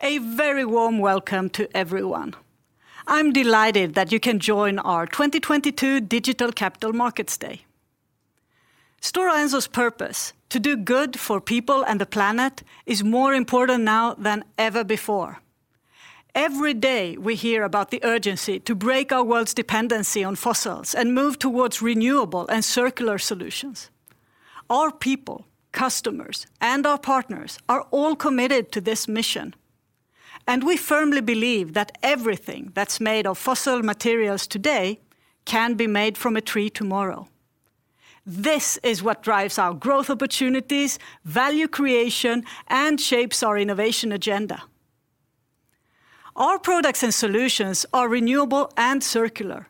A very warm welcome to everyone. I'm delighted that you can join our 2022 Digital Capital Markets Day. Stora Enso's purpose, to do good for people and the planet, is more important now than ever before. Every day, we hear about the urgency to break our world's dependency on fossils and move towards renewable and circular solutions. Our people, customers, and our partners are all committed to this mission, and we firmly believe that everything that's made of fossil materials today can be made from a tree tomorrow. This is what drives our growth opportunities, value creation, and shapes our innovation agenda. Our products and solutions are renewable and circular,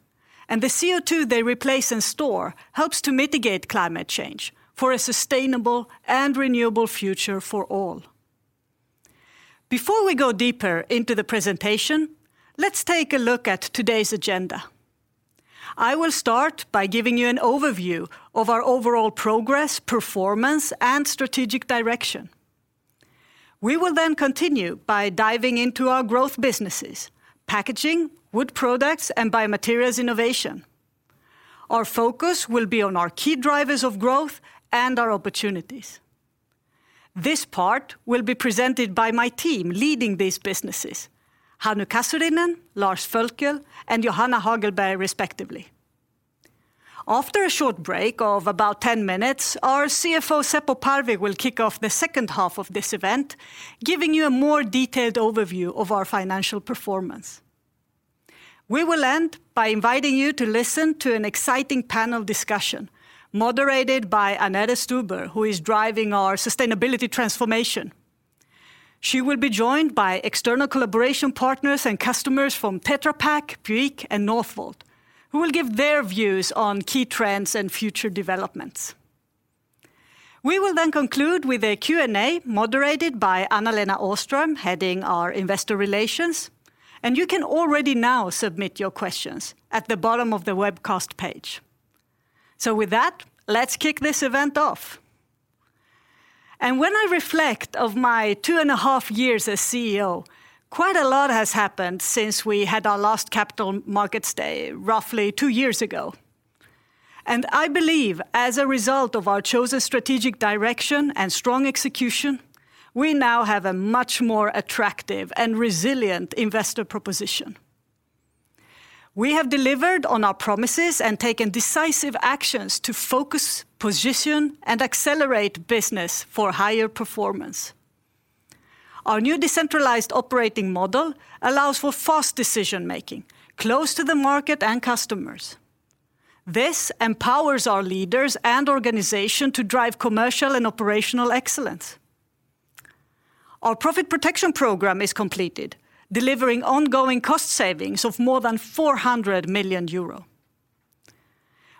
and the CO2 they replace and store helps to mitigate climate change for a sustainable and renewable future for all. Before we go deeper into the presentation, let's take a look at today's agenda. I will start by giving you an overview of our overall progress, performance, and strategic direction. We will then continue by diving into our growth businesses, packaging, wood products, and biomaterials innovation. Our focus will be on our key drivers of growth and our opportunities. This part will be presented by my team leading these businesses, Hannu Kasurinen, Lars Völkel, and Johanna Hagelberg respectively. After a short break of about 10 minutes, our CFO Seppo Parvi will kick off the second half of this event, giving you a more detailed overview of our financial performance. We will end by inviting you to listen to an exciting panel discussion moderated by Annette Stube, who is driving our sustainability transformation. She will be joined by external collaboration partners and customers from Tetra Pak, Bouygues, and Northvolt, who will give their views on key trends and future developments. We will then conclude with a Q&A moderated by Anna-Lena Åström, heading our investor relations, and you can already now submit your questions at the bottom of the webcast page. With that, let's kick this event off. When I reflect on my two and a half years as CEO, quite a lot has happened since we had our last capital markets day roughly two years ago. I believe, as a result of our chosen strategic direction and strong execution, we now have a much more attractive and resilient investor proposition. We have delivered on our promises and taken decisive actions to focus, position, and accelerate business for higher performance. Our new decentralized operating model allows for fast decision-making, close to the market and customers. This empowers our leaders and organization to drive commercial and operational excellence. Our profit protection program is completed, delivering ongoing cost savings of more than 400 million euro.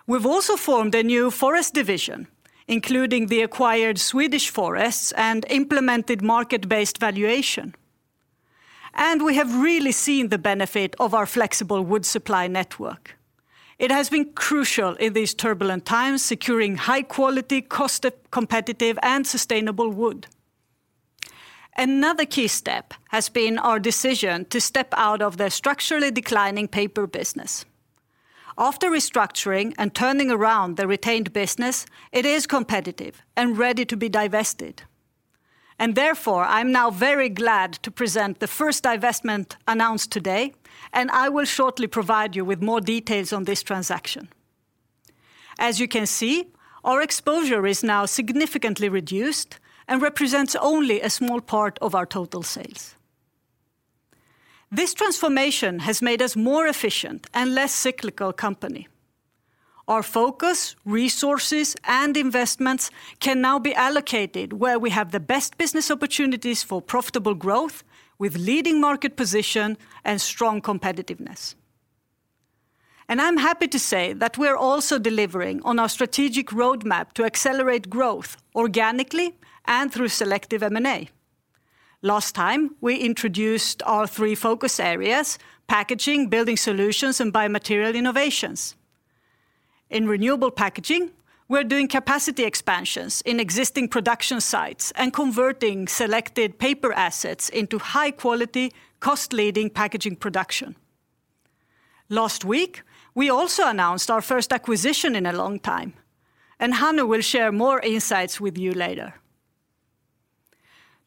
We've also formed a new forest division, including the acquired Swedish forests and implemented market-based valuation. We have really seen the benefit of our flexible wood supply network. It has been crucial in these turbulent times, securing high quality, cost competitive, and sustainable wood. Another key step has been our decision to step out of the structurally declining paper business. After restructuring and turning around the retained business, it is competitive and ready to be divested. Therefore, I'm now very glad to present the first divestment announced today, and I will shortly provide you with more details on this transaction. As you can see, our exposure is now significantly reduced and represents only a small part of our total sales. This transformation has made us more efficient and less cyclical company. Our focus, resources, and investments can now be allocated where we have the best business opportunities for profitable growth with leading market position and strong competitiveness. I'm happy to say that we're also delivering on our strategic roadmap to accelerate growth organically and through selective M&A. Last time, we introduced our three focus areas, packaging, building solutions, and biomaterial innovations. In renewable packaging, we're doing capacity expansions in existing production sites and converting selected paper assets into high quality, cost leading packaging production. Last week, we also announced our first acquisition in a long time, and Hannu will share more insights with you later.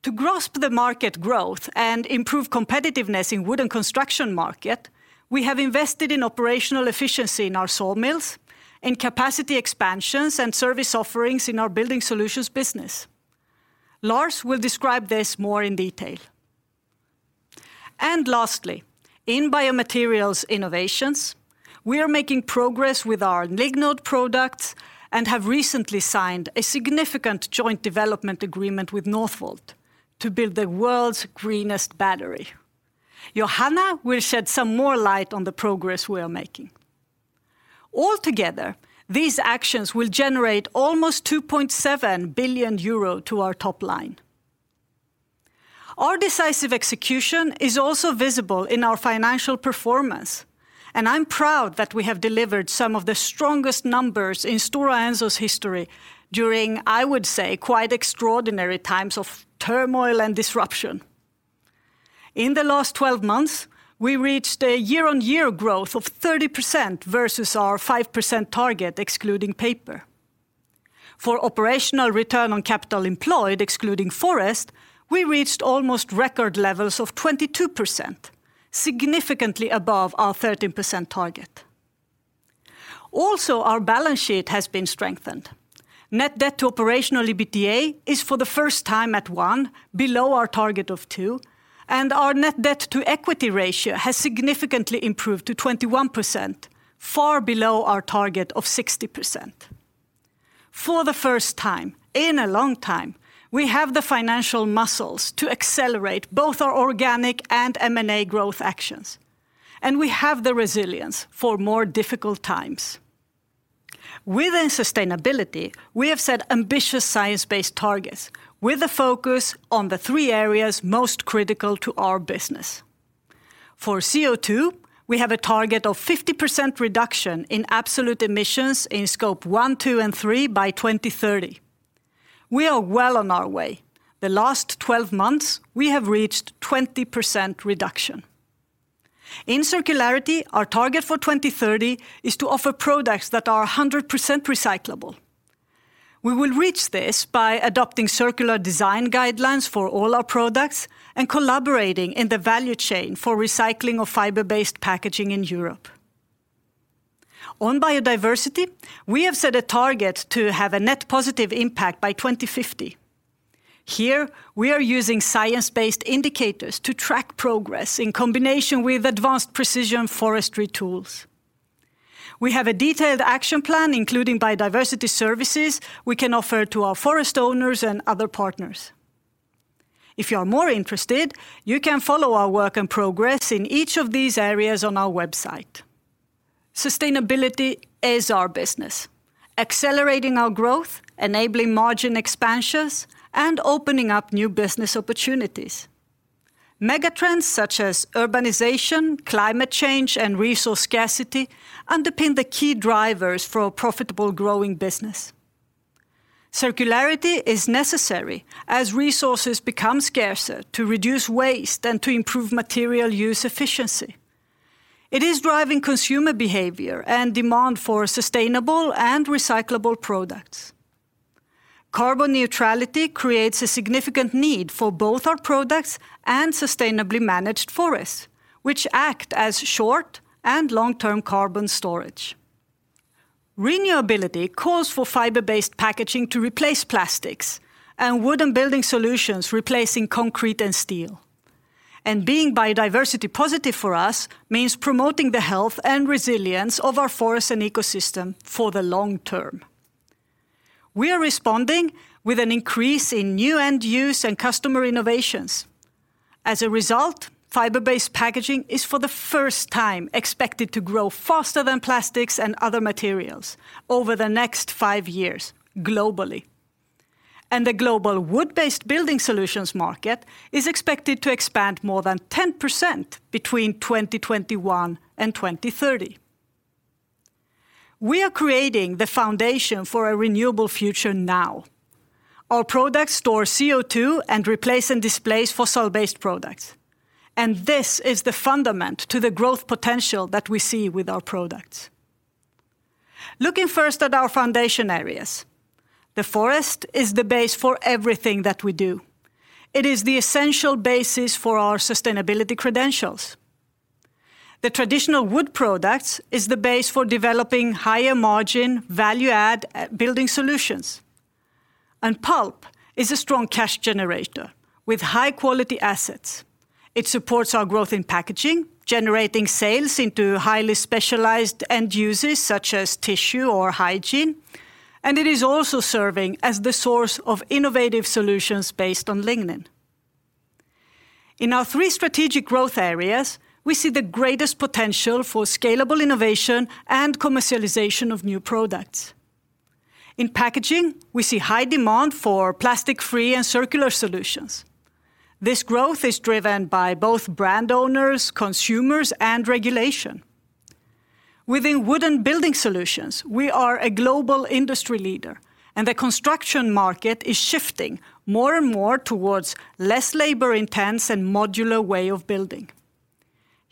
To grasp the market growth and improve competitiveness in wood and construction market, we have invested in operational efficiency in our sawmills, in capacity expansions and service offerings in our building solutions business. Lars will describe this more in detail. Lastly, in biomaterials innovations, we are making progress with our Lignode products and have recently signed a significant joint development agreement with Northvolt to build the world's greenest battery. Johanna will shed some more light on the progress we are making. All together, these actions will generate almost 2.7 billion euro to our top line. Our decisive execution is also visible in our financial performance, and I'm proud that we have delivered some of the strongest numbers in Stora Enso's history during, I would say, quite extraordinary times of turmoil and disruption. In the last 12 months, we reached a year-on-year growth of 30% versus our 5% target excluding paper. For operational return on capital employed excluding forest, we reached almost record levels of 22%, significantly above our 13% target. Also, our balance sheet has been strengthened. Net debt to operational EBITDA is for the first time at 1, below our target of 2, and our net debt to equity ratio has significantly improved to 21%, far below our target of 60%. For the first time in a long time, we have the financial muscles to accelerate both our organic and M&A growth actions, and we have the resilience for more difficult times. Within sustainability, we have set ambitious science-based targets with a focus on the three areas most critical to our business. For CO2, we have a target of 50% reduction in absolute emissions in Scope 1, 2, and 3 by 2030. We are well on our way. The last 12 months, we have reached 20% reduction. In circularity, our target for 2030 is to offer products that are 100% recyclable. We will reach this by adopting circular design guidelines for all our products and collaborating in the value chain for recycling of fiber-based packaging in Europe. On biodiversity, we have set a target to have a net positive impact by 2050. Here, we are using science-based indicators to track progress in combination with advanced precision forestry tools. We have a detailed action plan, including biodiversity services we can offer to our forest owners and other partners. If you are more interested, you can follow our work and progress in each of these areas on our website. Sustainability is our business, accelerating our growth, enabling margin expansions, and opening up new business opportunities. Megatrends such as urbanization, climate change, and resource scarcity underpin the key drivers for a profitable growing business. Circularity is necessary as resources become scarcer to reduce waste and to improve material use efficiency. It is driving consumer behavior and demand for sustainable and recyclable products. Carbon neutrality creates a significant need for both our products and sustainably managed forests, which act as short and long-term carbon storage. Renewability calls for fiber-based packaging to replace plastics and wooden building solutions replacing concrete and steel. Being biodiversity positive for us means promoting the health and resilience of our forest and ecosystem for the long term. We are responding with an increase in new end use and customer innovations. As a result, fiber-based packaging is for the first time expected to grow faster than plastics and other materials over the next 5 years globally. The global wood-based building solutions market is expected to expand more than 10% between 2021 and 2030. We are creating the foundation for a renewable future now. Our products store CO2 and replace and displace fossil-based products, and this is the foundation to the growth potential that we see with our products. Looking first at our foundation areas, the forest is the base for everything that we do. It is the essential basis for our sustainability credentials. The traditional wood products is the base for developing higher margin value add building solutions. Pulp is a strong cash generator with high-quality assets. It supports our growth in packaging, generating sales into highly specialized end users such as tissue or hygiene, and it is also serving as the source of innovative solutions based on lignin. In our three strategic growth areas, we see the greatest potential for scalable innovation and commercialization of new products. In packaging, we see high demand for plastic-free and circular solutions. This growth is driven by both brand owners, consumers, and regulation. Within wooden building solutions, we are a global industry leader, and the construction market is shifting more and more towards less labor-intensive and modular way of building.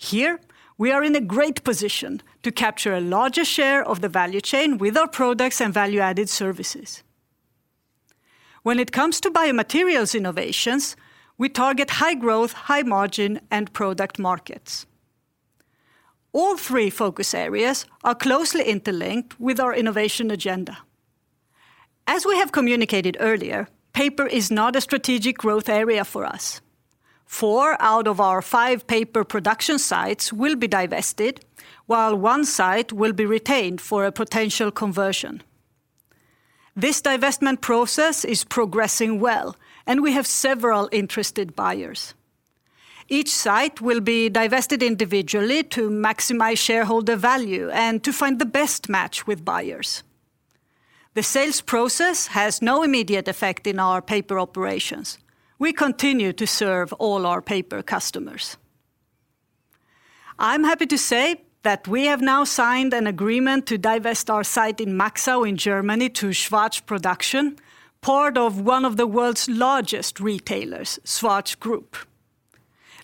Here, we are in a great position to capture a larger share of the value chain with our products and value-added services. When it comes to biomaterials innovations, we target high-growth, high-margin, and product markets. All three focus areas are closely interlinked with our innovation agenda. As we have communicated earlier, paper is not a strategic growth area for us. Four out of our five paper production sites will be divested, while one site will be retained for a potential conversion. This divestment process is progressing well, and we have several interested buyers. Each site will be divested individually to maximize shareholder value and to find the best match with buyers. The sales process has no immediate effect in our paper operations. We continue to serve all our paper customers. I'm happy to say that we have now signed an agreement to divest our site in Maxau in Germany to Schwarz Produktion, part of one of the world's largest retailers, Schwarz Group.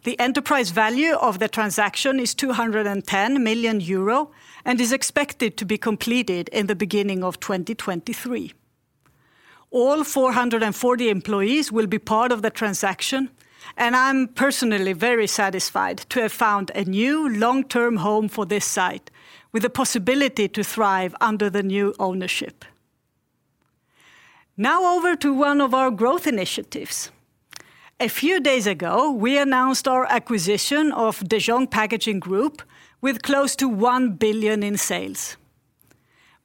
The enterprise value of the transaction is 210 million euro, and is expected to be completed in the beginning of 2023. All 440 employees will be part of the transaction, and I'm personally very satisfied to have found a new long-term home for this site with the possibility to thrive under the new ownership. Now over to one of our growth initiatives. A few days ago, we announced our acquisition of De Jong Packaging Group with close to 1 billion in sales.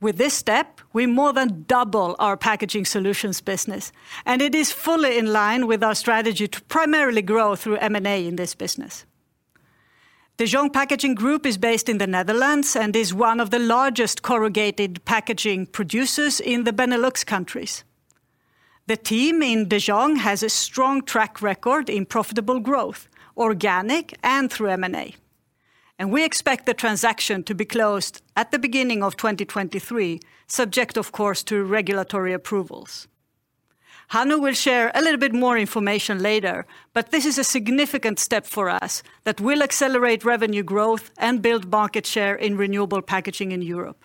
With this step, we more than double our packaging solutions business, and it is fully in line with our strategy to primarily grow through M&A in this business. De Jong Packaging Group is based in the Netherlands and is one of the largest corrugated packaging producers in the Benelux countries. The team in De Jong has a strong track record in profitable growth, organic and through M&A, and we expect the transaction to be closed at the beginning of 2023, subject, of course, to regulatory approvals. Hannu will share a little bit more information later, but this is a significant step for us that will accelerate revenue growth and build market share in renewable packaging in Europe.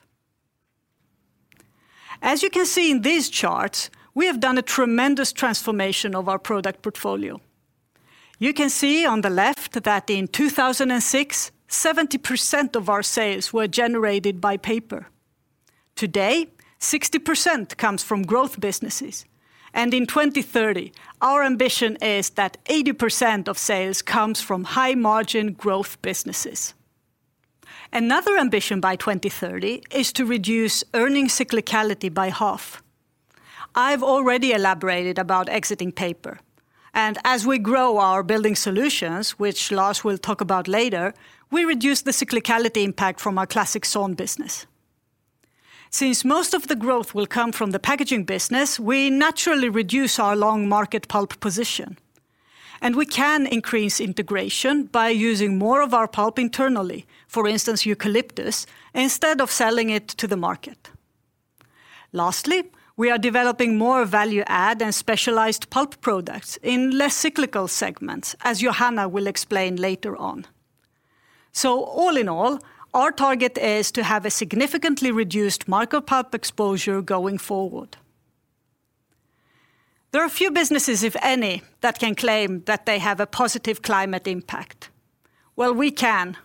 As you can see in these charts, we have done a tremendous transformation of our product portfolio. You can see on the left that in 2006, 70% of our sales were generated by paper. Today, 60% comes from growth businesses, and in 2030, our ambition is that 80% of sales comes from high margin growth businesses. Another ambition by 2030 is to reduce earnings cyclicality by half. I've already elaborated about exiting paper, and as we grow our building solutions, which Lars will talk about later, we reduce the cyclicality impact from our classic sawn business. Since most of the growth will come from the packaging business, we naturally reduce our long market pulp position, and we can increase integration by using more of our pulp internally, for instance, eucalyptus, instead of selling it to the market. Lastly, we are developing more value add and specialized pulp products in less cyclical segments, as Johanna will explain later on. All in all, our target is to have a significantly reduced market pulp exposure going forward. There are few businesses, if any, that can claim that they have a positive climate impact. Well, we can.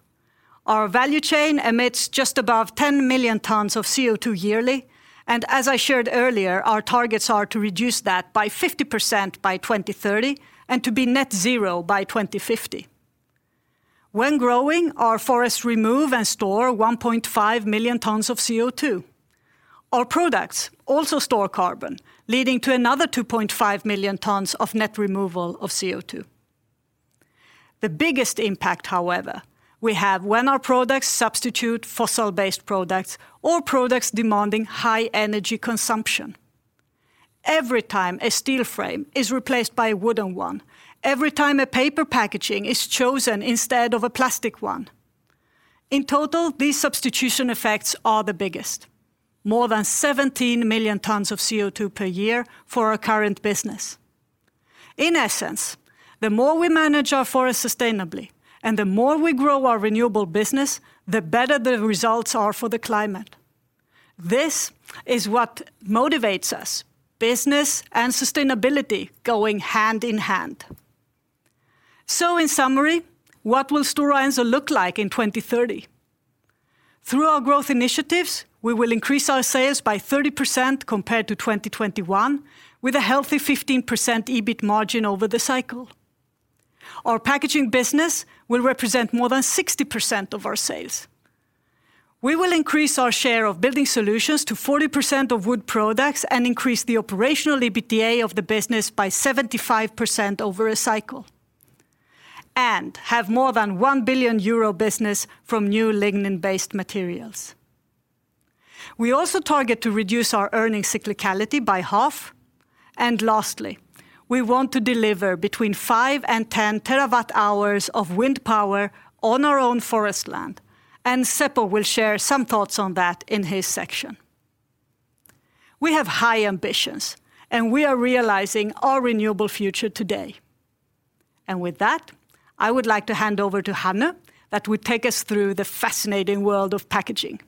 Our value chain emits just above 10 million tons of CO2 yearly, and as I shared earlier, our targets are to reduce that by 50% by 2030 and to be net zero by 2050. When growing, our forests remove and store 1.5 million tons of CO2. Our products also store carbon, leading to another 2.5 million tons of net removal of CO2. The biggest impact, however, we have when our products substitute fossil-based products or products demanding high energy consumption. Every time a steel frame is replaced by a wooden one, every time a paper packaging is chosen instead of a plastic one. In total, these substitution effects are the biggest, more than 17 million tons of CO2 per year for our current business. In essence, the more we manage our forests sustainably and the more we grow our renewable business, the better the results are for the climate. This is what motivates us, business and sustainability going hand in hand. In summary, what will Stora Enso look like in 2030? Through our growth initiatives, we will increase our sales by 30% compared to 2021 with a healthy 15% EBIT margin over the cycle. Our packaging business will represent more than 60% of our sales. We will increase our share of building solutions to 40% of wood products and increase the operational EBITDA of the business by 75% over a cycle and have more than 1 billion euro business from new lignin-based materials. We also target to reduce our earnings cyclicality by half. Lastly, we want to deliver between 5 and 10 terawatt-hours of wind power on our own forest land, and Seppo will share some thoughts on that in his section. We have high ambitions, and we are realizing our renewable future today. With that, I would like to hand over to Hannu that will take us through the fascinating world of packaging.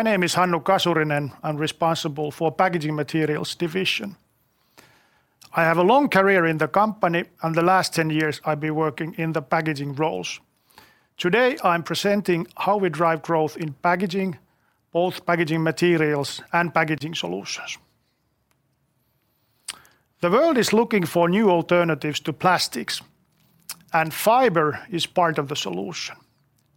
My name is I'm responsible for packaging materials division. I have a long career in the company, and the last 10 years I've been working in the packaging roles. Today, I'm presenting how we drive growth in packaging, both packaging materials and packaging solutions. The world is looking for new alternatives to plastics, and fiber is part of the solution.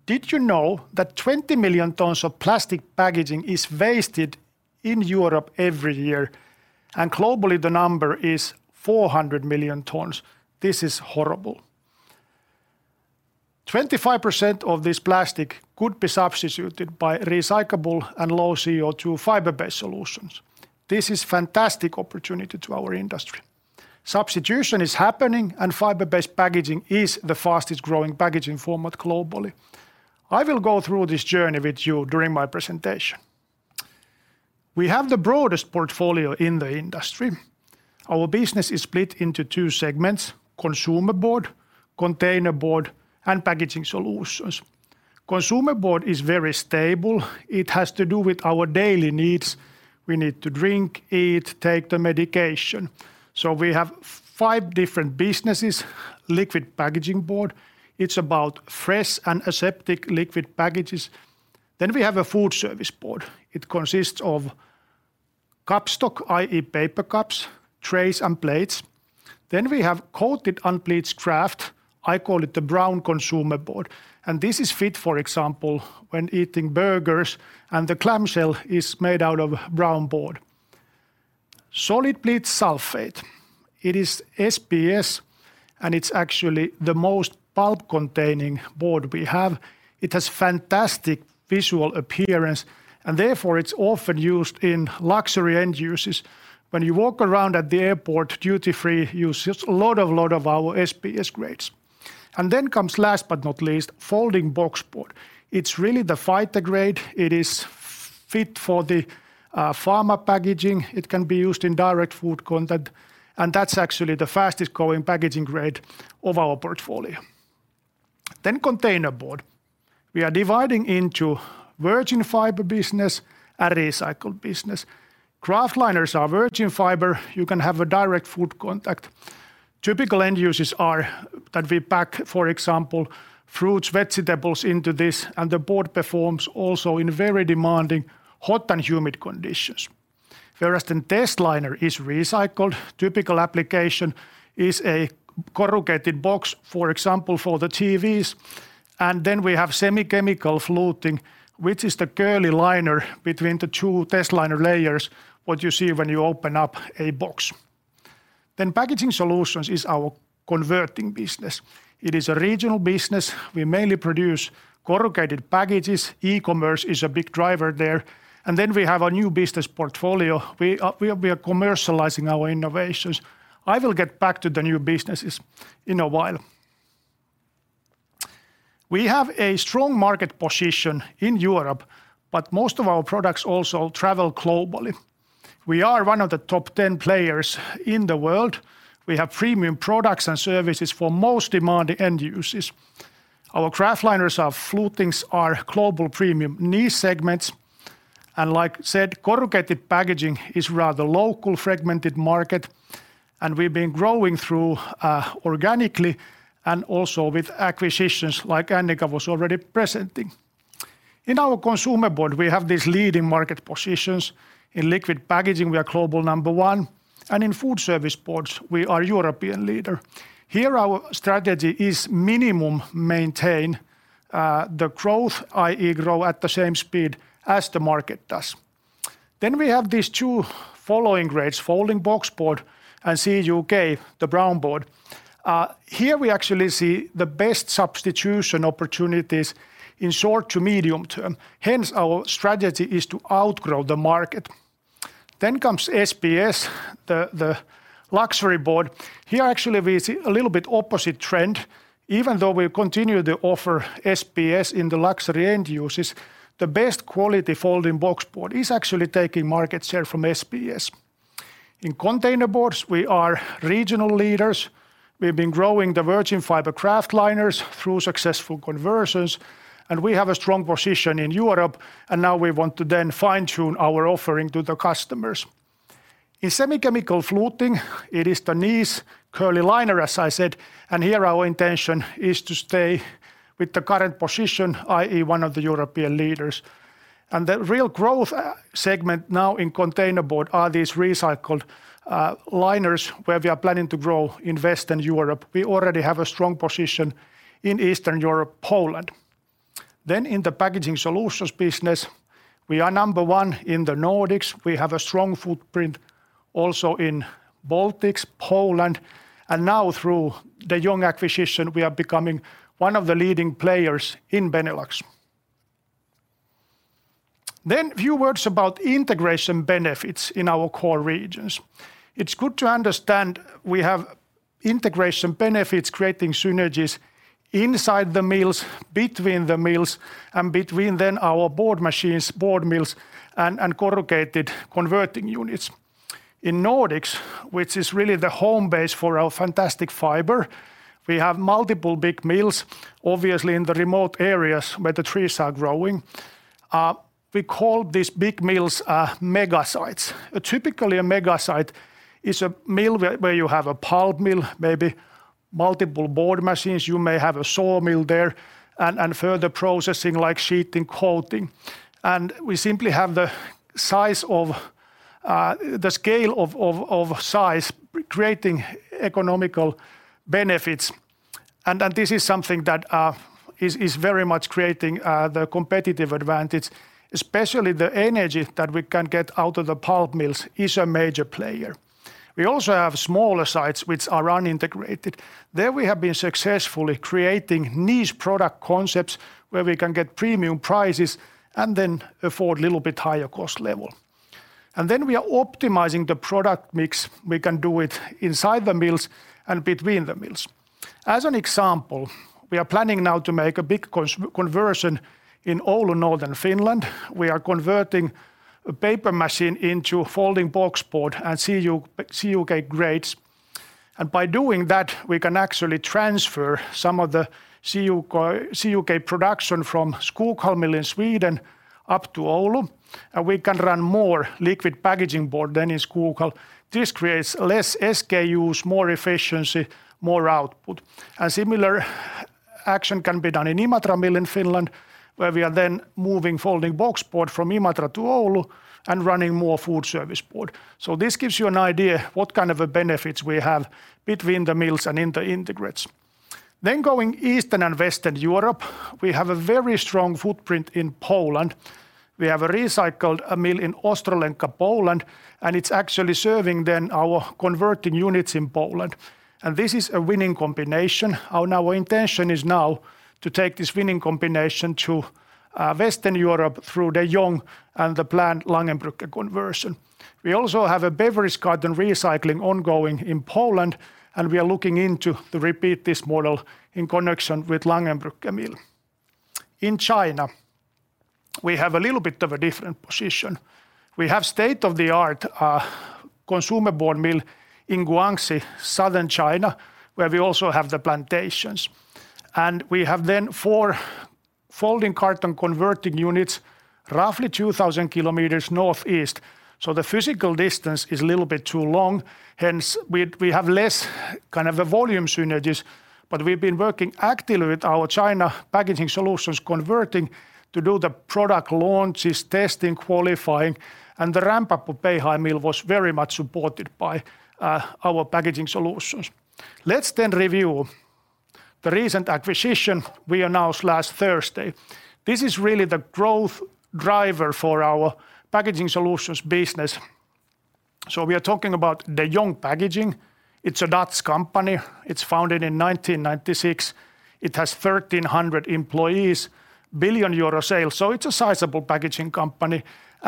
Did you know that 20 million tons of plastic packaging is wasted in Europe every year? Globally, the number is 400 million tons. This is horrible. 25% of this plastic could be substituted by recyclable and low CO2 fiber-based solutions. This is fantastic opportunity to our industry. Substitution is happening, and fiber-based packaging is the fastest-growing packaging format globally. I will go through this journey with you during my presentation. We have the broadest portfolio in the industry. Our business is split into two segments: consumer board, container board, and packaging solutions. Consumer board is very stable. It has to do with our daily needs. We need to drink, eat, take the medication. We have five different businesses. Liquid packaging board, it's about fresh and aseptic liquid packages. We have a food service board. It consists of cup stock, i.e. paper cups, trays, and plates. We have coated unbleached kraft. I call it the brown consumer board, and this is fit, for example, when eating burgers, and the clamshell is made out of brown board. Solid bleached sulfate. It is SBS, and it's actually the most pulp-containing board we have. It has fantastic visual appearance, and therefore it's often used in luxury end uses. When you walk around at the airport, duty-free uses loads of our SBS grades. comes, last but not least, folding box board. It's really the fighter grade. It is fit for the pharma packaging. It can be used in direct food contact, and that's actually the fastest-growing packaging grade of our portfolio. Container board. We are dividing into virgin fiber business and recycled business. Kraft liners are virgin fiber. You can have a direct food contact. Typical end uses are that we pack, for example, fruits, vegetables into this, and the board performs also in very demanding hot and humid conditions. Whereas the testliner is recycled, typical application is a corrugated box, for example, for the TVs. We have semi-chemical fluting, which is the curly liner between the two testliner layers, what you see when you open up a box. Packaging solutions is our converting business. It is a regional business. We mainly produce corrugated packages. E-commerce is a big driver there. Then we have a new business portfolio. We are commercializing our innovations. I will get back to the new businesses in a while. We have a strong market position in Europe, but most of our products also travel globally. We are one of the top ten players in the world. We have premium products and services for most demanding end uses. Our kraft liners, our flutings, are global premium niche segments. Like said, corrugated packaging is rather local fragmented market, and we've been growing through organically and also with acquisitions like Annica was already presenting. In our consumer board, we have these leading market positions. In liquid packaging, we are global number one, and in food service boards, we are European leader. Here, our strategy is minimum maintain the growth, i.e. Grow at the same speed as the market does. We have these two following grades, folding box board and CUK, the brown board. Here we actually see the best substitution opportunities in short to medium term. Hence, our strategy is to outgrow the market. Comes SBS, the luxury board. Here, actually, we see a little bit opposite trend. Even though we continue to offer SBS in the luxury end uses, the best quality folding box board is actually taking market share from SBS. In container boards, we are regional leaders. We've been growing the virgin fiber kraft liners through successful conversions, and we have a strong position in Europe, and now we want to then fine-tune our offering to the customers. In semi-chemical fluting, it is the niche curly liner, as I said, and here our intention is to stay with the current position, i.e. One of the European leaders. The real growth segment now in container board are these recycled liners, where we are planning to grow in Western Europe. We already have a strong position in Eastern Europe, Poland. In the packaging solutions business, we are number one in the Nordics. We have a strong footprint also in Baltics, Poland, and now through the De Jong acquisition, we are becoming one of the leading players in Benelux. Few words about integration benefits in our core regions. It's good to understand we have integration benefits creating synergies inside the mills, between the mills, and between them our board machines, board mills, and corrugated converting units. In Nordics, which is really the home base for our fantastic fiber, we have multiple big mills, obviously in the remote areas where the trees are growing. We call these big mills mega sites. Typically, a mega site is a mill where you have a pulp mill, maybe multiple board machines. You may have a sawmill there and further processing like sheeting, coating. We simply have the size of the scale of size creating economic benefits. This is something that is very much creating the competitive advantage, especially the energy that we can get out of the pulp mills is a major player. We also have smaller sites which are unintegrated. There we have been successfully creating niche product concepts where we can get premium prices and then afford a little bit higher cost level. We are optimizing the product mix. We can do it inside the mills and between the mills. As an example, we are planning now to make a big conversion in Oulu, northern Finland. We are converting a paper machine into folding box board and CUK grades. By doing that, we can actually transfer some of the CUK production from Skoghall mill in Sweden up to Oulu, and we can run more liquid packaging board than in Skoghall. This creates less SKUs, more efficiency, more output. Similar action can be done in Imatra mill in Finland, where we are then moving folding box board from Imatra to Oulu and running more food service board. This gives you an idea what kind of benefits we have between the mills and in the integrated. Going Eastern and Western Europe, we have a very strong footprint in Poland. We have recycled a mill in Ostrołęka, Poland, and it's actually serving our converting units in Poland. This is a winning combination. Our intention is to take this winning combination to Western Europe through De Jong and the planned Langerbrugge conversion. We also have a beverage carton recycling ongoing in Poland, and we are looking into repeat this model in connection with Langerbrugge mill. In China, we have a little bit of a different position. We have state-of-the-art consumer board mill in Guangxi, southern China, where we also have the plantations. We have four folding carton converting units roughly 2,000 kilometers northeast. The physical distance is a little bit too long, hence we have less kind of volume synergies, but we've been working actively with our China packaging solutions converting to do the product launches, testing, qualifying, and the ramp-up of Beihai Mill was very much supported by our packaging solutions. Let's review the recent acquisition we announced last Thursday. This is really the growth driver for our packaging solutions business. We are talking about De Jong Packaging. It's a Dutch company. It's founded in 1996. It has 1,300 employees, 1 billion euro sales. It's a sizable packaging company.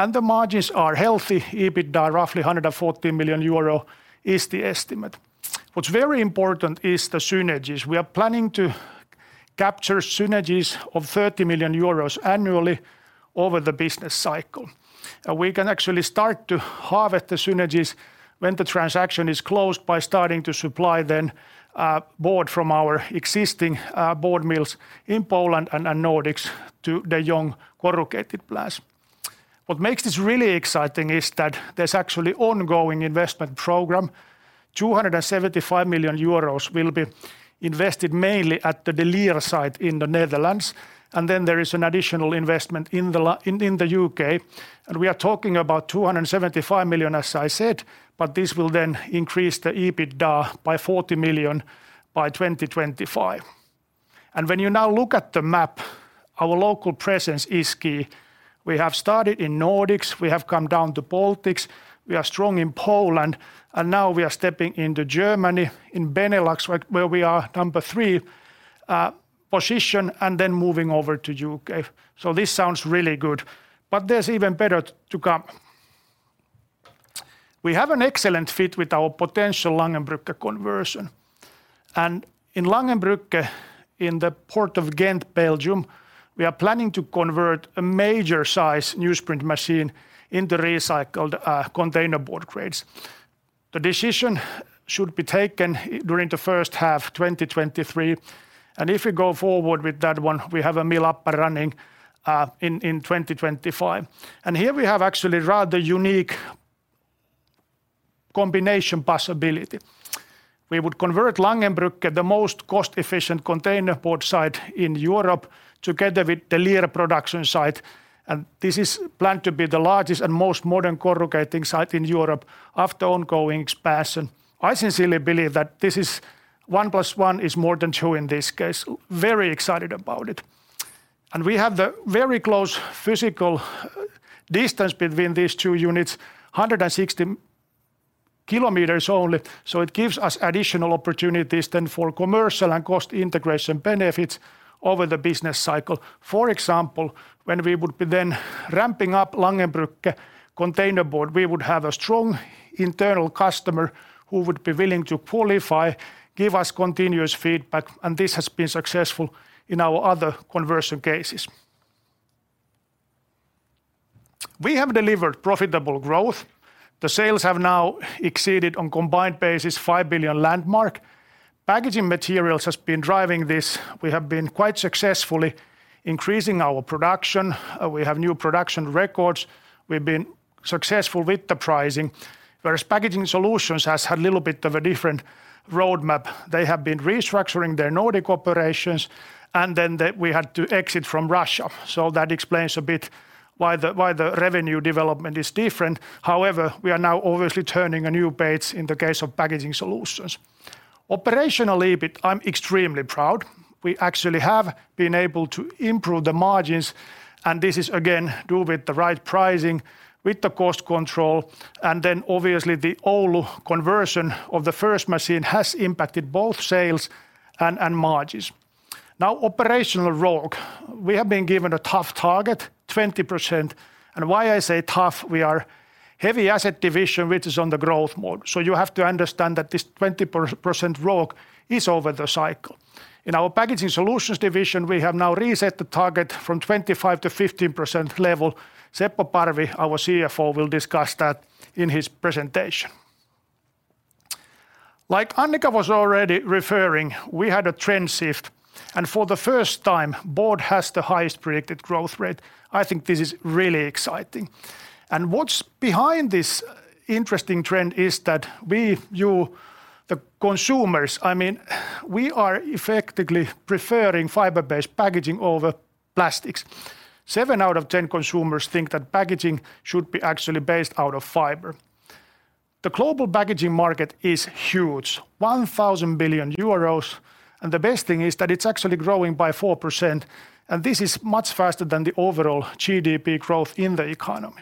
The margins are healthy. EBITDA, roughly 114 million euro is the estimate. What's very important is the synergies. We are planning to capture synergies of 30 million euros annually over the business cycle. We can actually start to harvest the synergies when the transaction is closed by starting to supply them board from our existing board mills in Poland and Nordics to De Jong corrugated plants. What makes this really exciting is that there's actually ongoing investment program. 275 million euros will be invested mainly at the De Lier site in the Netherlands, and then there is an additional investment in the U.K. We are talking about 275 million, as I said, but this will then increase the EBITDA by 40 million by 2025. When you now look at the map, our local presence is key. We have started in Nordics, we have come down to Baltics, we are strong in Poland, and now we are stepping into Germany, in Benelux, where we are number 3 position, and then moving over to U.K. This sounds really good, but there's even better to come. We have an excellent fit with our potential Langerbrugge conversion. In Langerbrugge, in the Port of Ghent, Belgium, we are planning to convert a major size newsprint machine into recycled container board grades. The decision should be taken during the first half 2023, and if we go forward with that one, we have a mill up and running in 2025. Here we have actually rather unique combination possibility. We would convert Langerbrugge, the most cost-efficient containerboard site in Europe, together with De Lier production site, and this is planned to be the largest and most modern corrugating site in Europe after ongoing expansion. I sincerely believe that this is one plus one is more than two in this case. Very excited about it. We have the very close physical distance between these two units, 160 kilometers only, so it gives us additional opportunities then for commercial and cost integration benefits over the business cycle. For example, when we would be then ramping up Langerbrugge containerboard, we would have a strong internal customer who would be willing to qualify, give us continuous feedback, and this has been successful in our other conversion cases. We have delivered profitable growth. The sales have now exceeded on combined basis 5 billion landmark. Packaging Materials has been driving this. We have been quite successfully increasing our production. We have new production records. We've been successful with the pricing, whereas packaging solutions has had a little bit of a different roadmap. They have been restructuring their Nordic operations, and then we had to exit from Russia. That explains a bit why the revenue development is different. However, we are now obviously turning a new page in the case of packaging solutions. Operationally a bit, I'm extremely proud. We actually have been able to improve the margins, and this is again due with the right pricing, with the cost control, and then obviously the Oulu conversion of the first machine has impacted both sales and margins. Now, operational ROOC. We have been given a tough target, 20%, and why I say tough, we are heavy asset division which is under growth mode. You have to understand that this 20% ROOC is over the cycle. In our packaging solutions division, we have now reset the target from 25% to 15% level. Seppo Parvi, our CFO, will discuss that in his presentation. Like Annica was already referring, we had a trend shift, and for the first time, board has the highest predicted growth rate. I think this is really exciting. What's behind this interesting trend is that we, you, the consumers, I mean, we are effectively preferring fiber-based packaging over plastics. 7 out of 10 consumers think that packaging should be actually based out of fiber. The global packaging market is huge, 1,000 billion euros, and the best thing is that it's actually growing by 4%, and this is much faster than the overall GDP growth in the economy.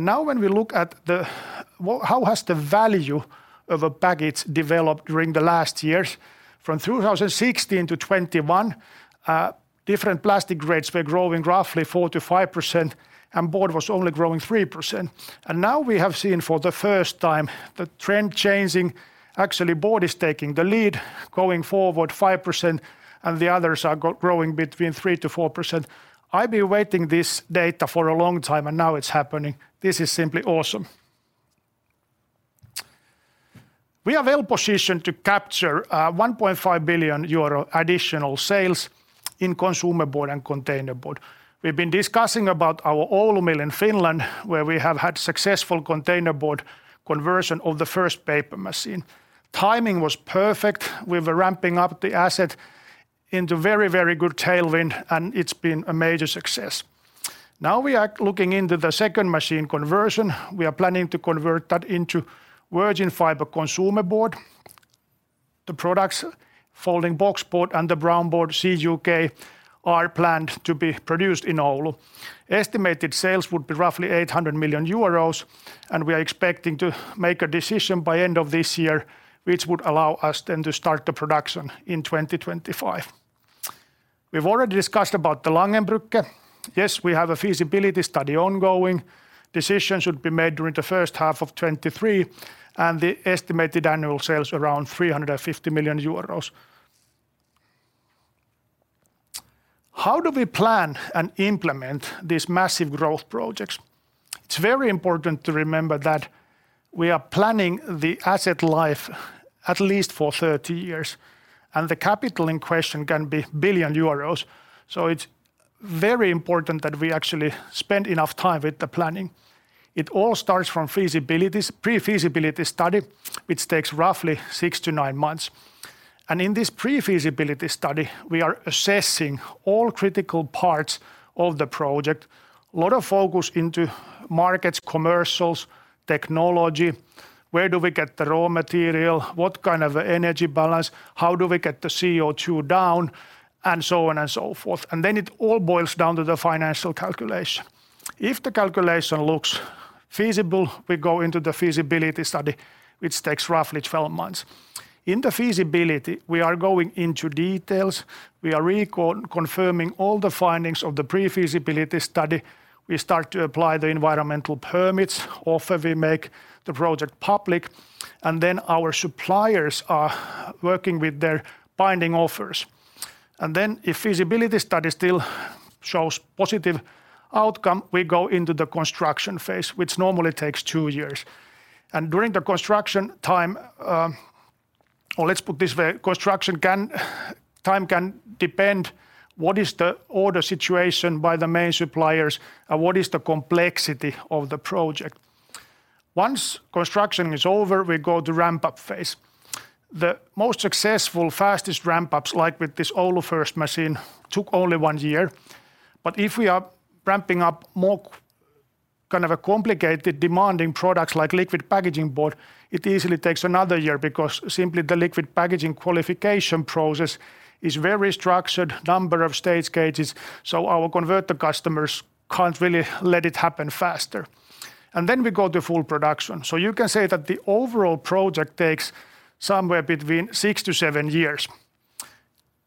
Now when we look at the. How has the value of a package developed during the last years. From 2016 to 2021, different plastic grades were growing roughly 4%-5%, and board was only growing 3%. Now we have seen for the first time the trend changing. Actually, board is taking the lead, going forward 5%, and the others are growing between 3%-4%. I've been waiting this data for a long time, and now it's happening. This is simply awesome. We are well-positioned to capture 1.5 billion euro additional sales in consumer board and container board. We've been discussing about our Oulu mill in Finland, where we have had successful container board conversion of the first paper machine. Timing was perfect. We were ramping up the asset into very, very good tailwind, and it's been a major success. Now we are looking into the second machine conversion. We are planning to convert that into virgin fiber consumer board. The products, folding box board and the brown board CUK, are planned to be produced in Oulu. Estimated sales would be roughly 800 million euros, and we are expecting to make a decision by end of this year, which would allow us then to start the production in 2025. We've already discussed about the Langerbrugge. Yes, we have a feasibility study ongoing. Decisions would be made during the first half of 2023, and the estimated annual sales around 350 million euros. How do we plan and implement these massive growth projects? It's very important to remember that we are planning the asset life at least for 30 years, and the capital in question can be 1 billion euros. It's very important that we actually spend enough time with the planning. It all starts from feasibilities, pre-feasibility study, which takes roughly 6-9 months. In this pre-feasibility study, we are assessing all critical parts of the project. Lot of focus into markets, commercials, technology, where do we get the raw material, what kind of energy balance, how do we get the CO2 down, and so on and so forth. Then it all boils down to the financial calculation. If the calculation looks feasible, we go into the feasibility study, which takes roughly 12 months. In the feasibility, we are going into details. We are reconfirming all the findings of the pre-feasibility study. We start to apply the environmental permits. Often we make the project public, and then our suppliers are working with their binding offers. If feasibility study still shows positive outcome, we go into the construction phase, which normally takes 2 years. During the construction time, or let's put it this way, time can depend what is the order situation by the main suppliers and what is the complexity of the project. Once construction is over, we go to ramp-up phase. The most successful, fastest ramp-ups, like with this Oulu first machine, took only 1 year. If we are ramping up more kind of a complicated demanding products like liquid packaging board, it easily takes another year because simply the liquid packaging qualification process is very structured, number of stage gates, so our converter customers can't really let it happen faster. Then we go to full production. You can say that the overall project takes somewhere between 6-7 years.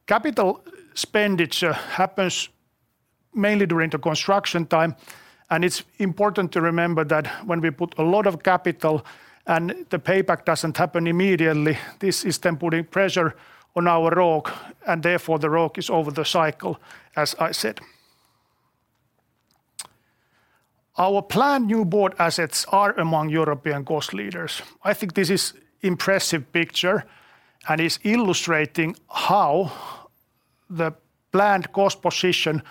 Capital spending happens mainly during the construction time. It's important to remember that when we put a lot of capital and the payback doesn't happen immediately, this is then putting pressure on our ROOC, and therefore, the ROOC is over the cycle, as I said. Our planned new board assets are among European cost leaders. I think this is impressive picture and is illustrating how the planned cost position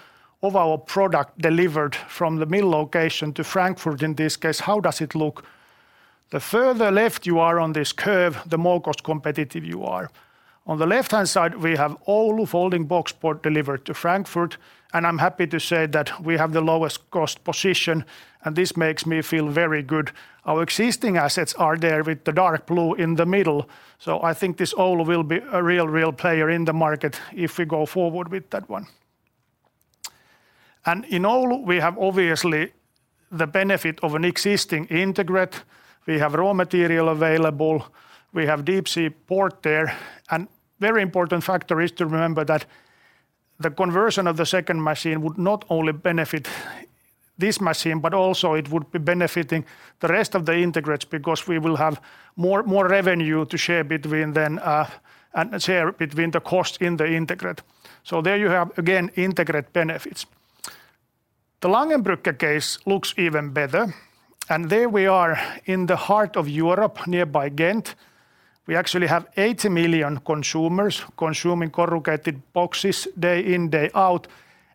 of our product delivered from the mill location to Frankfurt, in this case, how does it look? The further left you are on this curve, the more cost competitive you are. On the left-hand side, we have Oulu folding box board delivered to Frankfurt, and I'm happy to say that we have the lowest cost position, and this makes me feel very good. Our existing assets are there with the dark blue in the middle. I think this Oulu will be a real player in the market if we go forward with that one. In Oulu, we have obviously the benefit of an existing integrated. We have raw material available. We have deep sea port there. Very important factor is to remember that the conversion of the second machine would not only benefit this machine, but also it would be benefiting the rest of the integrateds because we will have more revenue to share between them, and share between the costs in the integrated. There you have, again, integrated benefits. The Langerbrugge case looks even better. There we are in the heart of Europe, nearby Ghent. We actually have 80 million consumers consuming corrugated boxes day in, day out,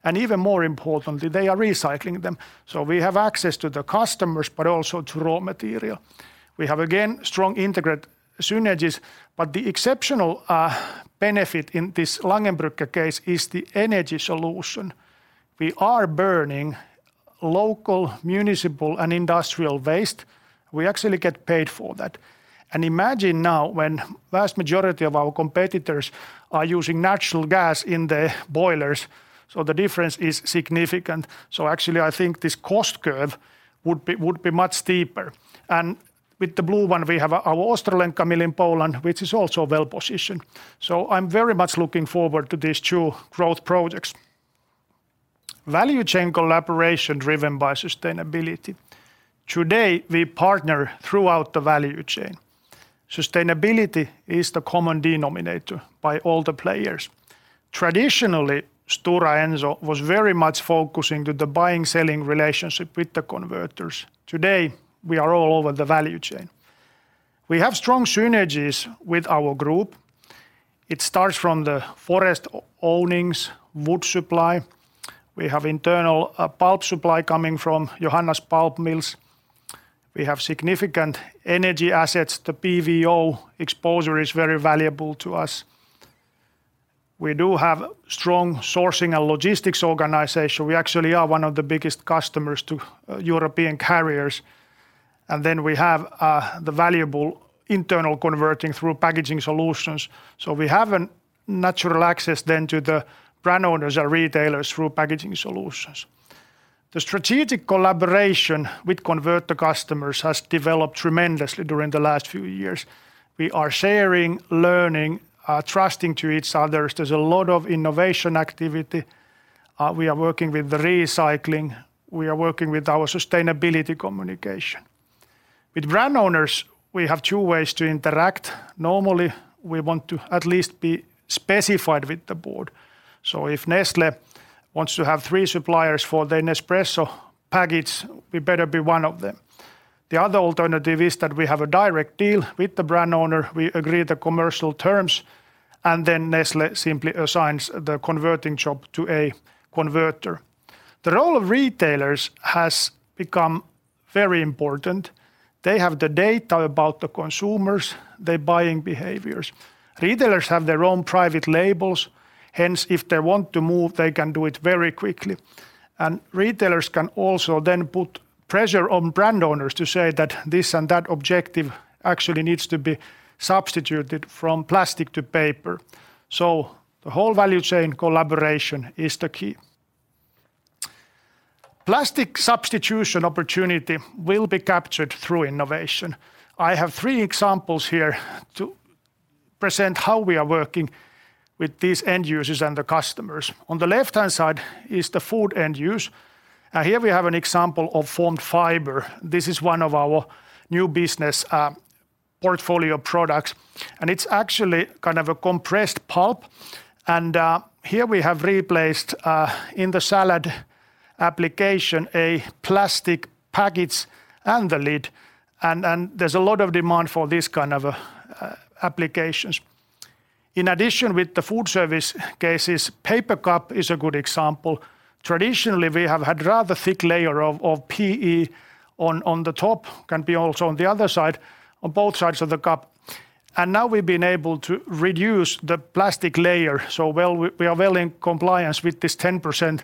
and even more importantly, they are recycling them. We have access to the customers, but also to raw material. We have, again, strong integrated synergies, but the exceptional benefit in this Langerbrugge case is the energy solution. We are burning local municipal and industrial waste. We actually get paid for that. Imagine now when vast majority of our competitors are using natural gas in their boilers, so the difference is significant. Actually, I think this cost curve would be much steeper. With the blue one, we have our Ostrołęka mill in Poland, which is also well-positioned. I'm very much looking forward to these two growth projects. Value chain collaboration driven by sustainability. Today, we partner throughout the value chain. Sustainability is the common denominator for all the players. Traditionally, Stora Enso was very much focusing on the buying-selling relationship with the converters. Today, we are all over the value chain. We have strong synergies with our group. It starts from the forest ownings, wood supply. We have internal pulp supply coming from Johanna's pulp mills. We have significant energy assets. The PVO exposure is very valuable to us. We do have strong sourcing and logistics organization. We actually are one of the biggest customers to European carriers. Then we have the valuable internal converting through packaging solutions. We have a natural access then to the brand owners and retailers through packaging solutions. The strategic collaboration with converter customers has developed tremendously during the last few years. We are sharing, learning, trusting to each other. There's a lot of innovation activity. We are working with the recycling. We are working with our sustainability communication. With brand owners, we have two ways to interact. Normally, we want to at least be specified with the board. If Nestlé wants to have three suppliers for their Nespresso package, we better be one of them. The other alternative is that we have a direct deal with the brand owner. We agree the commercial terms, and then Nestlé simply assigns the converting job to a converter. The role of retailers has become very important. They have the data about the consumers, their buying behaviors. Retailers have their own private labels, hence, if they want to move, they can do it very quickly. Retailers can also then put pressure on brand owners to say that this and that objective actually needs to be substituted from plastic to paper. The whole value chain collaboration is the key. Plastic substitution opportunity will be captured through innovation. I have three examples here to present how we are working with these end users and the customers. On the left-hand side is the food end use. Here we have an example of formed fiber. This is one of our new business, portfolio products, and it's actually kind of a compressed pulp. Here we have replaced in the salad application a plastic package and the lid, and there's a lot of demand for this kind of applications. In addition with the food service cases, paper cup is a good example. Traditionally, we have had rather thick layer of PE on the top, can be also on the other side, on both sides of the cup. Now we've been able to reduce the plastic layer, so we are well in compliance with this 10%,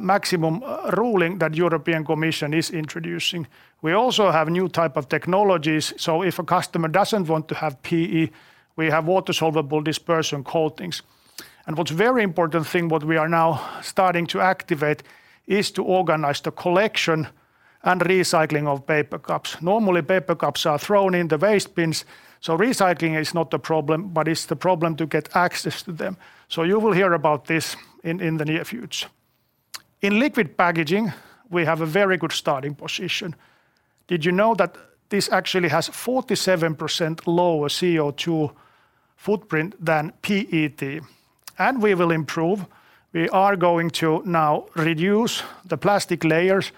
maximum, ruling that European Commission is introducing. We also have new type of technologies, so if a customer doesn't want to have PE, we have water-soluble dispersion coatings. What's very important thing what we are now starting to activate is to organize the collection and recycling of paper cups. Normally, paper cups are thrown in the waste bins, so recycling is not the problem, but it's the problem to get access to them. You will hear about this in the near future. In liquid packaging, we have a very good starting position. Did you know that this actually has 47% lower CO2 footprint than PET? We will improve. We are going to now reduce the plastic layers.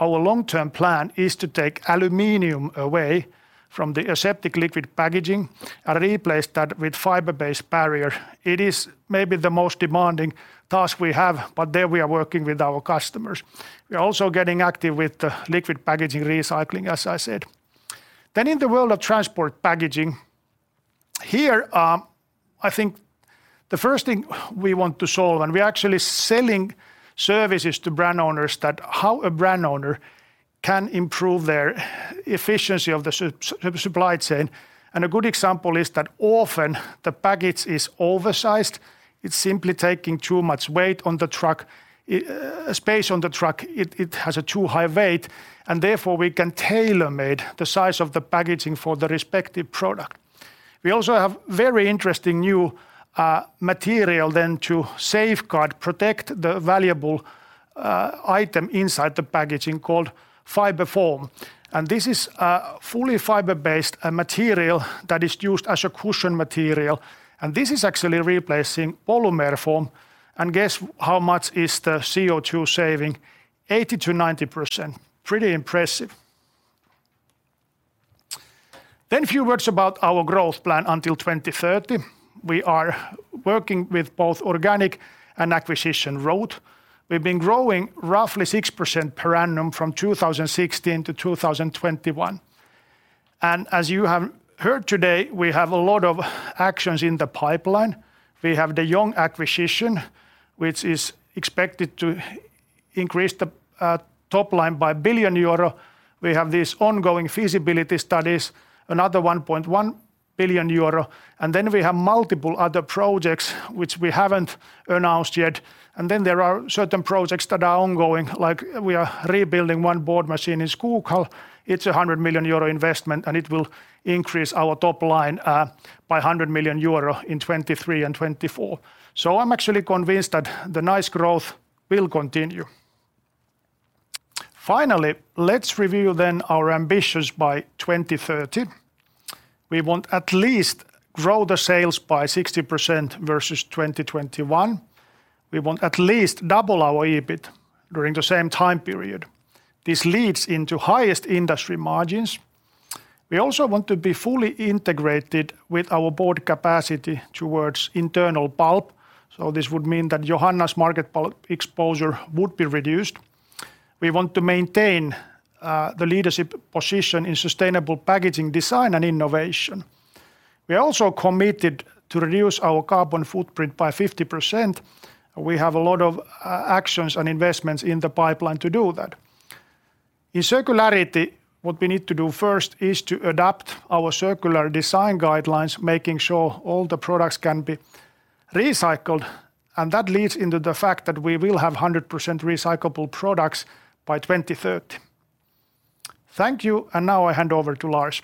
Our long-term plan is to take aluminum away from the aseptic liquid packaging and replace that with fiber-based barrier. It is maybe the most demanding task we have, but there we are working with our customers. We are also getting active with the liquid packaging recycling, as I said. In the world of transport packaging, here, I think the first thing we want to solve, and we're actually selling services to brand owners that how a brand owner can improve their efficiency of the supply chain. A good example is that often the package is oversized. It's simply taking too much weight on the truck, space on the truck. It has a too high weight, and therefore we can tailor-made the size of the packaging for the respective product. We also have very interesting new material then to safeguard, protect the valuable item inside the packaging called Fibrease. This is fully fiber-based, a material that is used as a cushion material. This is actually replacing polymer foam. Guess how much is the CO2 saving? 80%-90%. Pretty impressive. A few words about our growth plan until 2030. We are working with both organic and acquisition route. We've been growing roughly 6% per annum from 2016 to 2021. As you have heard today, we have a lot of actions in the pipeline. We have the De Jong acquisition, which is expected to increase the top line by 1 billion euro. We have these ongoing feasibility studies, another 1.1 billion euro. We have multiple other projects which we haven't announced yet. There are certain projects that are ongoing, like we are rebuilding one board machine in Skoghall. It's a 100 million euro investment, and it will increase our top line by 100 million euro in 2023 and 2024. I'm actually convinced that the nice growth will continue. Finally, let's review then our ambitions by 2030. We want at least grow the sales by 60% versus 2021. We want at least double our EBIT during the same time period. This leads into highest industry margins. We also want to be fully integrated with our board capacity towards internal pulp. This would mean that Johanna's market pulp exposure would be reduced. We want to maintain the leadership position in sustainable packaging design and innovation. We are also committed to reduce our carbon footprint by 50%. We have a lot of actions and investments in the pipeline to do that. In circularity, what we need to do first is to adapt our circular design guidelines, making sure all the products can be recycled, and that leads into the fact that we will have 100% recyclable products by 2030. Thank you, and now I hand over to Lars.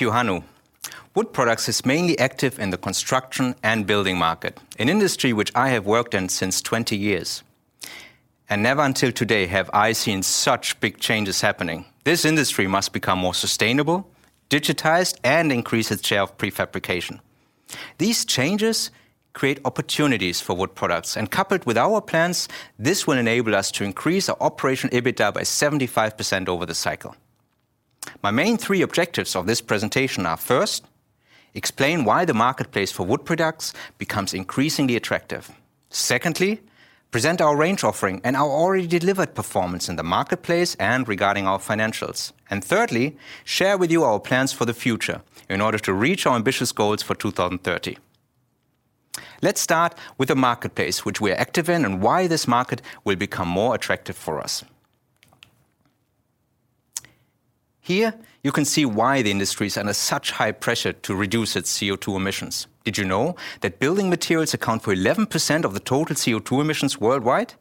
Thank you, Hannu. Wood Products is mainly active in the construction and building market, an industry which I have worked in since 20 years. Never until today have I seen such big changes happening. This industry must become more sustainable, digitized, and increase its share of prefabrication. These changes create opportunities for Wood Products, and coupled with our plans, this will enable us to increase our operation EBITDA by 75% over the cycle. My main three objectives of this presentation are, first, explain why the marketplace for Wood Products becomes increasingly attractive. Secondly, present our range offering and our already delivered performance in the marketplace and regarding our financials. Thirdly, share with you our plans for the future in order to reach our ambitious goals for 2030. Let's start with the marketplace, which we are active in, and why this market will become more attractive for us. Here you can see why the industry is under such high pressure to reduce its CO2 emissions. Did you know that building materials account for 11% of the total CO2 emissions worldwide?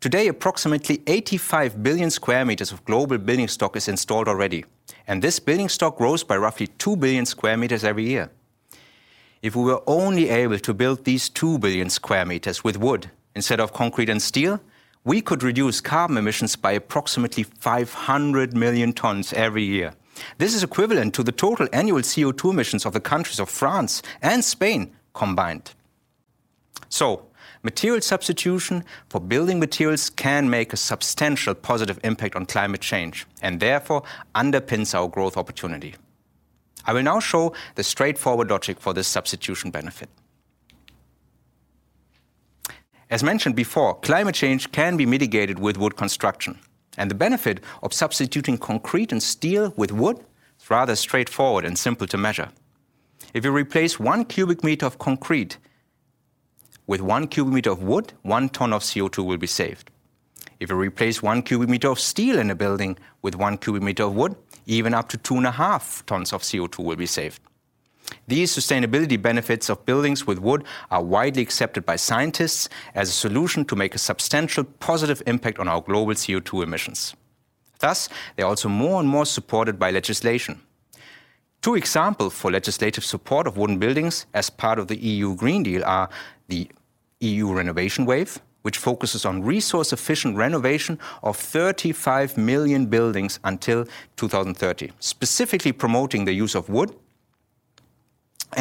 Today, approximately 85 billion m² of global building stock is installed already, and this building stock grows by roughly 2 billion m² every year. If we were only able to build these 2 billion m² with wood instead of concrete and steel, we could reduce carbon emissions by approximately 500 million tons every year. This is equivalent to the total annual CO2 emissions of the countries of France and Spain combined. Material substitution for building materials can make a substantial positive impact on climate change and therefore underpins our growth opportunity. I will now show the straightforward logic for this substitution benefit. As mentioned before, climate change can be mitigated with wood construction, and the benefit of substituting concrete and steel with wood is rather straightforward and simple to measure. If you replace 1 cubic meter of concrete with 1 cubic meter of wood, 1 ton of CO2 will be saved. If you replace 1 cubic meter of steel in a building with 1 cubic meter of wood, even up to 2.5 tons of CO2 will be saved. These sustainability benefits of buildings with wood are widely accepted by scientists as a solution to make a substantial positive impact on our global CO2 emissions. Thus, they are also more and more supported by legislation. Two examples for legislative support of wooden buildings as part of the European Green Deal are the EU Renovation Wave, which focuses on resource-efficient renovation of 35 million buildings until 2030, specifically promoting the use of wood.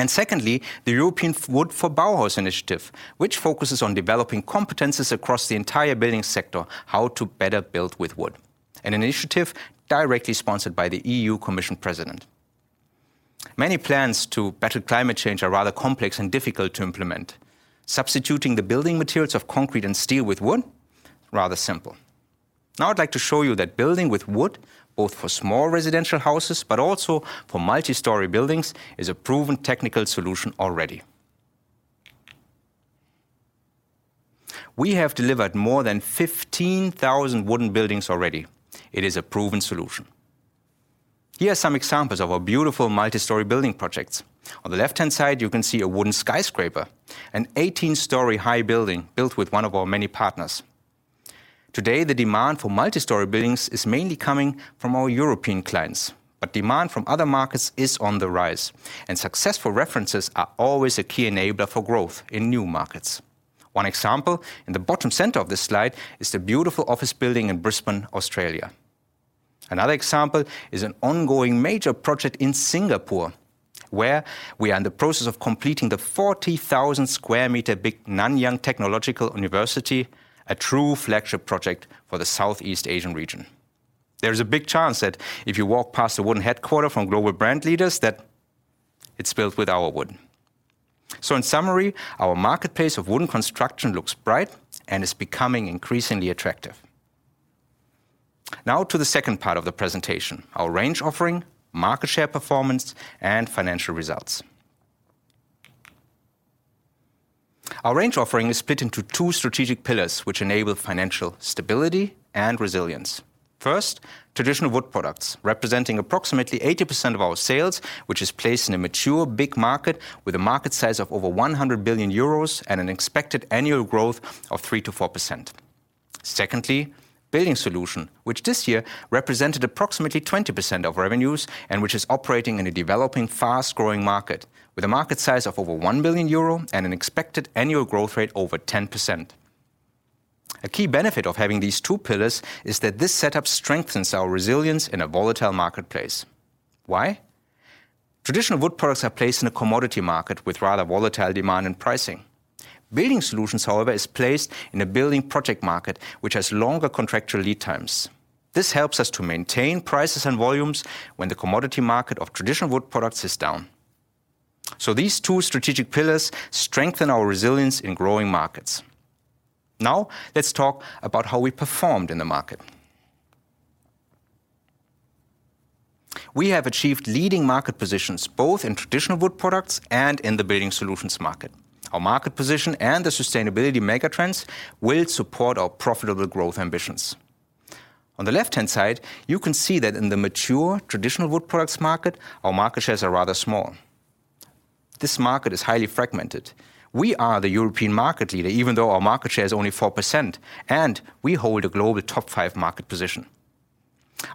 Secondly, the New European Bauhaus initiative, which focuses on developing competencies across the entire building sector how to better build with wood. An initiative directly sponsored by the European Commission President. Many plans to battle climate change are rather complex and difficult to implement. Substituting the building materials of concrete and steel with wood, rather simple. Now I'd like to show you that building with wood, both for small residential houses but also for multi-story buildings, is a proven technical solution already. We have delivered more than 15,000 wooden buildings already. It is a proven solution. Here are some examples of our beautiful multi-story building projects. On the left-hand side, you can see a wooden skyscraper, an 18-story high building built with one of our many partners. Today, the demand for multi-story buildings is mainly coming from our European clients, but demand from other markets is on the rise, and successful references are always a key enabler for growth in new markets. One example in the bottom center of this slide is the beautiful office building in Brisbane, Australia. Another example is an ongoing major project in Singapore, where we are in the process of completing the 40,000 m² big Nanyang Technological University, a true flagship project for the Southeast Asian region. There is a big chance that if you walk past the wooden headquarters from global brand leaders, that it's built with our wood. In summary, our marketplace of wooden construction looks bright and is becoming increasingly attractive. Now to the second part of the presentation, our range offering, market share performance, and financial results. Our range offering is split into two strategic pillars, which enable financial stability and resilience. First, traditional wood products, representing approximately 80% of our sales, which is placed in a mature big market with a market size of over 100 billion euros and an expected annual growth of 3%-4%. Secondly, building solution, which this year represented approximately 20% of revenues and which is operating in a developing, fast-growing market with a market size of over 1 billion euro and an expected annual growth rate over 10%. A key benefit of having these two pillars is that this setup strengthens our resilience in a volatile marketplace. Why? Traditional wood products are placed in a commodity market with rather volatile demand and pricing. Building solutions, however, is placed in a building project market, which has longer contractual lead times. This helps us to maintain prices and volumes when the commodity market of traditional wood products is down. These two strategic pillars strengthen our resilience in growing markets. Now let's talk about how we performed in the market. We have achieved leading market positions both in traditional wood products and in the building solutions market. Our market position and the sustainability megatrends will support our profitable growth ambitions. On the left-hand side, you can see that in the mature traditional wood products market, our market shares are rather small. This market is highly fragmented. We are the European market leader, even though our market share is only 4%, and we hold a global top five market position.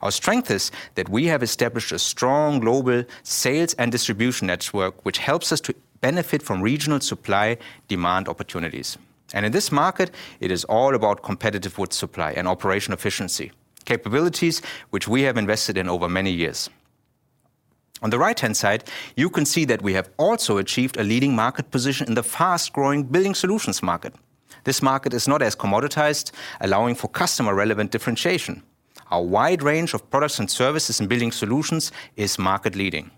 Our strength is that we have established a strong global sales and distribution network, which helps us to benefit from regional supply-demand opportunities. In this market, it is all about competitive wood supply and operational efficiency, capabilities which we have invested in over many years. On the right-hand side, you can see that we have also achieved a leading market position in the fast-growing building solutions market. This market is not as commoditized, allowing for customer-relevant differentiation. Our wide range of products and services in building solutions is market-leading.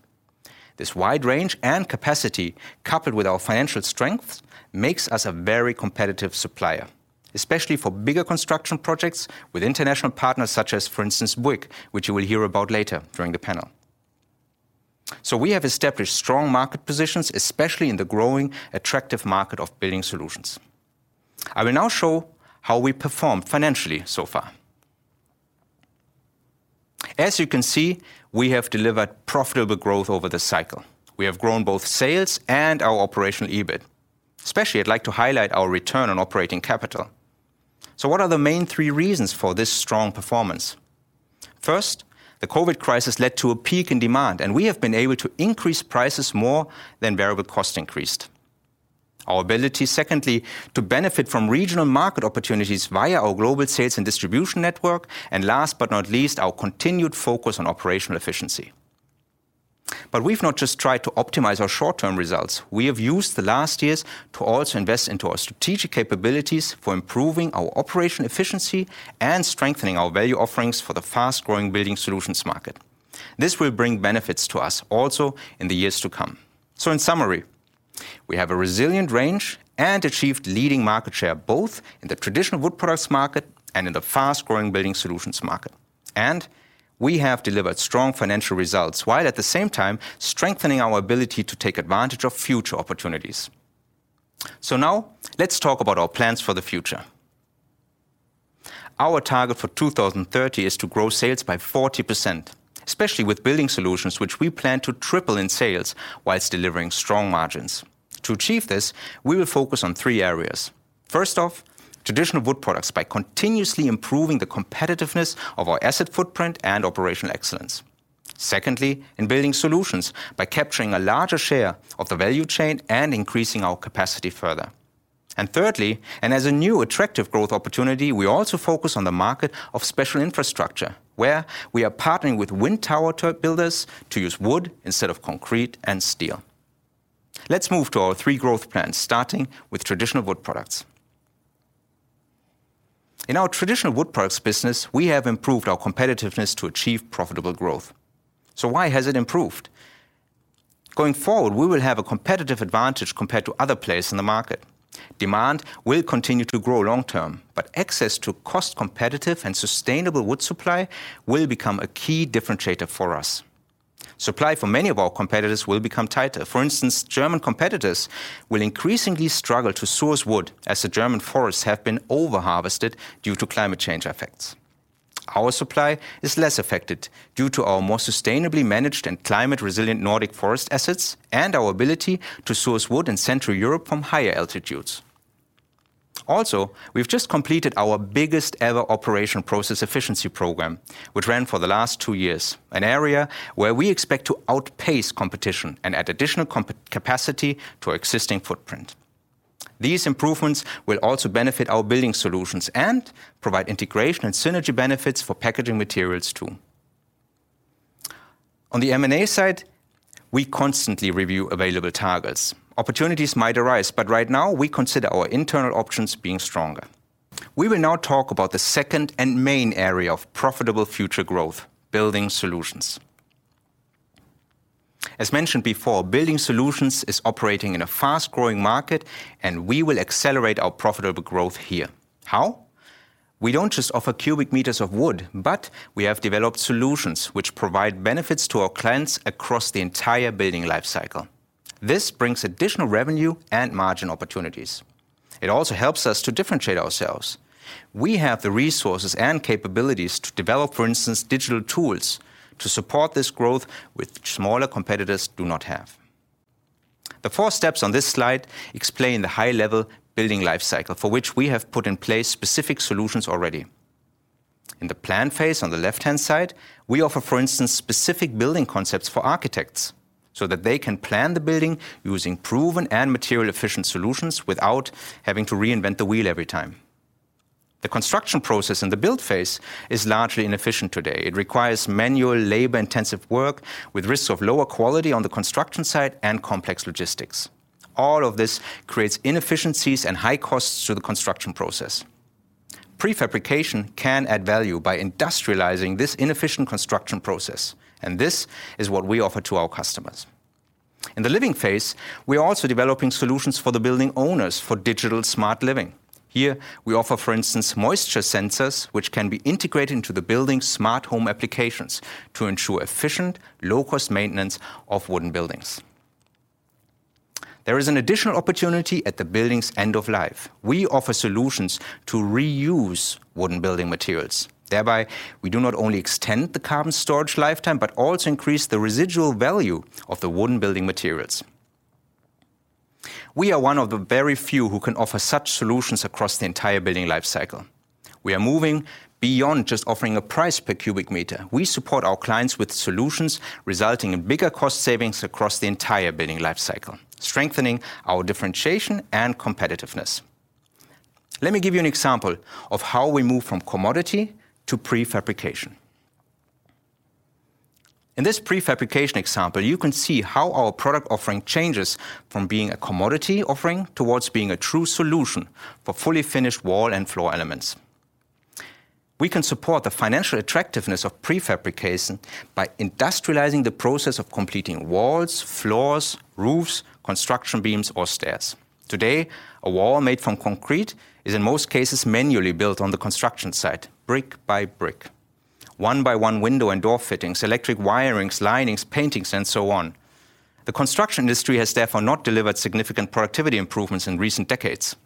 This wide range and capacity, coupled with our financial strength, makes us a very competitive supplier, especially for bigger construction projects with international partners such as, for instance, Bouygues, which you will hear about later during the panel. We have established strong market positions, especially in the growing attractive market of building solutions. I will now show how we performed financially so far. As you can see, we have delivered profitable growth over the cycle. We have grown both sales and our operational EBIT. Especially, I'd like to highlight our return on operating capital. What are the main three reasons for this strong performance? First, the COVID crisis led to a peak in demand, and we have been able to increase prices more than variable cost increased. Secondly, our ability to benefit from regional market opportunities via our global sales and distribution network. And last but not least, our continued focus on operational efficiency. We've not just tried to optimize our short-term results. We have used the last years to also invest into our strategic capabilities for improving our operational efficiency and strengthening our value offerings for the fast-growing building solutions market. This will bring benefits to us also in the years to come. In summary, we have a resilient range and achieved leading market share both in the traditional wood products market and in the fast-growing building solutions market. We have delivered strong financial results while at the same time strengthening our ability to take advantage of future opportunities. Now let's talk about our plans for the future. Our target for 2030 is to grow sales by 40%, especially with building solutions, which we plan to triple in sales while delivering strong margins. To achieve this, we will focus on three areas. First off, traditional wood products by continuously improving the competitiveness of our asset footprint and operational excellence. Secondly, in building solutions by capturing a larger share of the value chain and increasing our capacity further. Thirdly, and as a new attractive growth opportunity, we also focus on the market of special infrastructure, where we are partnering with wind tower turbine builders to use wood instead of concrete and steel. Let's move to our three growth plans, starting with traditional wood products. In our traditional wood products business, we have improved our competitiveness to achieve profitable growth. Why has it improved? Going forward, we will have a competitive advantage compared to other players in the market. Demand will continue to grow long term, but access to cost competitive and sustainable wood supply will become a key differentiator for us. Supply for many of our competitors will become tighter. For instance, German competitors will increasingly struggle to source wood as the German forests have been overharvested due to climate change effects. Our supply is less affected due to our more sustainably managed and climate-resilient Nordic forest assets and our ability to source wood in Central Europe from higher altitudes. Also, we've just completed our biggest ever operational process efficiency program, which ran for the last 2 years, an area where we expect to outpace competition and add additional capacity to our existing footprint. These improvements will also benefit our Building Solutions and provide integration and synergy benefits for Packaging Materials too. On the M&A side, we constantly review available targets. Opportunities might arise, but right now we consider our internal options being stronger. We will now talk about the second and main area of profitable future growth, Building Solutions. As mentioned before, Building Solutions is operating in a fast-growing market, and we will accelerate our profitable growth here. How? We don't just offer cubic meters of wood, but we have developed solutions which provide benefits to our clients across the entire building life cycle. This brings additional revenue and margin opportunities. It also helps us to differentiate ourselves. We have the resources and capabilities to develop, for instance, digital tools to support this growth which smaller competitors do not have. The four steps on this slide explain the high-level building life cycle for which we have put in place specific solutions already. In the plan phase on the left-hand side, we offer, for instance, specific building concepts for architects so that they can plan the building using proven and material efficient solutions without having to reinvent the wheel every time. The construction process in the build phase is largely inefficient today. It requires manual labor-intensive work with risks of lower quality on the construction site and complex logistics. All of this creates inefficiencies and high costs to the construction process. Prefabrication can add value by industrializing this inefficient construction process, and this is what we offer to our customers. In the living phase, we are also developing solutions for the building owners for digital smart living. Here we offer, for instance, moisture sensors, which can be integrated into the building's smart home applications to ensure efficient, low-cost maintenance of wooden buildings. There is an additional opportunity at the building's end of life. We offer solutions to reuse wooden building materials. Thereby, we do not only extend the carbon storage lifetime, but also increase the residual value of the wooden building materials. We are one of the very few who can offer such solutions across the entire building life cycle. We are moving beyond just offering a price per cubic meter. We support our clients with solutions resulting in bigger cost savings across the entire building life cycle, strengthening our differentiation and competitiveness. Let me give you an example of how we move from commodity to prefabrication. In this prefabrication example, you can see how our product offering changes from being a commodity offering towards being a true solution for fully finished wall and floor elements. We can support the financial attractiveness of prefabrication by industrializing the process of completing walls, floors, roofs, construction beams or stairs. Today, a wall made from concrete is in most cases manually built on the construction site, brick by brick, one by one window and door fittings, electric wirings, linings, paintings and so on. The construction industry has therefore not delivered significant productivity improvements in recent decades.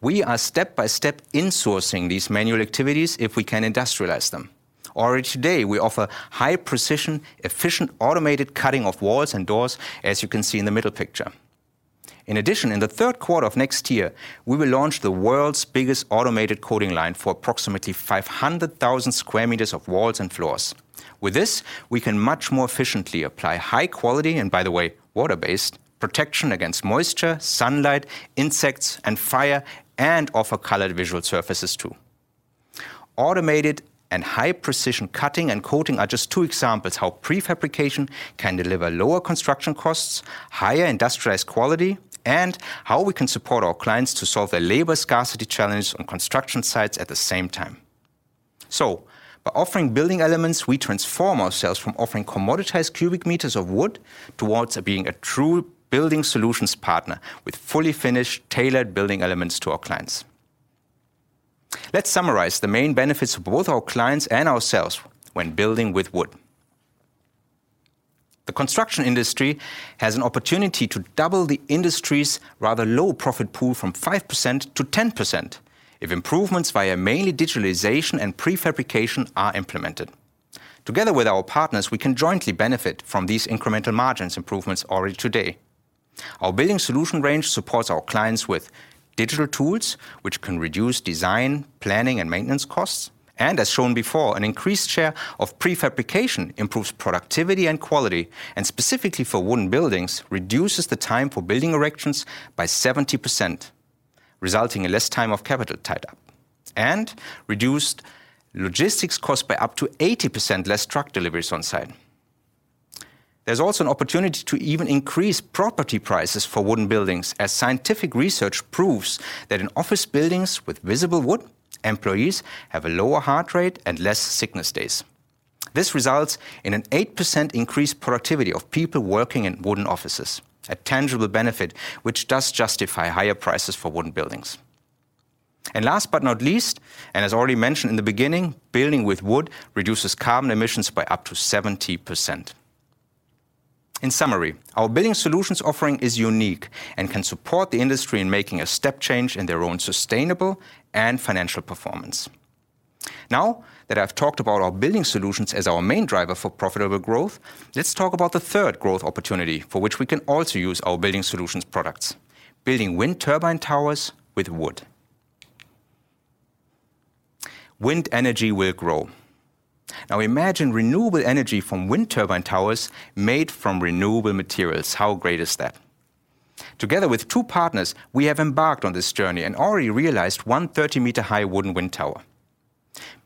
We are step by step insourcing these manual activities if we can industrialize them. Already today, we offer high precision, efficient, automated cutting of walls and doors, as you can see in the middle picture. In addition, in the third quarter of next year, we will launch the world's biggest automated coating line for approximately 500,000 m² of walls and floors. With this, we can much more efficiently apply high quality, and by the way, water-based protection against moisture, sunlight, insects and fire, and offer colored visual surfaces too. Automated and high-precision cutting and coating are just two examples how prefabrication can deliver lower construction costs, higher industrialized quality, and how we can support our clients to solve their labor scarcity challenge on construction sites at the same time. By offering building elements, we transform ourselves from offering commoditized cubic meters of wood towards being a true building solutions partner with fully finished tailored building elements to our clients. Let's summarize the main benefits of both our clients and ourselves when building with wood. The construction industry has an opportunity to double the industry's rather low profit pool from 5%-10% if improvements via mainly digitalization and prefabrication are implemented. Together with our partners, we can jointly benefit from these incremental margins improvements already today. Our building solution range supports our clients with digital tools which can reduce design, planning, and maintenance costs. As shown before, an increased share of prefabrication improves productivity and quality, and specifically for wooden buildings, reduces the time for building erections by 70%, resulting in less time of capital tied up and reduced logistics cost by up to 80% less truck deliveries on site. There's also an opportunity to even increase property prices for wooden buildings as scientific research proves that in office buildings with visible wood, employees have a lower heart rate and less sickness days. This results in an 8% increased productivity of people working in wooden offices, a tangible benefit which does justify higher prices for wooden buildings. Last but not least, and as already mentioned in the beginning, building with wood reduces carbon emissions by up to 70%. In summary, our building solutions offering is unique and can support the industry in making a step change in their own sustainable and financial performance. Now that I've talked about our building solutions as our main driver for profitable growth, let's talk about the third growth opportunity for which we can also use our building solutions products, building wind turbine towers with wood. Wind energy will grow. Now imagine renewable energy from wind turbine towers made from renewable materials. How great is that? Together with two partners, we have embarked on this journey and already realized one 30-meter-high wooden wind tower.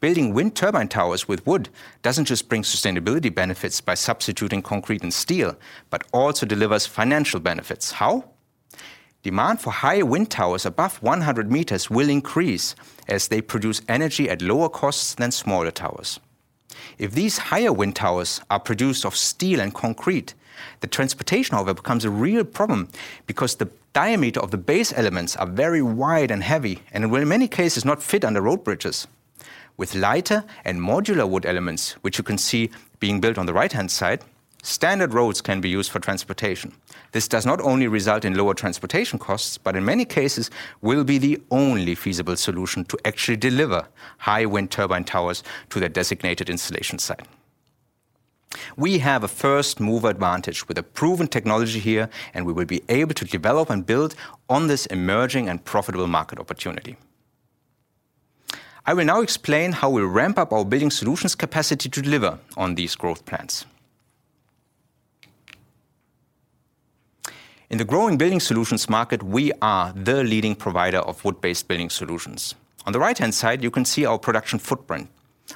Building wind turbine towers with wood doesn't just bring sustainability benefits by substituting concrete and steel, but also delivers financial benefits. How? Demand for higher wind towers above 100 meters will increase as they produce energy at lower costs than smaller towers. If these higher wind towers are produced of steel and concrete, the transportation of it becomes a real problem because the diameter of the base elements are very wide and heavy and will in many cases not fit under road bridges. With lighter and modular wood elements, which you can see being built on the right-hand side, standard roads can be used for transportation. This does not only result in lower transportation costs, but in many cases will be the only feasible solution to actually deliver high wind turbine towers to their designated installation site. We have a first-mover advantage with a proven technology here, and we will be able to develop and build on this emerging and profitable market opportunity. I will now explain how we'll ramp up our building solutions capacity to deliver on these growth plans. In the growing building solutions market, we are the leading provider of wood-based building solutions. On the right-hand side, you can see our production footprint.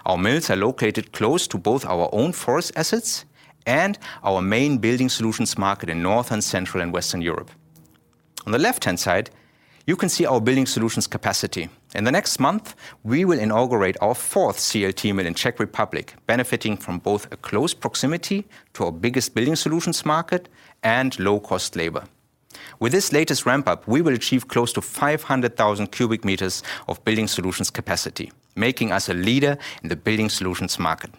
Our mills are located close to both our own forest assets and our main building solutions market in North and Central and Western Europe. On the left-hand side, you can see our building solutions capacity. In the next month, we will inaugurate our fourth CLT mill in Czech Republic, benefiting from both a close proximity to our biggest building solutions market and low-cost labor. With this latest ramp up, we will achieve close to 500,000 cubic meters of building solutions capacity, making us a leader in the building solutions market.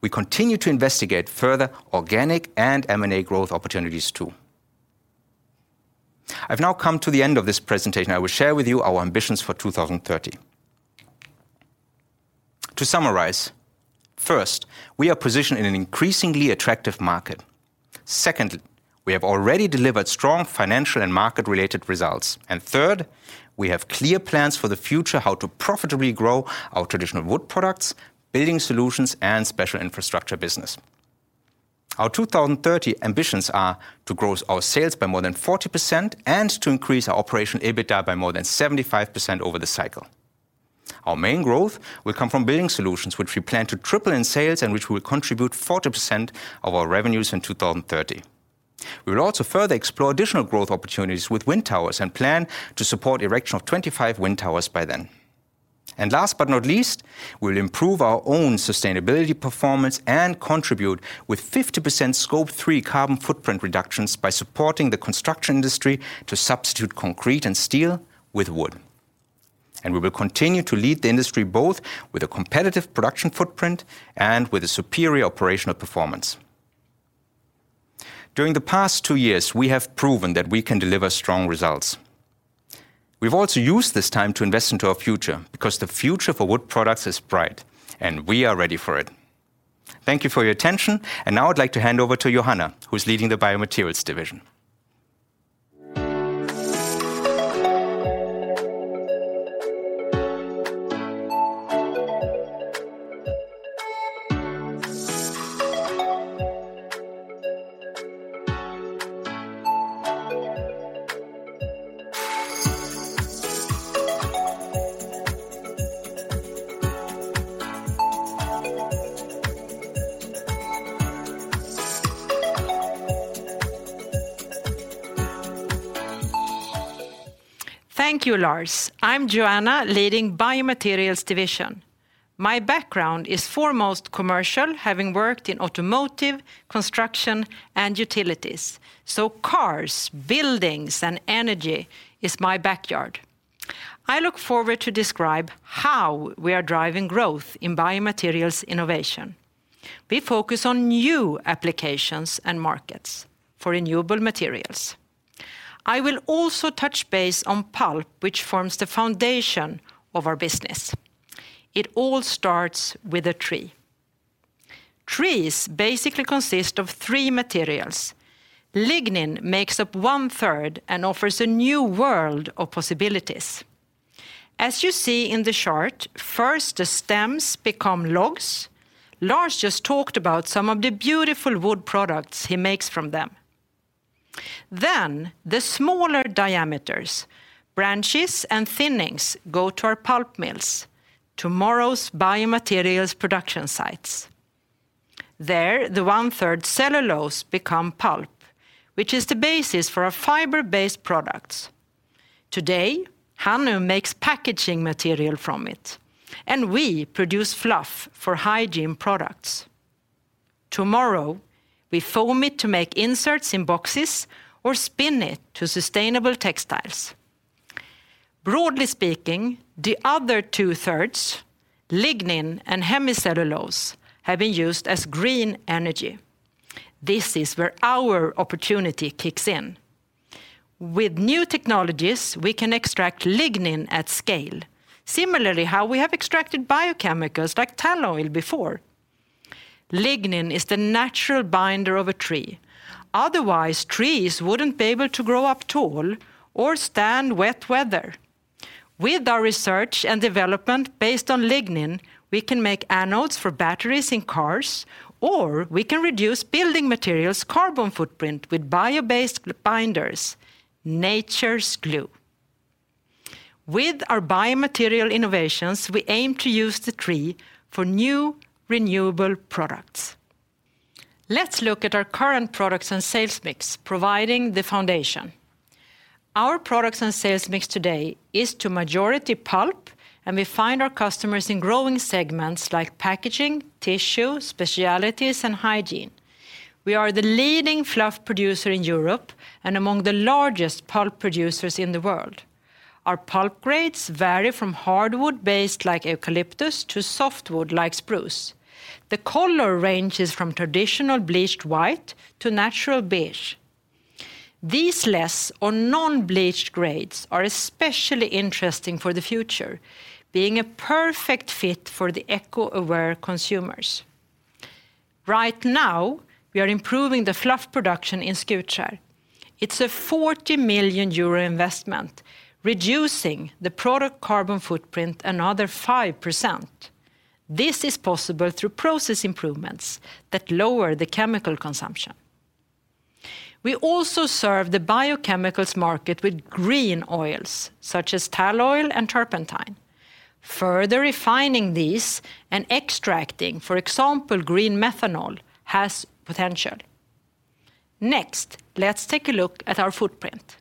We continue to investigate further organic and M&A growth opportunities too. I've now come to the end of this presentation. I will share with you our ambitions for 2030. To summarize, first, we are positioned in an increasingly attractive market. Second, we have already delivered strong financial and market-related results. Third, we have clear plans for the future how to profitably grow our traditional wood products, building solutions, and special infrastructure business. Our 2030 ambitions are to grow our sales by more than 40% and to increase our operational EBITDA by more than 75% over the cycle. Our main growth will come from building solutions, which we plan to triple in sales and which will contribute 40% of our revenues in 2030. We will also further explore additional growth opportunities with wind towers and plan to support erection of 25 wind towers by then. Last but not least, we'll improve our own sustainability performance and contribute with 50% Scope 3 carbon footprint reductions by supporting the construction industry to substitute concrete and steel with wood. We will continue to lead the industry both with a competitive production footprint and with a superior operational performance. During the past two years, we have proven that we can deliver strong results. We've also used this time to invest into our future because the future for Wood Products is bright, and we are ready for it. Thank you for your attention. Now I'd like to hand over to Johanna, who's leading the Biomaterials division. Thank you, Lars. I'm Johanna Hagelberg, leading Biomaterials division. My background is foremost commercial, having worked in automotive, construction, and utilities. Cars, buildings, and energy is my backyard. I look forward to describe how we are driving growth in biomaterials innovation. We focus on new applications and markets for renewable materials. I will also touch base on pulp, which forms the foundation of our business. It all starts with a tree. Trees basically consist of three materials. Lignin makes up one-third and offers a new world of possibilities. As you see in the chart, first, the stems become logs. Lars just talked about some of the beautiful wood products he makes from them. Then the smaller diameters, branches and thinnings, go to our pulp mills, tomorrow's biomaterials production sites. There, the one-third cellulose become pulp, which is the basis for our fiber-based products. Today, Hannu makes packaging material from it, and we produce fluff for hygiene products. Tomorrow, we foam it to make inserts in boxes or spin it to sustainable textiles. Broadly speaking, the other two-thirds, lignin and hemicellulose, have been used as green energy. This is where our opportunity kicks in. With new technologies, we can extract lignin at scale, similarly how we have extracted biochemicals like tall oil before. Lignin is the natural binder of a tree. Otherwise, trees wouldn't be able to grow up tall or stand wet weather. With our research and development based on lignin, we can make anodes for batteries in cars, or we can reduce building material's carbon footprint with bio-based binders, nature's glue. With our biomaterial innovations, we aim to use the tree for new renewable products. Let's look at our current products and sales mix providing the foundation. Our products and sales mix today is to majority pulp, and we find our customers in growing segments like packaging, tissue, specialties, and hygiene. We are the leading fluff producer in Europe and among the largest pulp producers in the world. Our pulp grades vary from hardwood-based, like eucalyptus, to softwood, like spruce. The color ranges from traditional bleached white to natural beige. These less or non-bleached grades are especially interesting for the future, being a perfect fit for the eco-aware consumers. Right now, we are improving the fluff production in Skutskär. It's a 40 million euro investment, reducing the product carbon footprint another 5%. This is possible through process improvements that lower the chemical consumption. We also serve the biochemicals market with green oils, such as tall oil and turpentine. Further refining these and extracting, for example, green methanol has potential. Next, let's take a look at our footprint.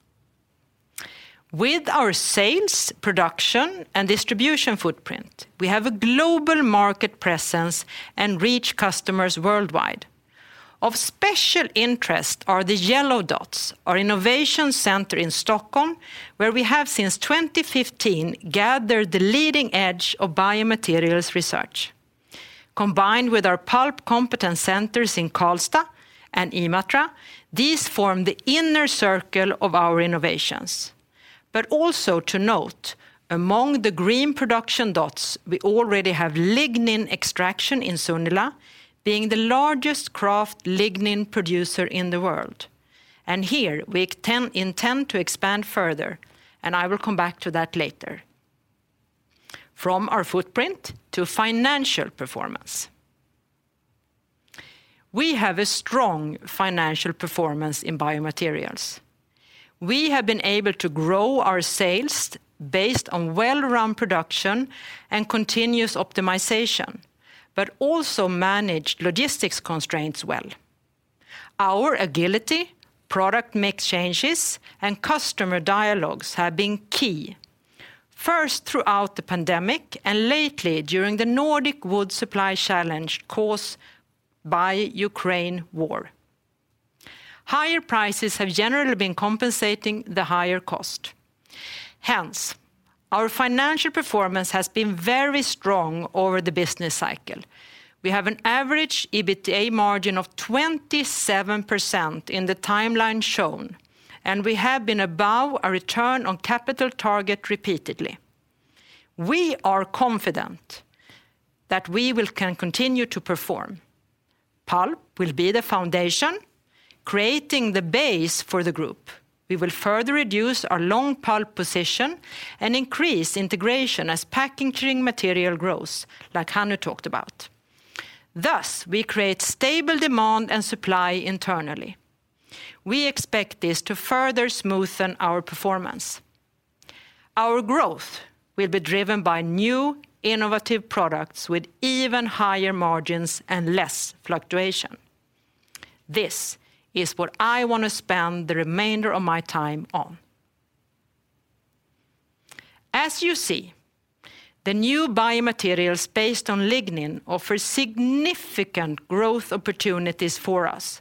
With our sales, production, and distribution footprint, we have a global market presence and reach customers worldwide. Of special interest are the yellow dots, our innovation center in Stockholm, where we have since 2015 gathered the leading edge of biomaterials research. Combined with our pulp competence centers in Karlstad and Imatra, these form the inner circle of our innovations. Also to note, among the green production dots, we already have lignin extraction in Sunila, being the largest kraft lignin producer in the world, and here we intend to expand further, and I will come back to that later. From our footprint to financial performance. We have a strong financial performance in biomaterials. We have been able to grow our sales based on well-run production and continuous optimization, but also manage logistics constraints well. Our agility, product mix changes, and customer dialogues have been key, first, throughout the pandemic, and lately, during the Nordic wood supply challenge caused by Ukraine war. Higher prices have generally been compensating the higher cost. Hence, our financial performance has been very strong over the business cycle. We have an average EBITDA margin of 27% in the timeline shown, and we have been above our return on capital target repeatedly. We are confident that we can continue to perform. Pulp will be the foundation, creating the base for the group. We will further reduce our long pulp position and increase integration as packaging material grows, like Hannu talked about. Thus, we create stable demand and supply internally. We expect this to further smoothen our performance. Our growth will be driven by new innovative products with even higher margins and less fluctuation. This is what I want to spend the remainder of my time on. As you see, the new biomaterials based on lignin offer significant growth opportunities for us.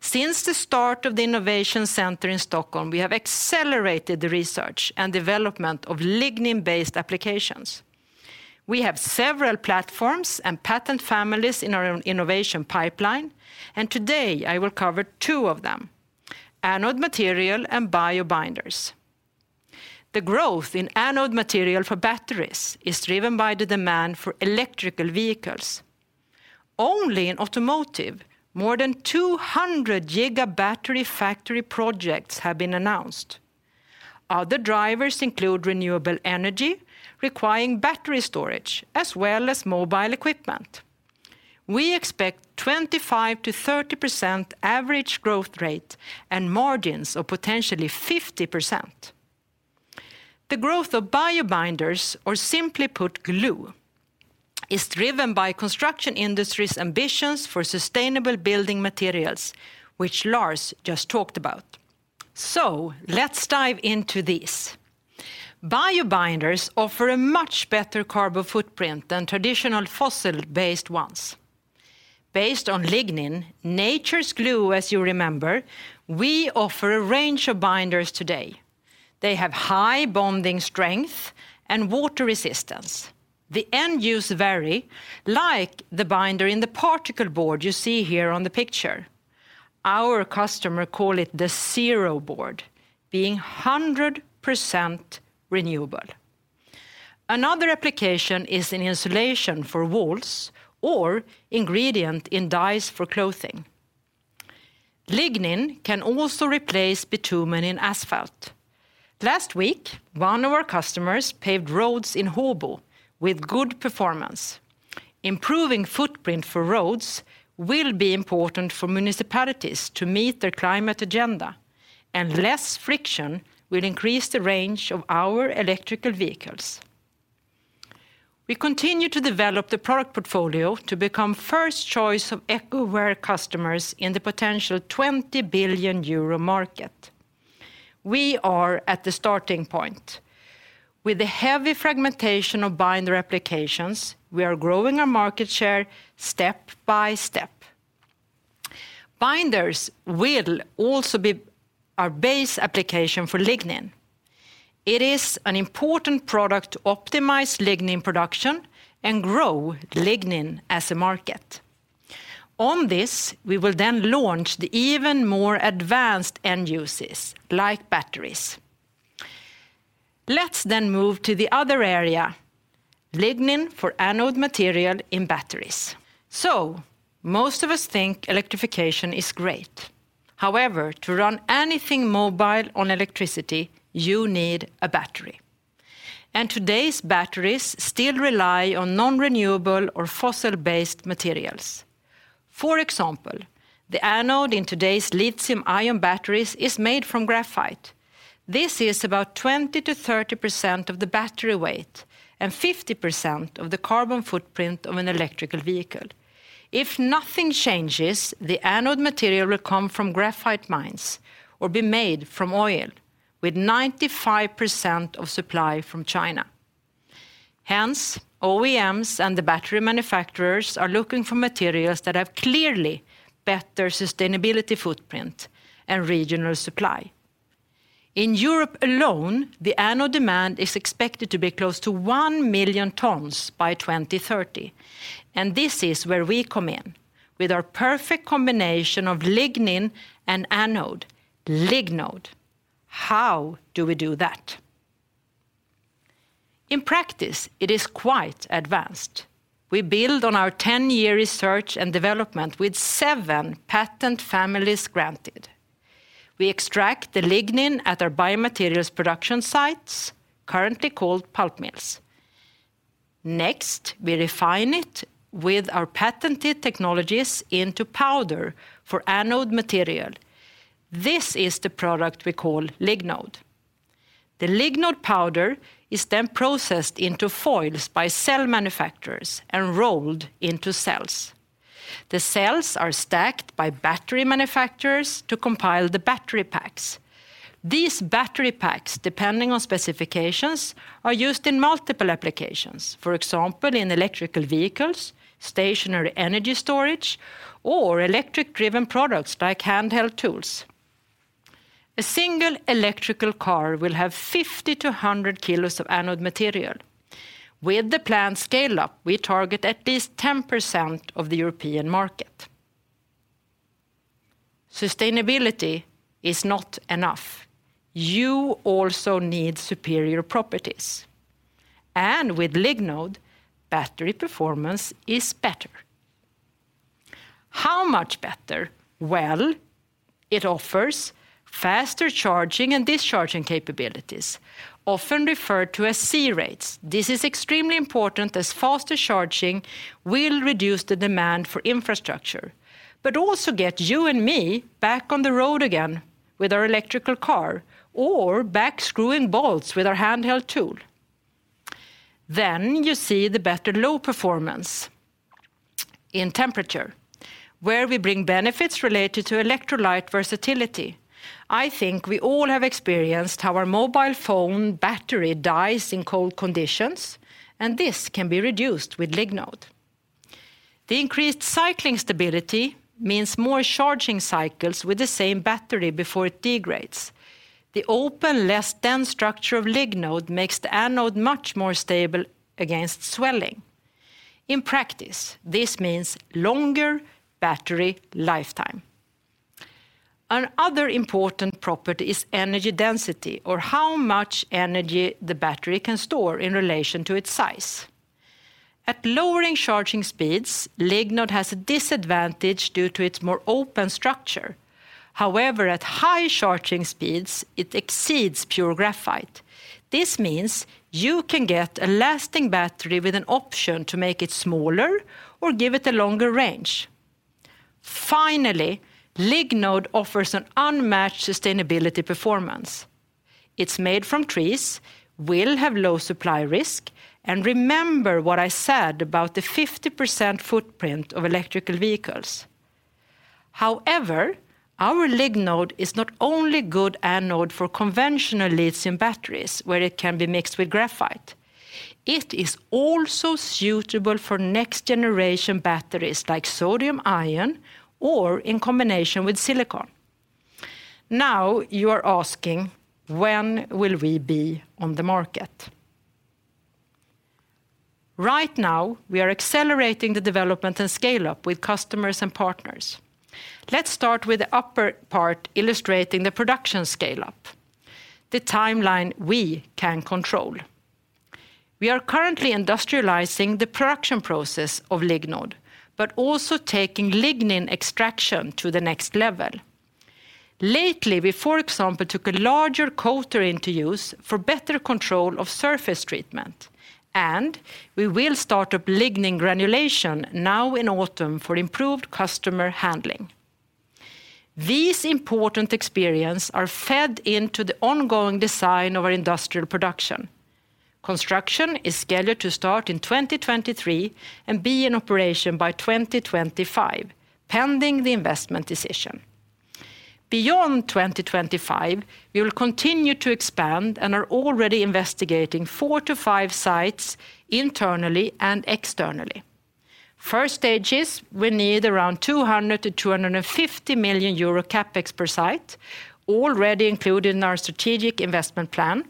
Since the start of the innovation center in Stockholm, we have accelerated the research and development of lignin-based applications. We have several platforms and patent families in our innovation pipeline, and today I will cover two of them, anode material and NeoLigno. The growth in anode material for batteries is driven by the demand for electric vehicles. Only in automotive, more than 200 giga battery factory projects have been announced. Other drivers include renewable energy requiring battery storage as well as mobile equipment. We expect 25%-30% average growth rate and margins of potentially 50%. The growth of NeoLigno or simply put glue is driven by construction industry's ambitions for sustainable building materials, which Lars just talked about. Let's dive into this. Biobinders offer a much better carbon footprint than traditional fossil-based ones. Based on lignin, nature's glue, as you remember, we offer a range of binders today. They have high bonding strength and water resistance. The end uses vary like the binder in the particle board you see here on the picture. Our customers call it the zero board, being 100% renewable. Another application is in insulation for walls or ingredient in dyes for clothing. Lignin can also replace bitumen in asphalt. Last week, one of our customers paved roads in Håbo with good performance. Improving footprint for roads will be important for municipalities to meet their climate agenda, and less friction will increase the range of our electric vehicles. We continue to develop the product portfolio to become first choice of eco-aware customers in the potential 20 billion euro market. We are at the starting point. With the heavy fragmentation of binder applications, we are growing our market share step by step. Binders will also be our base application for lignin. It is an important product to optimize lignin production and grow lignin as a market. On this, we will then launch the even more advanced end uses like batteries. Let's move to the other area, lignin for anode material in batteries. Most of us think electrification is great. However, to run anything mobile on electricity, you need a battery. Today's batteries still rely on non-renewable or fossil-based materials. For example, the anode in today's lithium-ion batteries is made from graphite. This is about 20%-30% of the battery weight and 50% of the carbon footprint of an electric vehicle. If nothing changes, the anode material will come from graphite mines or be made from oil with 95% of supply from China. Hence, OEMs and the battery manufacturers are looking for materials that have clearly better sustainability footprint and regional supply. In Europe alone, the anode demand is expected to be close to 1 million tons by 2030, and this is where we come in with our perfect combination of lignin and anode, Lignode. How do we do that? In practice, it is quite advanced. We build on our 10-year research and development with 7 patent families granted. We extract the lignin at our biomaterials production sites, currently called pulp mills. Next, we refine it with our patented technologies into powder for anode material. This is the product we call Lignode. The Lignode powder is then processed into foils by cell manufacturers and rolled into cells. The cells are stacked by battery manufacturers to compile the battery packs. These battery packs, depending on specifications, are used in multiple applications, for example, in electric vehicles, stationary energy storage, or electric-driven products like handheld tools. A single electric car will have 50-100 kilos of anode material. With the planned scale up, we target at least 10% of the European market. Sustainability is not enough. You also need superior properties, and with Lignode, battery performance is better. How much better? Well, it offers faster charging and discharging capabilities, often referred to as C-rate. This is extremely important as faster charging will reduce the demand for infrastructure, but also get you and me back on the road again with our electric car or back screwing bolts with our handheld tool. You see the better low performance in temperature, where we bring benefits related to electrolyte versatility. I think we all have experienced how our mobile phone battery dies in cold conditions, and this can be reduced with Lignode. The increased cycling stability means more charging cycles with the same battery before it degrades. The open, less dense structure of Lignode makes the anode much more stable against swelling. In practice, this means longer battery lifetime. Another important property is energy density or how much energy the battery can store in relation to its size. At lowering charging speeds, Lignode has a disadvantage due to its more open structure. However, at high charging speeds, it exceeds pure graphite. This means you can get a lasting battery with an option to make it smaller or give it a longer range. Finally, Lignode offers an unmatched sustainability performance. It's made from trees, will have low supply risk, and remember what I said about the 50% footprint of electric vehicles. However, our Lignode is not only good anode for conventional lithium batteries where it can be mixed with graphite. It is also suitable for next-generation batteries like sodium-ion or in combination with silicon. Now you are asking, "When will we be on the market?" Right now, we are accelerating the development and scale-up with customers and partners. Let's start with the upper part illustrating the production scale-up, the timeline we can control. We are currently industrializing the production process of Lignode but also taking lignin extraction to the next level. Lately, we, for example, took a larger coater into use for better control of surface treatment, and we will start up lignin granulation now in autumn for improved customer handling. These important experience are fed into the ongoing design of our industrial production. Construction is scheduled to start in 2023 and be in operation by 2025, pending the investment decision. Beyond 2025, we will continue to expand and are already investigating 4-5 sites internally and externally. First stages, we need around 200 million-250 million euro CapEx per site already included in our strategic investment plan.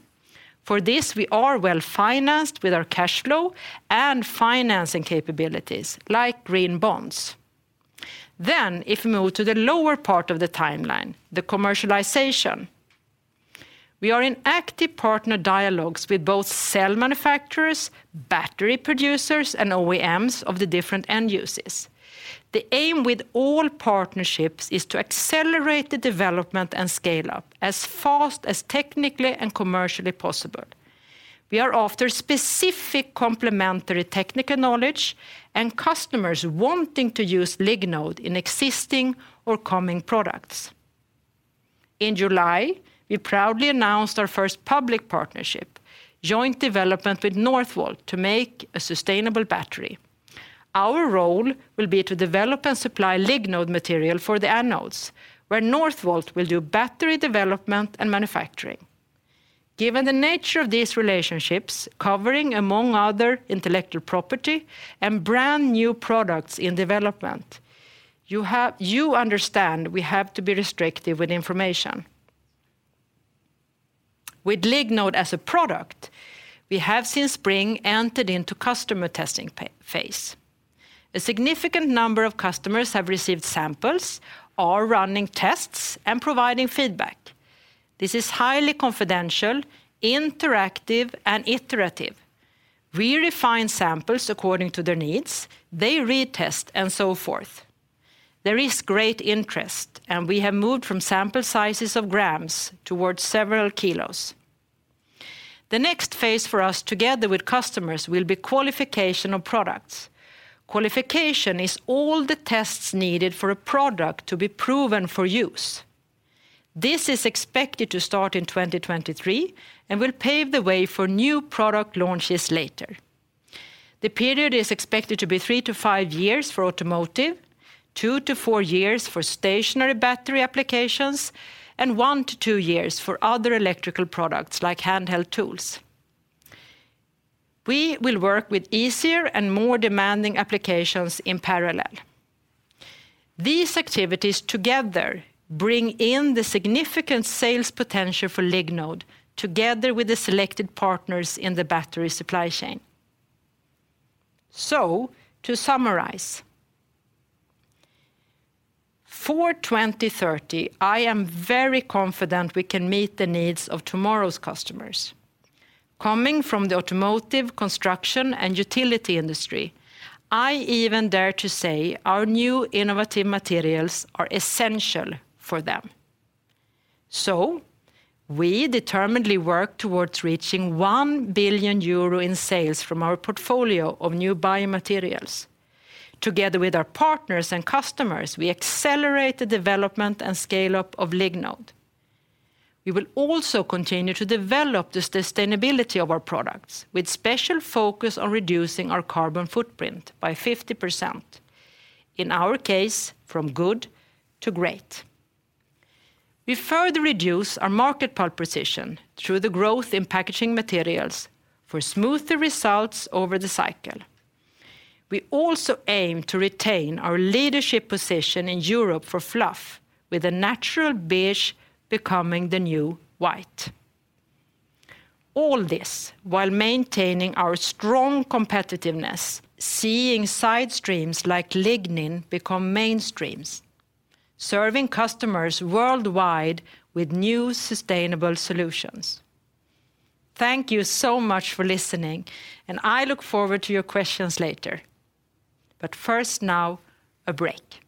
For this, we are well-financed with our cash flow and financing capabilities like green bonds. If you move to the lower part of the timeline, the commercialization. We are in active partner dialogues with both cell manufacturers, battery producers, and OEMs of the different end uses. The aim with all partnerships is to accelerate the development and scale-up as fast as technically and commercially possible. We are after specific complementary technical knowledge and customers wanting to use Lignode in existing or coming products. In July, we proudly announced our first public partnership, joint development with Northvolt to make a sustainable battery. Our role will be to develop and supply Lignode material for the anodes, where Northvolt will do battery development and manufacturing. Given the nature of these relationships covering, among other, intellectual property and brand-new products in development, you understand we have to be restrictive with information. With Lignode as a product, we have since spring entered into customer testing phase. A significant number of customers have received samples, are running tests, and providing feedback. This is highly confidential, interactive, and iterative. We refine samples according to their needs. They retest, and so forth. There is great interest, and we have moved from sample sizes of grams towards several kilos. The next phase for us together with customers will be qualification of products. Qualification is all the tests needed for a product to be proven for use. This is expected to start in 2023 and will pave the way for new product launches later. The period is expected to be 3-5 years for automotive, 2-4 years for stationary battery applications, and 1-2 years for other electrical products like handheld tools. We will work with easier and more demanding applications in parallel. These activities together bring in the significant sales potential for Lignode together with the selected partners in the battery supply chain. To summarize, for 2030, I am very confident we can meet the needs of tomorrow's customers. Coming from the automotive, construction, and utility industry, I even dare to say our new innovative materials are essential for them. We determinedly work towards reaching 1 billion euro in sales from our portfolio of new biomaterials. Together with our partners and customers, we accelerate the development and scale-up of Lignode. We will also continue to develop the sustainability of our products with special focus on reducing our carbon footprint by 50%, in our case, from good to great. We further reduce our market pulp position through the growth in packaging materials for smoother results over the cycle. We also aim to retain our leadership position in Europe for fluff with a natural beige becoming the new white. All this while maintaining our strong competitiveness, seeing side streams like lignin become mainstreams, serving customers worldwide with new sustainable solutions. Thank you so much for listening, and I look forward to your questions later. First now, a break.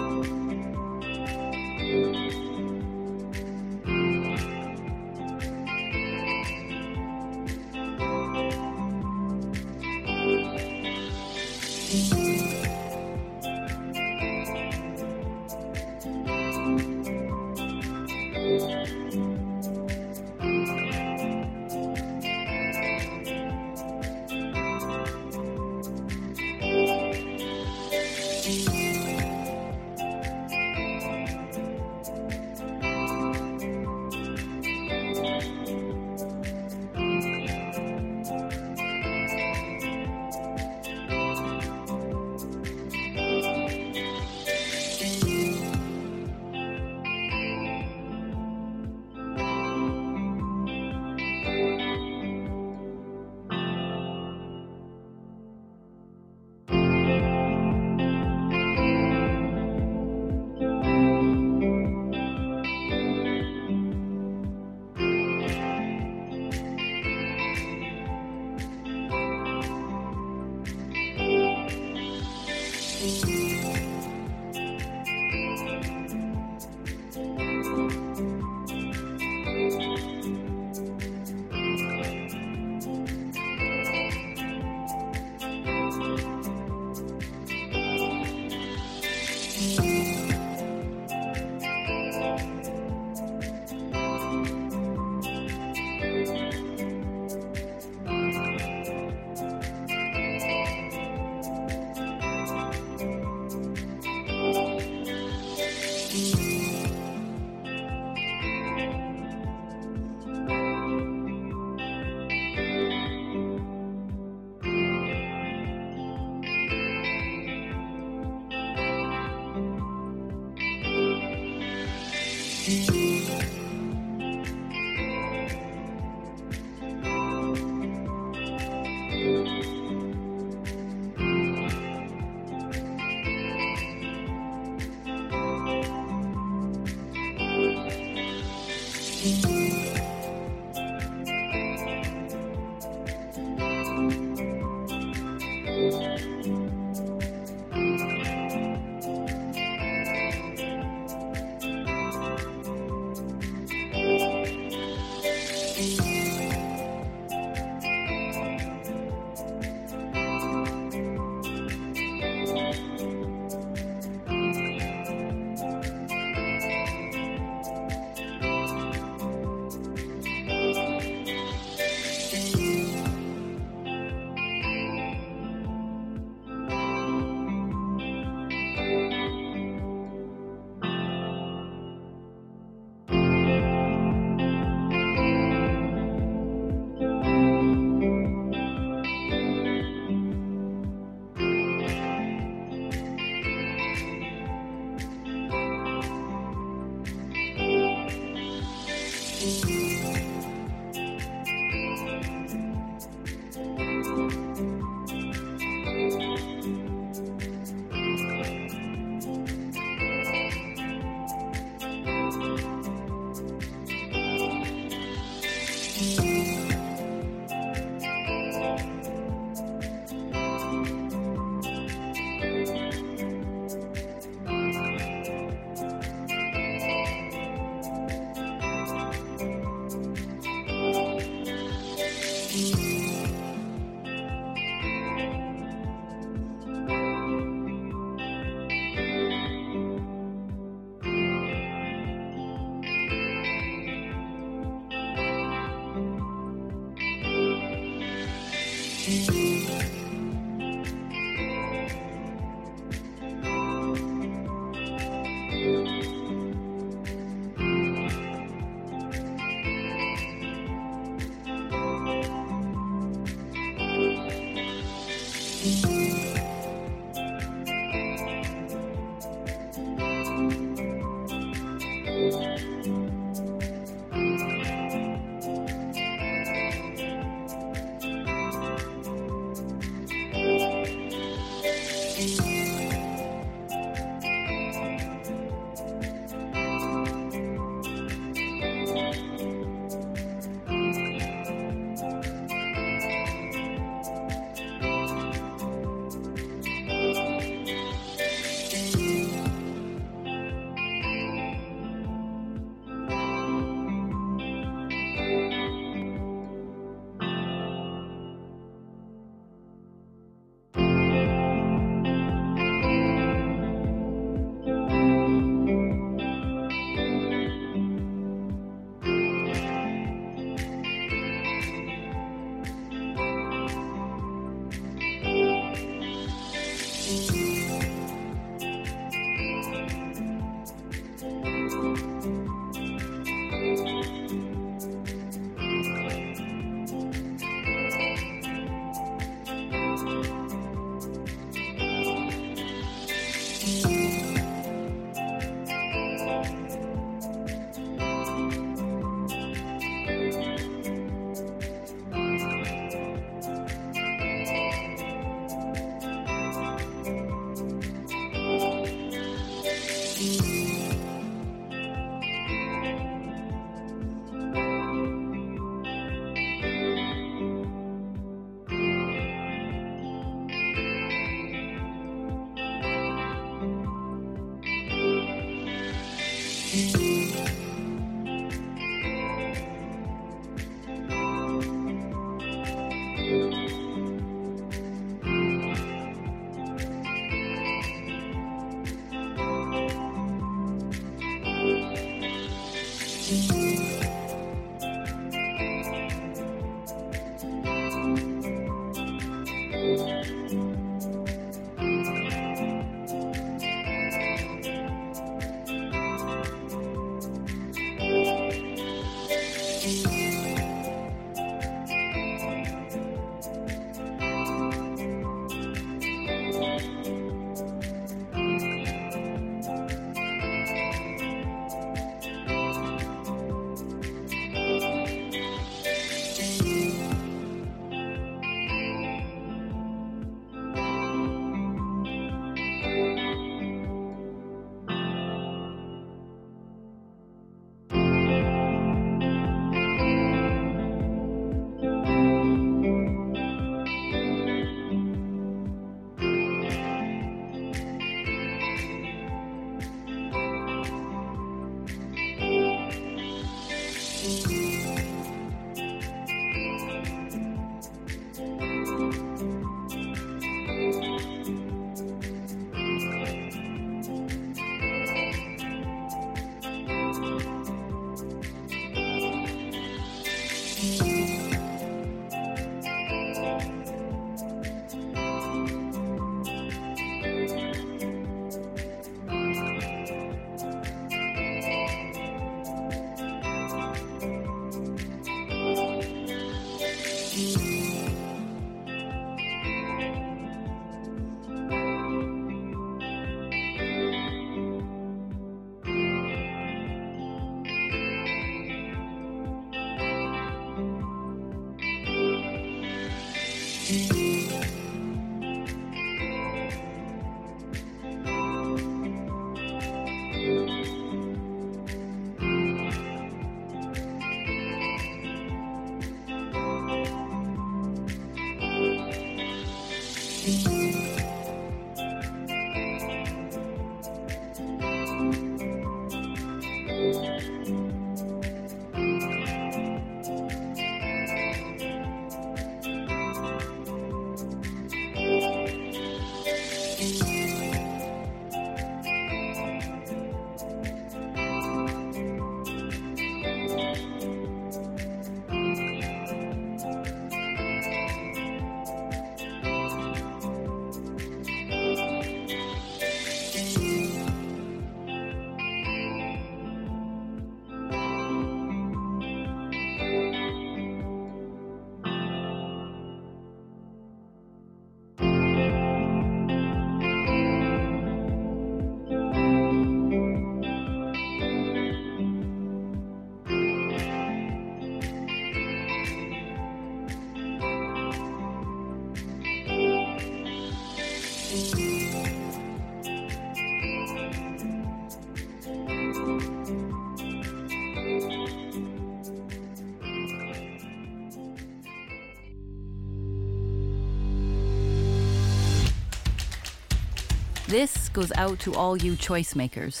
This goes out to all you choice makers,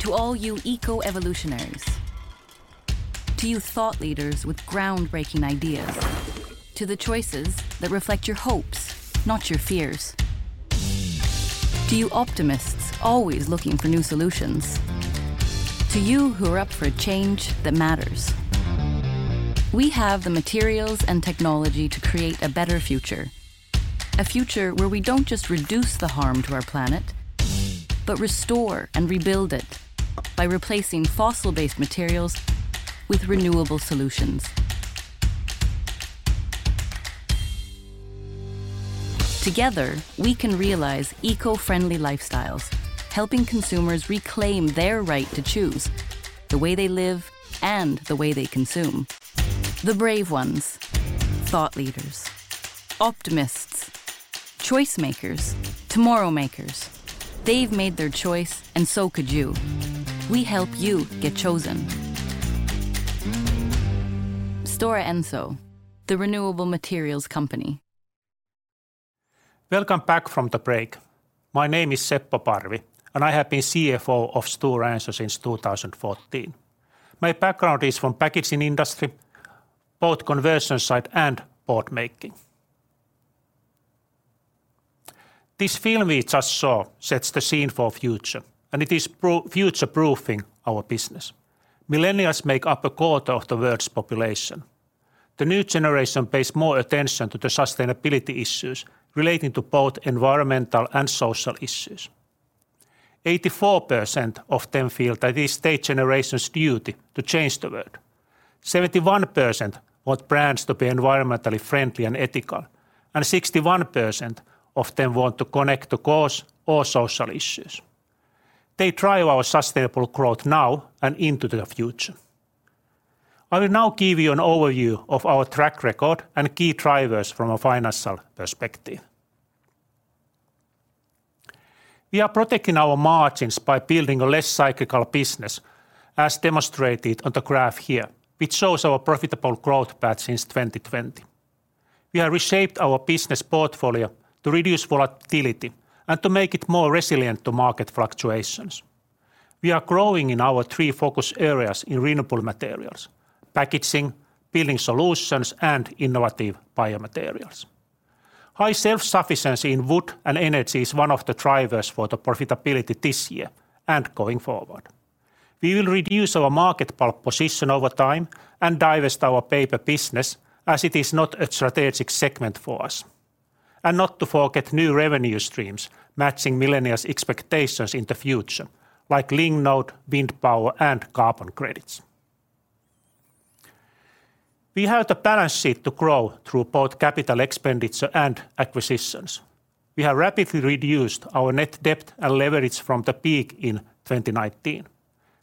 to all you eco-evolutionaries, to you thought leaders with groundbreaking ideas, to the choices that reflect your hopes, not your fears, to you optimists always looking for new solutions, to you who are up for a change that matters. We have the materials and technology to create a better future, a future where we don't just reduce the harm to our planet, but restore and rebuild it by replacing fossil-based materials with renewable solutions. Together, we can realize eco-friendly lifestyles, helping consumers reclaim their right to choose the way they live and the way they consume. The brave ones, thought leaders, optimists, choice makers, tomorrow makers, they've made their choice, and so could you. We help you get chosen. Stora Enso, the renewable materials company. Welcome back from the break. My name is Seppo Parvi, and I have been CFO of Stora Enso since 2014. My background is from packaging industry, both conversion side and board making. This film we just saw sets the scene for future, and it is future-proofing our business. Millennials make up a quarter of the world's population. The new generation pays more attention to the sustainability issues relating to both environmental and social issues. 84% of them feel that it is their generation's duty to change the world. 71% want brands to be environmentally friendly and ethical, and 61% of them want to connect to cause or social issues. They drive our sustainable growth now and into the future. I will now give you an overview of our track record and key drivers from a financial perspective. We are protecting our margins by building a less cyclical business, as demonstrated on the graph here, which shows our profitable growth path since 2020. We have reshaped our business portfolio to reduce volatility and to make it more resilient to market fluctuations. We are growing in our three focus areas in renewable materials: packaging, building solutions, and innovative biomaterials. High self-sufficiency in wood and energy is one of the drivers for the profitability this year and going forward. We will reduce our market pulp position over time and divest our paper business, as it is not a strategic segment for us. Not to forget new revenue streams matching millennials' expectations in the future, like Lignode, wind power, and carbon credits. We have the balance sheet to grow through both capital expenditure and acquisitions. We have rapidly reduced our net debt and leverage from the peak in 2019.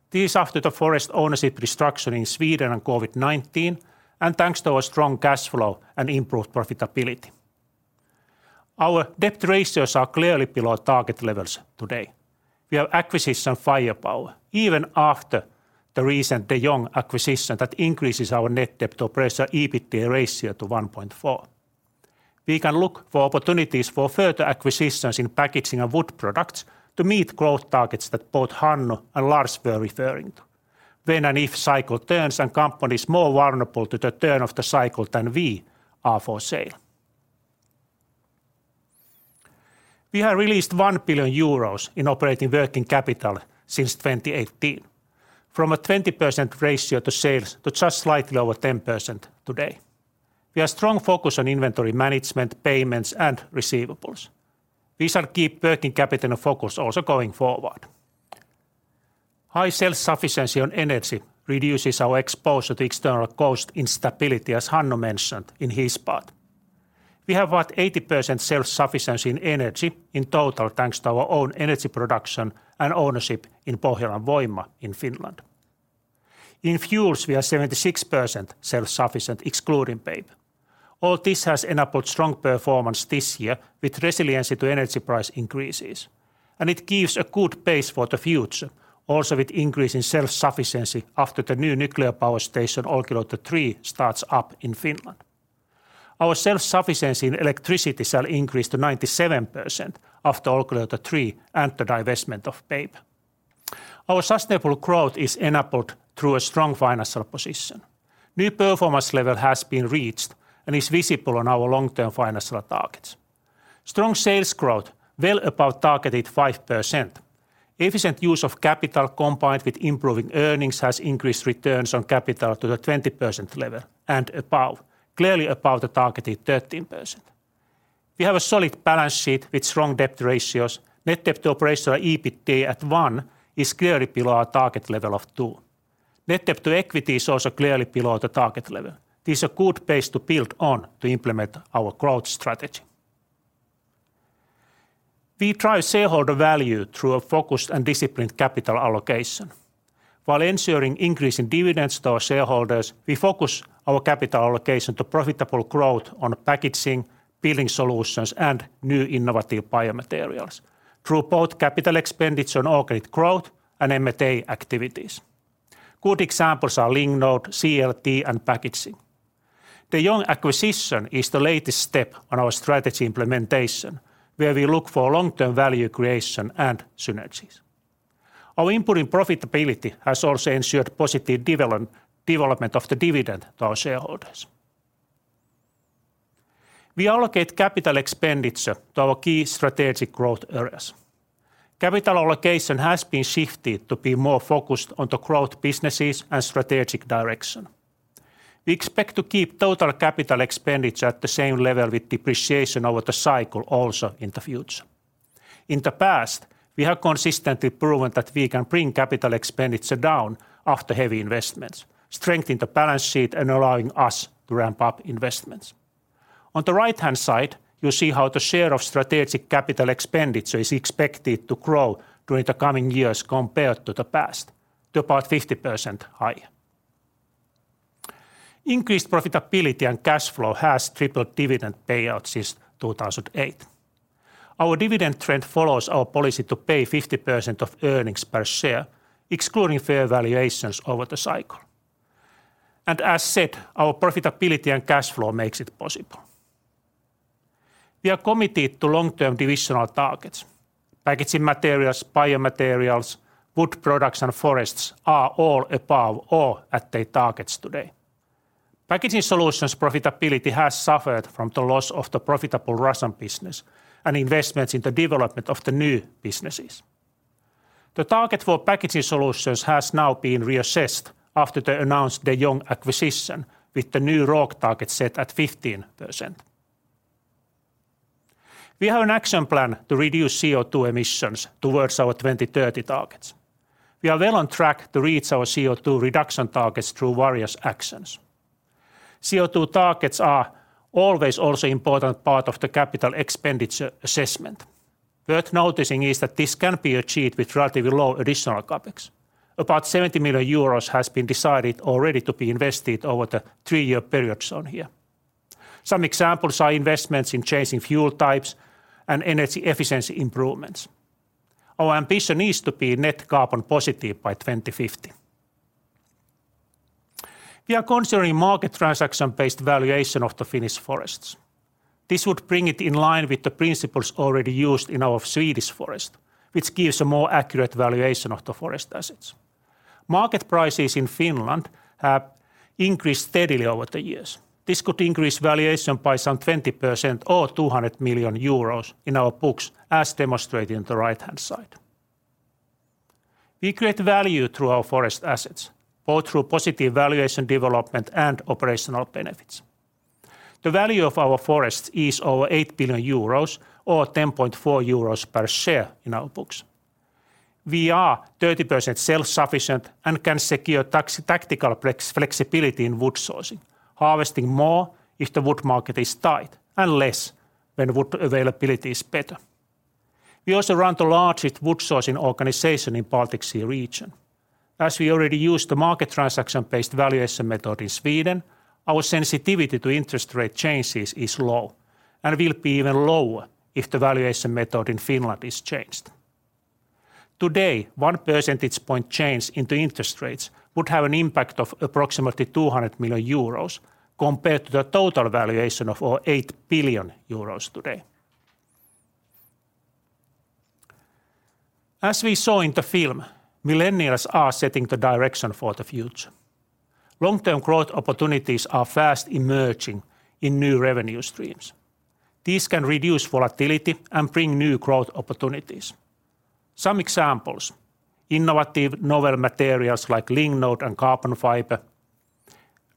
This after the forest ownership restructure in Sweden and COVID-19, and thanks to our strong cash flow and improved profitability. Our debt ratios are clearly below target levels today. We have acquisition firepower even after the recent De Jong acquisition that increases our net debt to operational EBITDA ratio to 1.4. We can look for opportunities for further acquisitions in packaging and wood products to meet growth targets that both Hannu and Lars were referring to when and if cycle turns and companies more vulnerable to the turn of the cycle than we are for sale. We have released 1 billion euros in operating working capital since 2018, from a 20% ratio to sales to just slightly over 10% today. We have a strong focus on inventory management, payments, and receivables. These are key working capital focus also going forward. High self-sufficiency on energy reduces our exposure to external cost instability, as Hannu mentioned in his part. We have about 80% self-sufficiency in energy in total thanks to our own energy production and ownership in Pohjolan Voima in Finland. In fuels, we are 76% self-sufficient, excluding paper. All this has enabled strong performance this year with resiliency to energy price increases, and it gives a good base for the future, also with increase in self-sufficiency after the new nuclear power station, Olkiluoto 3, starts up in Finland. Our self-sufficiency in electricity shall increase to 97% after Olkiluoto 3 and the divestment of paper. Our sustainable growth is enabled through a strong financial position. New performance level has been reached and is visible on our long-term financial targets. Strong sales growth well above targeted 5%. Efficient use of capital combined with improving earnings has increased returns on capital to the 20% level and above, clearly above the targeted 13%. We have a solid balance sheet with strong debt ratios. Net debt to operational EBITDA at 1 is clearly below our target level of 2. Net debt to equity is also clearly below the target level. This is a good base to build on to implement our growth strategy. We drive shareholder value through a focused and disciplined capital allocation. While ensuring increase in dividends to our shareholders, we focus our capital allocation to profitable growth on packaging, building solutions, and new innovative biomaterials through both capital expenditure on organic growth and M&A activities. Good examples are Lignode, CLT, and packaging. De Jong acquisition is the latest step on our strategy implementation, where we look for long-term value creation and synergies. Our input in profitability has also ensured positive development of the dividend to our shareholders. We allocate capital expenditure to our key strategic growth areas. Capital allocation has been shifted to be more focused on the growth businesses and strategic direction. We expect to keep total capital expenditure at the same level with depreciation over the cycle also in the future. In the past, we have consistently proven that we can bring capital expenditure down after heavy investments, strengthen the balance sheet, and allowing us to ramp up investments. On the right-hand side, you see how the share of strategic capital expenditure is expected to grow during the coming years compared to the past, to about 50% higher. Increased profitability and cash flow has tripled dividend payouts since 2008. Our dividend trend follows our policy to pay 50% of earnings per share, excluding fair valuations over the cycle. As said, our profitability and cash flow makes it possible. We are committed to long-term divisional targets. Packaging materials, biomaterials, wood products, and forests are all above or at their targets today. Packaging Solutions profitability has suffered from the loss of the profitable Russian business and investments in the development of the new businesses. The target for Packaging Solutions has now been reassessed after the announced De Jong acquisition, with the new ROOC target set at 15%. We have an action plan to reduce CO2 emissions towards our 2030 targets. We are well on track to reach our CO2 reduction targets through various actions. CO2 targets are always also important part of the capital expenditure assessment. Worth noticing is that this can be achieved with relatively low additional CapEx. About 70 million euros has been decided already to be invested over the three-year period shown here. Some examples are investments in changing fuel types and energy efficiency improvements. Our ambition is to be net carbon positive by 2050. We are considering market transaction-based valuation of the Finnish forests. This would bring it in line with the principles already used in our Swedish forest, which gives a more accurate valuation of the forest assets. Market prices in Finland have increased steadily over the years. This could increase valuation by some 20% or 200 million euros in our books, as demonstrated on the right-hand side. We create value through our forest assets, both through positive valuation development and operational benefits. The value of our forests is over 8 billion euros or 10.4 euros per share in our books. We are 30% self-sufficient and can secure tactical flexibility in wood sourcing, harvesting more if the wood market is tight and less when wood availability is better. We also run the largest wood sourcing organization in Baltic Sea region. As we already use the market transaction-based valuation method in Sweden, our sensitivity to interest rate changes is low and will be even lower if the valuation method in Finland is changed. Today, one percentage point change in the interest rates would have an impact of approximately 200 million euros compared to the total valuation of our 8 billion euros today. As we saw in the film, millennials are setting the direction for the future. Long-term growth opportunities are fast emerging in new revenue streams. These can reduce volatility and bring new growth opportunities. Some examples, innovative novel materials like Lignode and carbon fiber,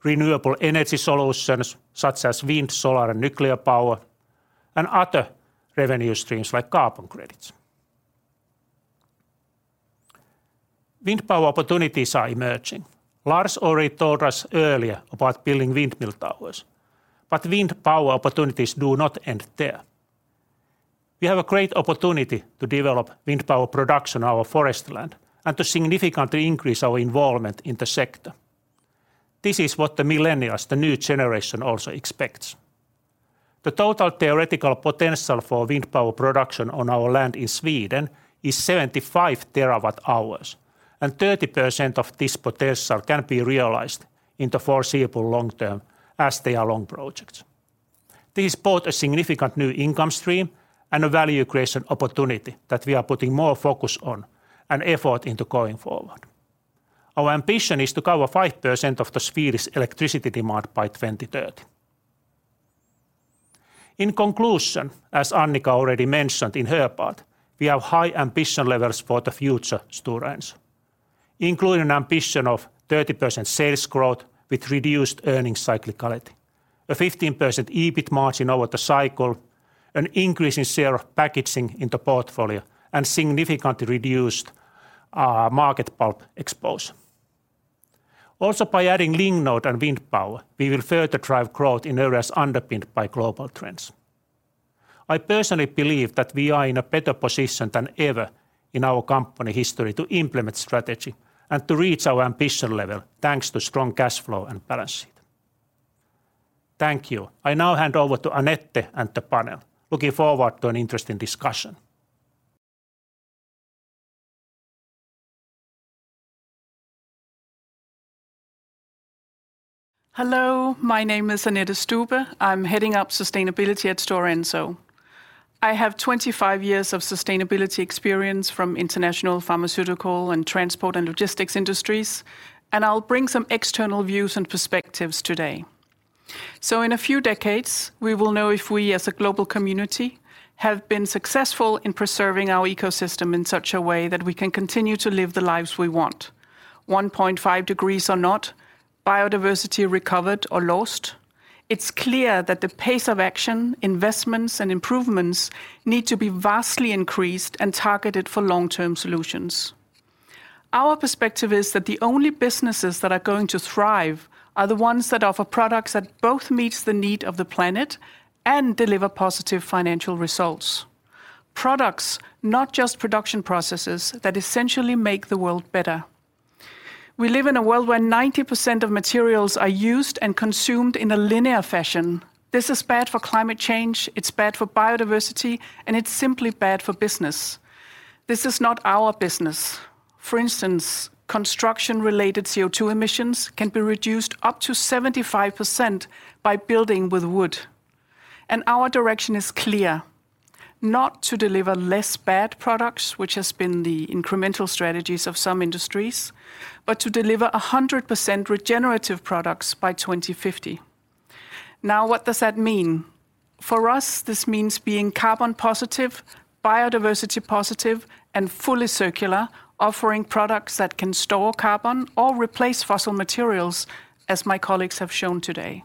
renewable energy solutions such as wind, solar, and nuclear power, and other revenue streams like carbon credits. Wind power opportunities are emerging. Lars already told us earlier about building windmill towers, but wind power opportunities do not end there. We have a great opportunity to develop wind power production on our forest land and to significantly increase our involvement in the sector. This is what the millennials, the new generation, also expects. The total theoretical potential for wind power production on our land in Sweden is 75 TWh, and 30% of this potential can be realized in the foreseeable long term as they are long projects. This brought a significant new income stream and a value creation opportunity that we are putting more focus on and effort into going forward. Our ambition is to cover 5% of the Swedish electricity demand by 2030. In conclusion, as Annica already mentioned in her part, we have high ambition levels for the future Stora Enso, including an ambition of 30% sales growth with reduced earnings cyclicality, a 15% EBIT margin over the cycle, an increase in share of packaging in the portfolio, and significantly reduced market pulp exposure. Also, by adding Lignode and wind power, we will further drive growth in areas underpinned by global trends. I personally believe that we are in a better position than ever in our company history to implement strategy and to reach our ambition level thanks to strong cash flow and balance sheet. Thank you. I now hand over to Annette and the panel. Looking forward to an interesting discussion. Hello, my name is Annette Stube. I'm heading up Sustainability at Stora Enso. I have 25 years of sustainability experience from international pharmaceutical and transport and logistics industries and I'll bring some external views and perspectives today. In a few decades, we will know if we as a global community have been successful in preserving our ecosystem in such a way that we can continue to live the lives we want. 1.5 degrees or not, biodiversity recovered or lost, it's clear that the pace of action, investments, and improvements need to be vastly increased and targeted for long-term solutions. Our perspective is that the only businesses that are going to thrive are the ones that offer products that both meets the need of the planet and deliver positive financial results. Products, not just production processes, that essentially make the world better. We live in a world where 90% of materials are used and consumed in a linear fashion. This is bad for climate change, it's bad for biodiversity, and it's simply bad for business. This is not our business. For instance, construction-related CO2 emissions can be reduced up to 75% by building with wood. Our direction is clear: not to deliver less bad products, which has been the incremental strategies of some industries, but to deliver 100% regenerative products by 2050. Now what does that mean? For us, this means being carbon positive, biodiversity positive, and fully circular, offering products that can store carbon or replace fossil materials as my colleagues have shown today.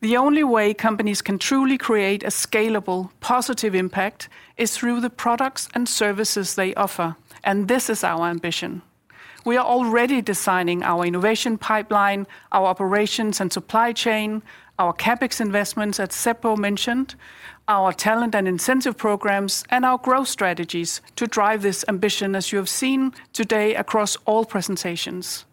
The only way companies can truly create a scalable, positive impact is through the products and services they offer, and this is our ambition. We are already designing our innovation pipeline, our operations and supply chain, our CapEx investments that Seppo mentioned, our talent and incentive programs, and our growth strategies to drive this ambition as you have seen today across all presentations.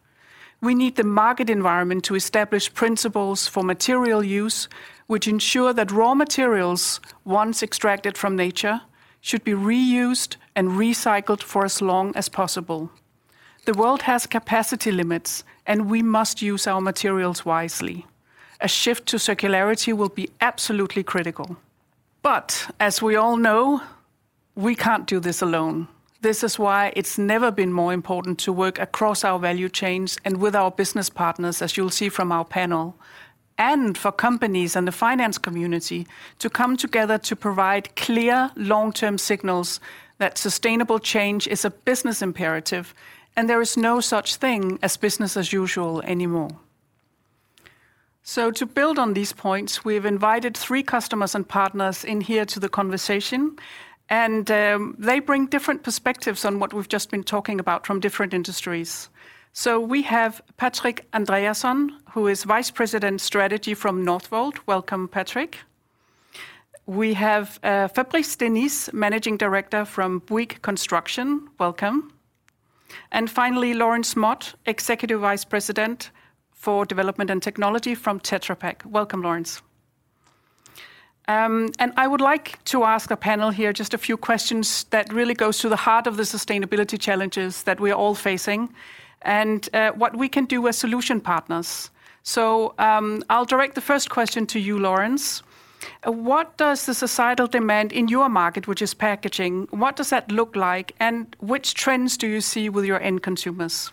We need the market environment to establish principles for material use which ensure that raw materials, once extracted from nature, should be reused and recycled for as long as possible. The world has capacity limits, and we must use our materials wisely. A shift to circularity will be absolutely critical. As we all know, we can't do this alone. This is why it's never been more important to work across our value chains and with our business partners, as you'll see from our panel. For companies and the finance community to come together to provide clear long-term signals that sustainable change is a business imperative, and there is no such thing as business as usual anymore. To build on these points, we've invited three customers and partners in here to the conversation, and they bring different perspectives on what we've just been talking about from different industries. We have Patrik Andreasson, who is Vice President Strategy from Northvolt. Welcome, Patrik. We have Fabrice Denis, Managing Director from Bouygues Construction. Welcome. And finally, Laurence Mott, Executive Vice President for Development and Technology from Tetra Pak. Welcome, Laurence. I would like to ask the panel here just a few questions that really goes to the heart of the sustainability challenges that we're all facing and what we can do as solution partners. I'll direct the first question to you, Laurence. What does the societal demand in your market, which is packaging, what does that look like, and which trends do you see with your end consumers?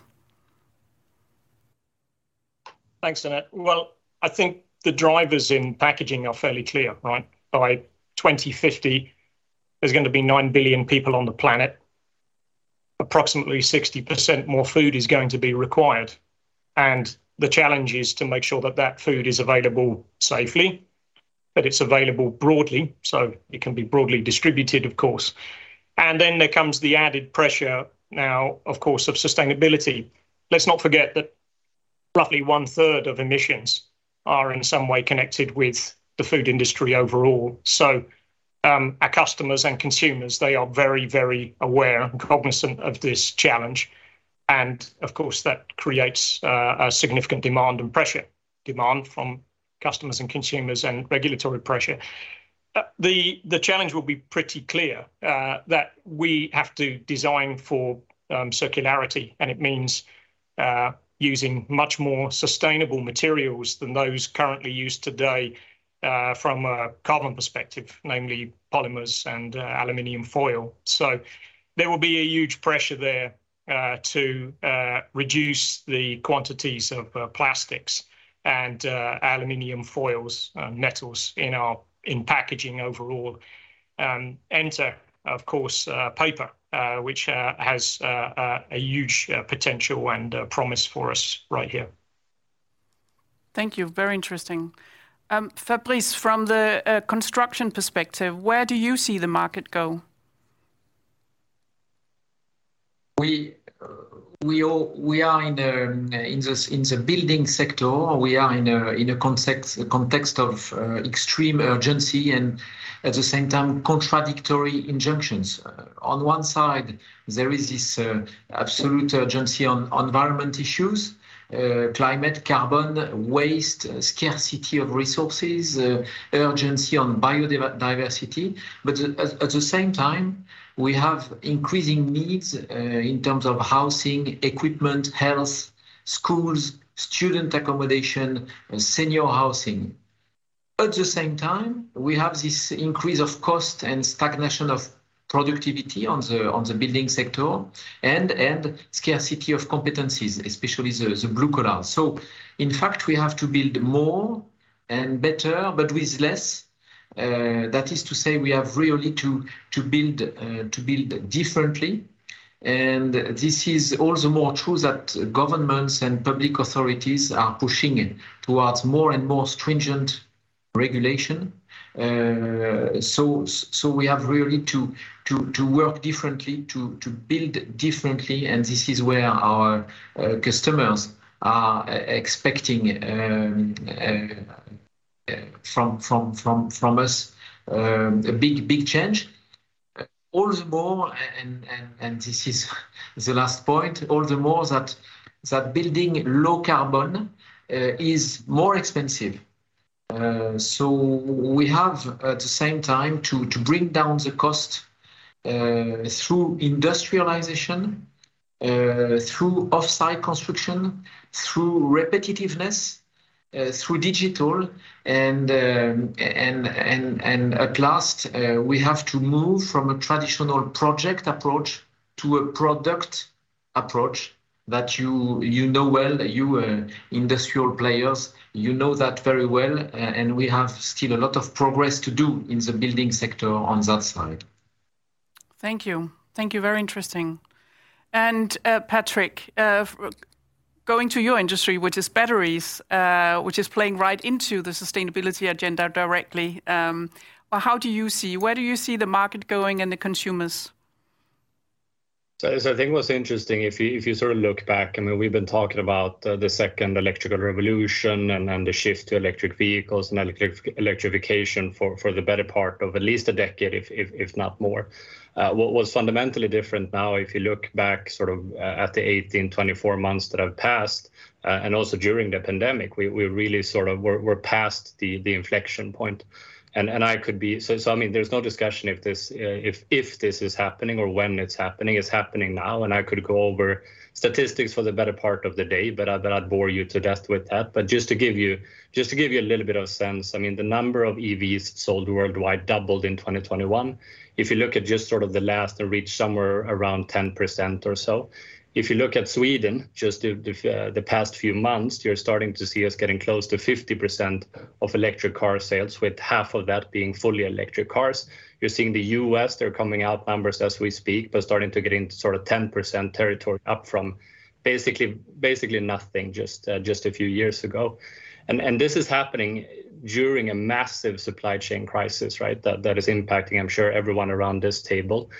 Thanks, Annette. Well, I think the drivers in packaging are fairly clear, right? By 2050, there's gonna be 9 billion people on the planet. Approximately 60% more food is going to be required, and the challenge is to make sure that that food is available safely, that it's available broadly, so it can be broadly distributed, of course. Then there comes the added pressure now, of course, of sustainability. Let's not forget that roughly one-third of emissions are in some way connected with the food industry overall. Our customers and consumers, they are very, very aware and cognizant of this challenge, and of course, that creates a significant demand and pressure. Demand from customers and consumers and regulatory pressure. The challenge will be pretty clear that we have to design for circularity, and it means using much more sustainable materials than those currently used today from a carbon perspective, namely polymers and aluminum foil. There will be a huge pressure there to reduce the quantities of plastics and aluminum foils, metals in our packaging overall. Enter, of course, paper which has a huge potential and promise for us right here. Thank you. Very interesting. Fabrice, from the construction perspective, where do you see the market go? We all are in the building sector. We are in a context of extreme urgency and at the same time contradictory injunctions. On one side, there is this absolute urgency on environmental issues, climate, carbon, waste, scarcity of resources, urgency on biodiversity. At the same time, we have increasing needs in terms of housing, equipment, health, schools, student accommodation, and senior housing. At the same time, we have this increase of cost and stagnation of productivity in the building sector and scarcity of competencies, especially the blue collar. In fact, we have to build more and better but with less. That is to say we have really to build differently. This is all the more true that governments and public authorities are pushing it towards more and more stringent regulation. We have really to work differently, to build differently, and this is where our customers are expecting from us a big change. All the more, and this is the last point, all the more that building low carbon is more expensive. We have at the same time to bring down the cost through industrialization, through offsite construction, through repetitiveness, through digital, and at last, we have to move from a traditional project approach to a product approach that you know well, you industrial players, you know that very well. We have still a lot of progress to do in the building sector on that side. Thank you. Thank you, very interesting. Patrik, going to your industry, which is batteries, which is playing right into the sustainability agenda directly, well, how do you see? Where do you see the market going and the consumers? I think what's interesting if you sort of look back, I mean, we've been talking about the second electrical revolution and the shift to electric vehicles and electrification for the better part of at least a decade if not more. What was fundamentally different now if you look back sort of at the 18-24 months that have passed and also during the pandemic, we really sort of are past the inflection point. I mean, there's no discussion if this is happening or when it's happening. It's happening now, and I could go over statistics for the better part of the day, but I'd bore you to death with that. Just to give you a little bit of sense, I mean, the number of EVs sold worldwide doubled in 2021. If you look at just sort of the share to reach somewhere around 10% or so. If you look at Sweden, just the past few months, you're starting to see us getting close to 50% of electric car sales, with half of that being fully electric cars. You're seeing the U.S., they're coming out numbers as we speak, but starting to get into sort of 10% territory up from basically nothing just a few years ago. This is happening during a massive supply chain crisis, right? That is impacting, I'm sure, everyone around this table.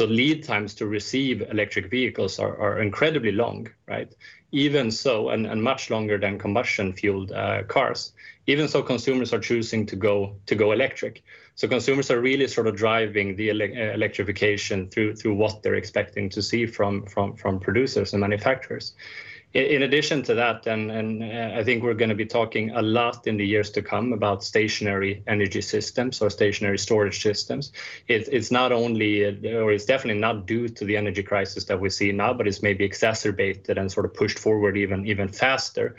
Lead times to receive electric vehicles are incredibly long, right? Even so, and much longer than combustion-fueled cars. Even so, consumers are choosing to go electric. Consumers are really sort of driving the electrification through what they're expecting to see from producers and manufacturers. In addition to that then, and I think we're gonna be talking a lot in the years to come about stationary energy systems or stationary storage systems. It's not only, or it's definitely not due to the energy crisis that we're seeing now, but it's maybe exacerbated and sort of pushed forward even faster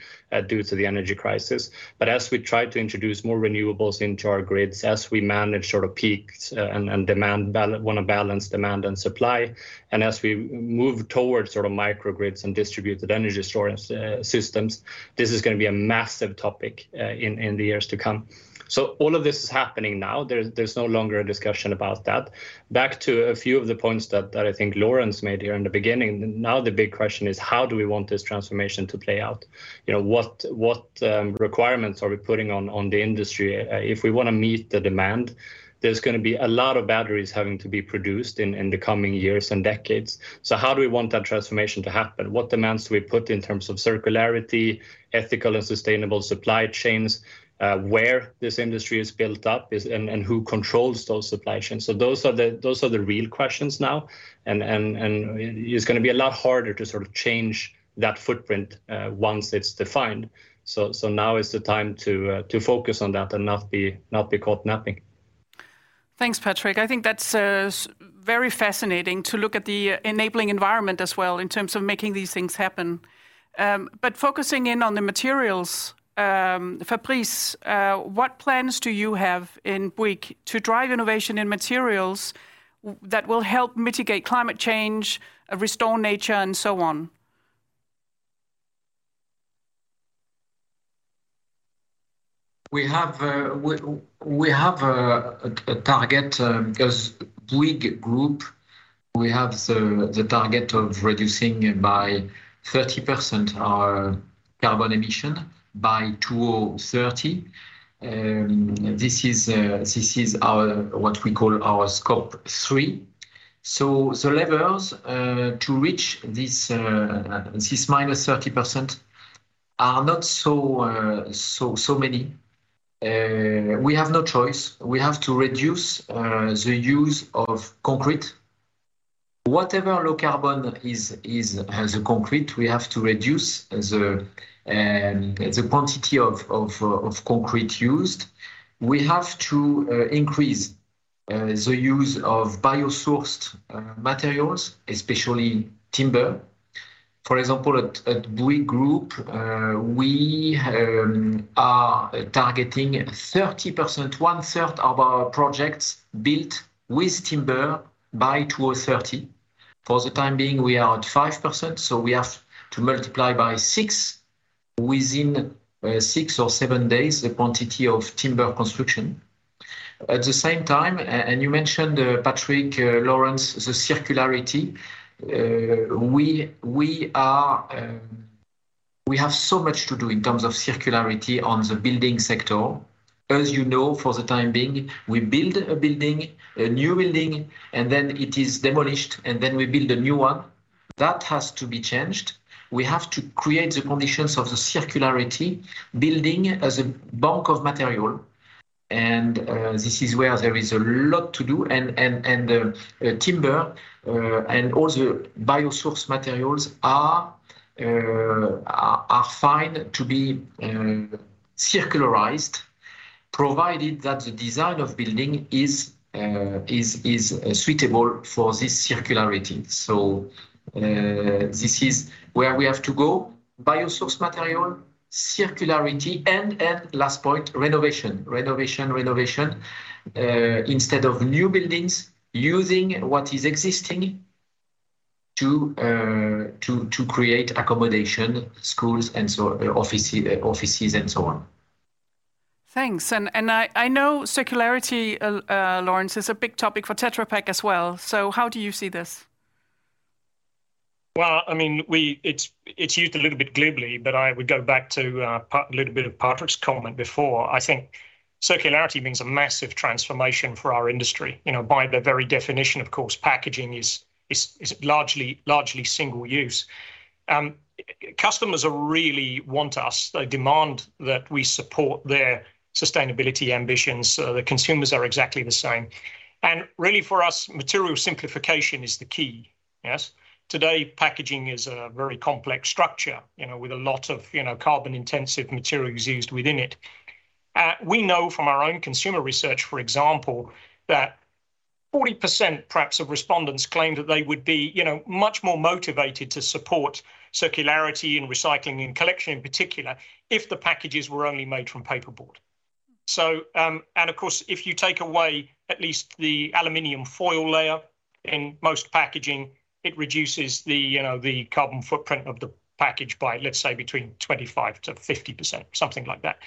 due to the energy crisis. As we try to introduce more renewables into our grids, as we manage sort of peaks, and demand balance demand and supply, and as we move towards sort of microgrids and distributed energy storage systems, this is gonna be a massive topic in the years to come. All of this is happening now. There's no longer a discussion about that. Back to a few of the points that I think Laurence made here in the beginning. Now the big question is: How do we want this transformation to play out? You know, what requirements are we putting on the industry? If we wanna meet the demand, there's gonna be a lot of batteries having to be produced in the coming years and decades. How do we want that transformation to happen? What demands do we put in terms of circularity, ethical and sustainable supply chains, where this industry is built up and who controls those supply chains? Those are the real questions now and it's gonna be a lot harder to sort of change that footprint once it's defined. Now is the time to focus on that and not be caught napping. Thanks, Patrik. I think that's very fascinating to look at the enabling environment as well in terms of making these things happen. Focusing in on the materials, Fabrice, what plans do you have in Bouygues to drive innovation in materials that will help mitigate climate change, restore nature and so on? We have a target because Bouygues Group. We have the target of reducing by 30% our carbon emission by 2030. This is what we call our Scope 3. The levers to reach this minus 30% are not so many. We have no choice. We have to reduce the use of concrete. Whatever low carbon is as a concrete, we have to reduce the quantity of concrete used. We have to increase the use of bio-sourced materials, especially timber. For example, at Bouygues Group, we are targeting 30%, one third of our projects built with timber by 2030. For the time being, we are at 5%, so we have to multiply by six within six or seven years the quantity of timber construction. At the same time, you mentioned, Patrik, Laurence, the circularity. We have so much to do in terms of circularity in the building sector. As you know, for the time being, we build a building, a new building, and then it is demolished, and then we build a new one. That has to be changed. We have to create the conditions of the circularity, building as a bank of material, and this is where there is a lot to do and timber and other bio-source materials are fine to be circularized, provided that the design of building is suitable for this circularity. This is where we have to go. Bio-source material, circularity, and last point, renovation. Renovation instead of new buildings using what is existing to create accommodation, schools and so, offices and so on. Thanks. I know circularity, Laurence, is a big topic for Tetra Pak as well. How do you see this? Well, I mean, It's used a little bit glibly, but I would go back to a little bit of Patrik's comment before. I think circularity means a massive transformation for our industry. You know, by the very definition, of course, packaging is largely single use. Customers really want us, they demand that we support their sustainability ambitions, the consumers are exactly the same. Really for us, material simplification is the key. Yes. Today, packaging is a very complex structure, you know, with a lot of, you know, carbon intensive materials used within it. We know from our own consumer research, for example, that 40% perhaps of respondents claim that they would be, you know, much more motivated to support circularity and recycling and collection in particular, if the packages were only made from paperboard. Of course, if you take away at least the aluminum foil layer in most packaging, it reduces the, you know, the carbon footprint of the package by, let's say, between 25%-50%, something like that.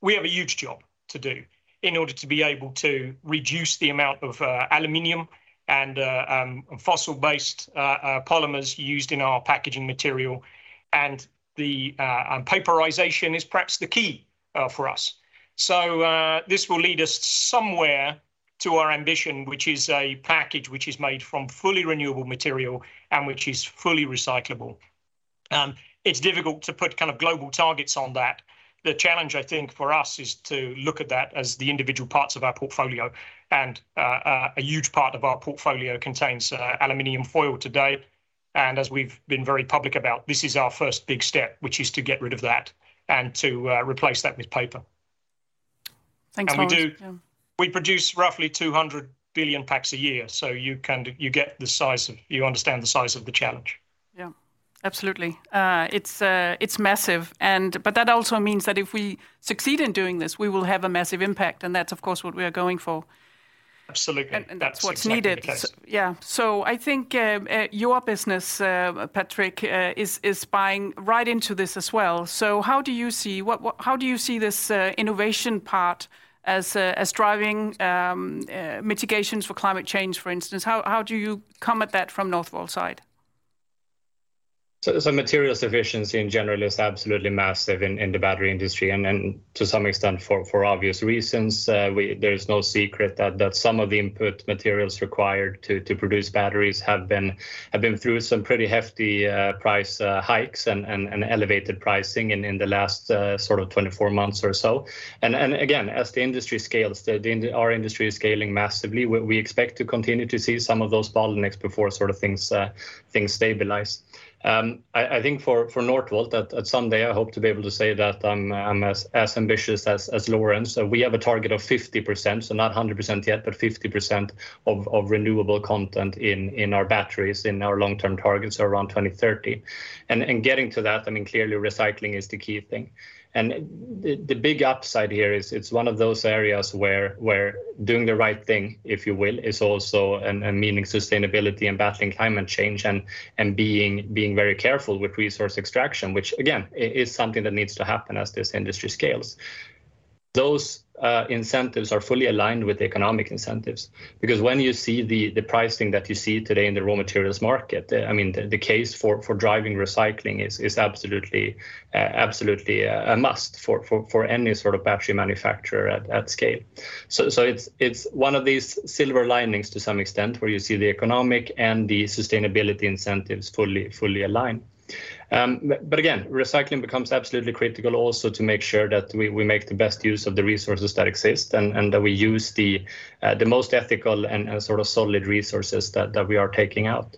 We have a huge job to do in order to be able to reduce the amount of aluminum and fossil-based polymers used in our packaging material. The paperization is perhaps the key for us. This will lead us somewhere to our ambition, which is a package which is made from fully renewable material and which is fully recyclable. It's difficult to put kind of global targets on that. The challenge, I think, for us, is to look at that as the individual parts of our portfolio and, a huge part of our portfolio contains, aluminum foil today. As we've been very public about, this is our first big step, which is to get rid of that and to replace that with paper. Thanks, Laurence. Yeah. We produce roughly 200 billion packs a year, so you get the size of, you understand the size of the challenge. Yeah. Absolutely. It's massive, and that also means that if we succeed in doing this, we will have a massive impact, and that's of course what we are going for. Absolutely. That's what's needed. That's exactly the case. Yeah. I think your business, Patrik, is buying right into this as well. How do you see this innovation part as driving mitigations for climate change, for instance? How do you come at that from Northvolt's side? Materials efficiency in general is absolutely massive in the battery industry, and to some extent for obvious reasons. There's no secret that some of the input materials required to produce batteries have been through some pretty hefty price hikes and elevated pricing in the last sort of 24 months or so. Again, as the industry scales, our industry is scaling massively, we expect to continue to see some of those bottlenecks before sort of things stabilize. I think for Northvolt, someday I hope to be able to say that I'm as ambitious as Laurence. We have a target of 50%, so not 100% yet, but 50% of renewable content in our batteries in our long-term targets around 2030. Getting to that, I mean, clearly recycling is the key thing. The big upside here is it's one of those areas where doing the right thing, if you will, is also a meaning sustainability and battling climate change and being very careful with resource extraction, which again, is something that needs to happen as this industry scales. Those incentives are fully aligned with economic incentives because when you see the pricing that you see today in the raw materials market, I mean the case for driving recycling is absolutely a must for any sort of battery manufacturer at scale. It's one of these silver linings to some extent where you see the economic and the sustainability incentives fully align. Again, recycling becomes absolutely critical also to make sure that we make the best use of the resources that exist and that we use the most ethical and sort of solid resources that we are taking out.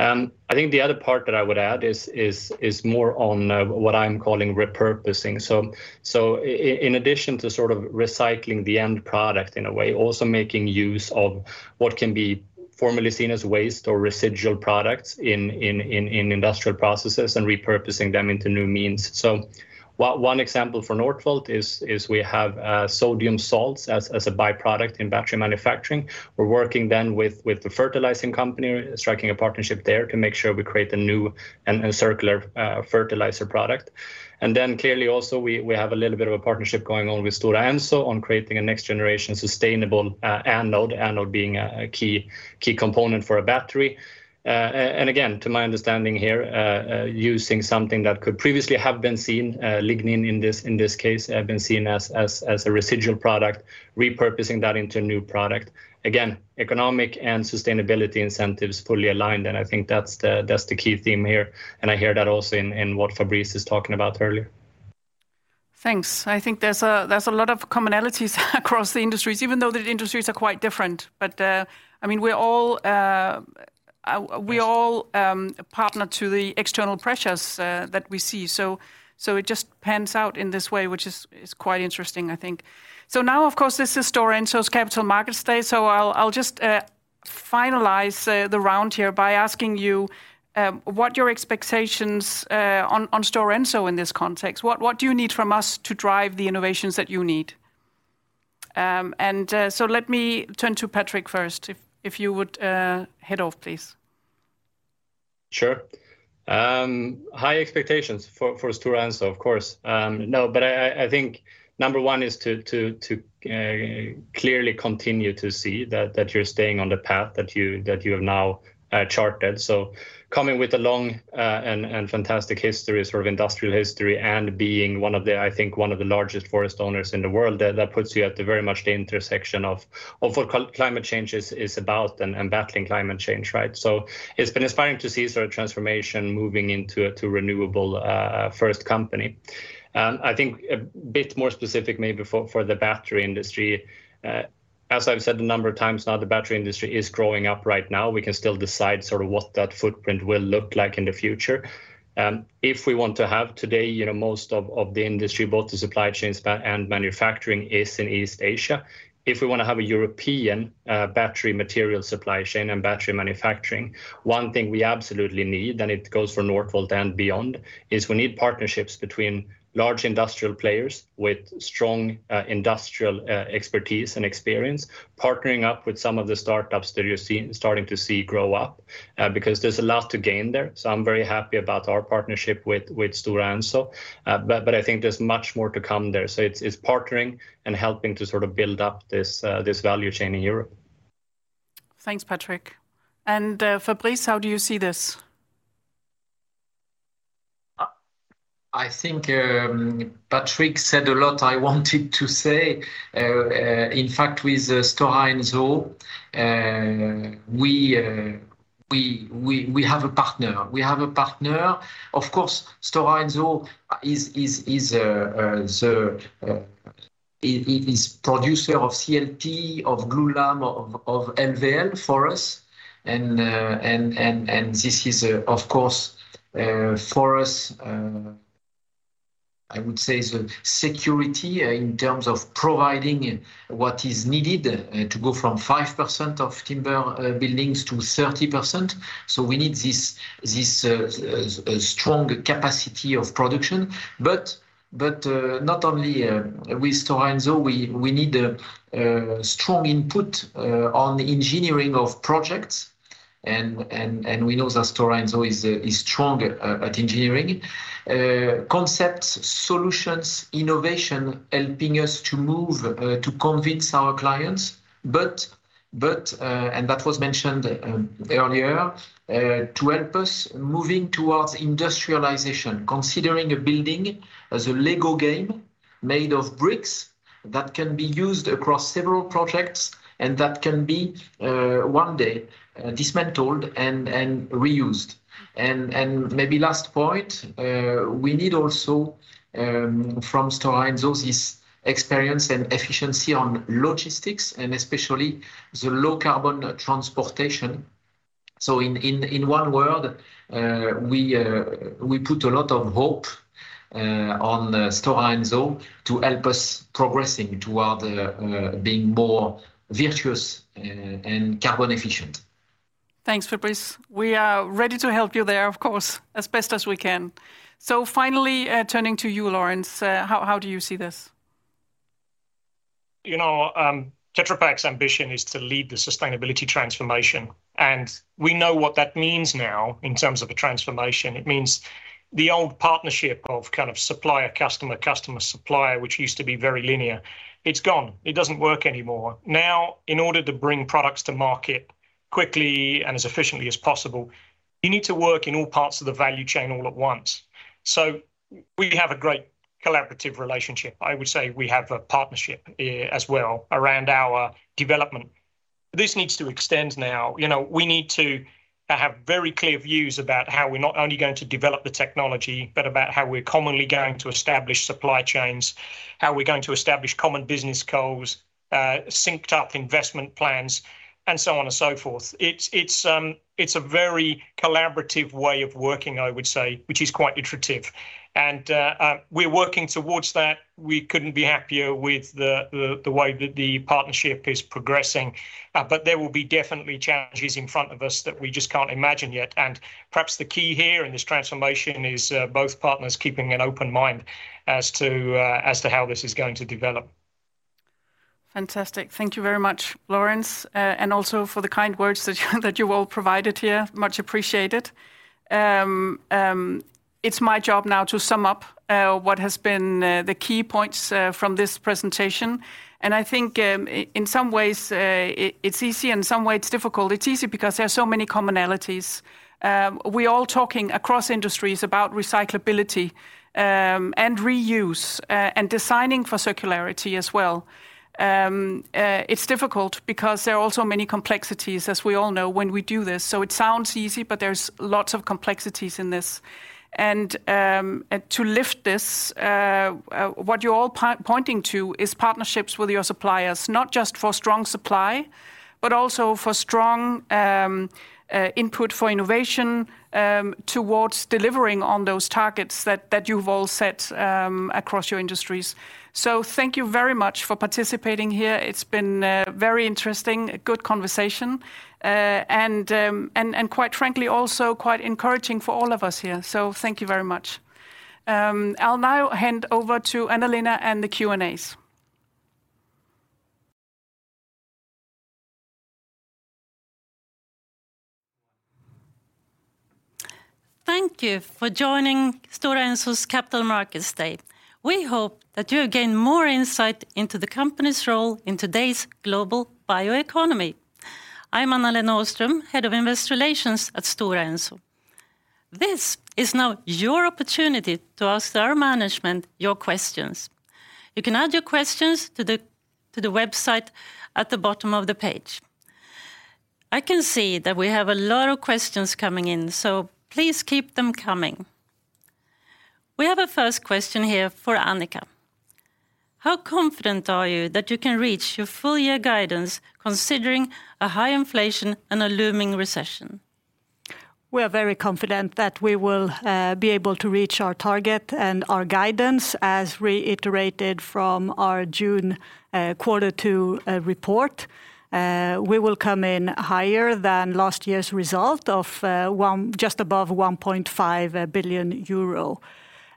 I think the other part that I would add is more on what I'm calling repurposing. In addition to sort of recycling the end product in a way, also making use of what can be formerly seen as waste or residual products in industrial processes and repurposing them into new means. One example for Northvolt is we have sodium salts as a by-product in battery manufacturing. We're working with the fertilizing company, striking a partnership there to make sure we create a new and circular fertilizer product. Clearly also we have a little bit of a partnership going on with Stora Enso on creating a next generation sustainable anode being a key component for a battery. Again, to my understanding here, using something that could previously have been seen, lignin in this case, have been seen as a residual product, repurposing that into a new product. Again, economic and sustainability incentives fully aligned, and I think that's the key theme here, and I hear that also in what Fabrice is talking about earlier. Thanks. I think there's a lot of commonalities across the industries, even though the industries are quite different. I mean, we're all subject to the external pressures that we see. It just pans out in this way, which is quite interesting, I think. Now, of course, this is Stora Enso's Capital Markets Day, so I'll just finalize the round here by asking you what your expectations on Stora Enso in this context. What do you need from us to drive the innovations that you need? Let me turn to Patrik first, if you would head off, please. Sure. High expectations for Stora Enso, of course. No, but I think number one is to clearly continue to see that you're staying on the path that you have now charted. Coming with a long and fantastic history, sort of industrial history, and being one of the largest forest owners in the world, that puts you at the very much the intersection of what climate change is about and battling climate change, right? It's been inspiring to see sort of transformation moving into a renewable first company. I think a bit more specific maybe for the battery industry, as I've said a number of times now, the battery industry is growing up right now. We can still decide sort of what that footprint will look like in the future. If we want to have today, you know, most of the industry, both the supply chains and manufacturing is in East Asia. If we wanna have a European battery material supply chain and battery manufacturing, one thing we absolutely need, and it goes for Northvolt and beyond, is we need partnerships between large industrial players with strong industrial expertise and experience, partnering up with some of the startups that you're starting to see grow up, because there's a lot to gain there. I'm very happy about our partnership with Stora Enso. I think there's much more to come there. It's partnering and helping to sort of build up this value chain in Europe. Thanks, Patrik. Fabrice, how do you see this? I think Patrik said a lot I wanted to say. In fact, with Stora Enso, we have a partner. Of course, Stora Enso is the producer of CLT, of glulam, of LVL for us. This is, of course, for us, I would say the security in terms of providing what is needed to go from 5% of timber buildings to 30%. We need this strong capacity of production. Not only with Stora Enso, we need a strong input on the engineering of projects and we know that Stora Enso is strong at engineering. concepts, solutions, innovation, helping us to move to convince our clients, but and that was mentioned earlier to help us moving towards industrialization, considering a building as a Lego game made of bricks that can be used across several projects and that can be one day dismantled and reused. Maybe last point, we need also from Stora Enso experience and efficiency on logistics and especially the low carbon transportation. In one word, we put a lot of hope on Stora Enso to help us progressing toward being more virtuous and carbon efficient. Thanks, Fabrice. We are ready to help you there, of course, as best as we can. Finally, turning to you, Laurence, how do you see this? You know, Tetra Pak's ambition is to lead the sustainability transformation, and we know what that means now in terms of a transformation. It means the old partnership of kind of supplier-customer, customer-supplier, which used to be very linear. It's gone. It doesn't work anymore. Now, in order to bring products to market quickly and as efficiently as possible, you need to work in all parts of the value chain all at once. We have a great collaborative relationship. I would say we have a partnership, as well around our development. This needs to extend now. You know, we need to have very clear views about how we're not only going to develop the technology, but about how we're commonly going to establish supply chains, how we're going to establish common business goals, synced up investment plans, and so on and so forth. It's a very collaborative way of working, I would say, which is quite iterative. We're working towards that. We couldn't be happier with the way that the partnership is progressing. There will be definitely challenges in front of us that we just can't imagine yet. Perhaps the key here in this transformation is both partners keeping an open mind as to how this is going to develop. Fantastic. Thank you very much, Laurence, and also for the kind words that you all provided here. Much appreciated. It's my job now to sum up what has been the key points from this presentation, and I think, in some ways, it's easy, in some way it's difficult. It's easy because there are so many commonalities. We're all talking across industries about recyclability, and reuse, and designing for circularity as well. It's difficult because there are also many complexities, as we all know, when we do this. It sounds easy, but there's lots of complexities in this. To lift this, what you're all pointing to is partnerships with your suppliers, not just for strong supply, but also for strong input for innovation, towards delivering on those targets that you've all set across your industries. Thank you very much for participating here. It's been a very interesting, good conversation. Quite frankly, also quite encouraging for all of us here, thank you very much. I'll now hand over to Anna-Lena and the Q&As. Thank you for joining Stora Enso's Capital Markets Day. We hope that you gain more insight into the company's role in today's global bioeconomy. I'm Anna-Lena Åström, Head of Investor Relations at Stora Enso. This is now your opportunity to ask our management your questions. You can add your questions to the website at the bottom of the page. I can see that we have a lot of questions coming in, so please keep them coming. We have a first question here for Annica. How confident are you that you can reach your full year guidance considering a high inflation and a looming recession? We are very confident that we will be able to reach our target and our guidance, as reiterated from our June quarter two report. We will come in higher than last year's result of 1 billion, just above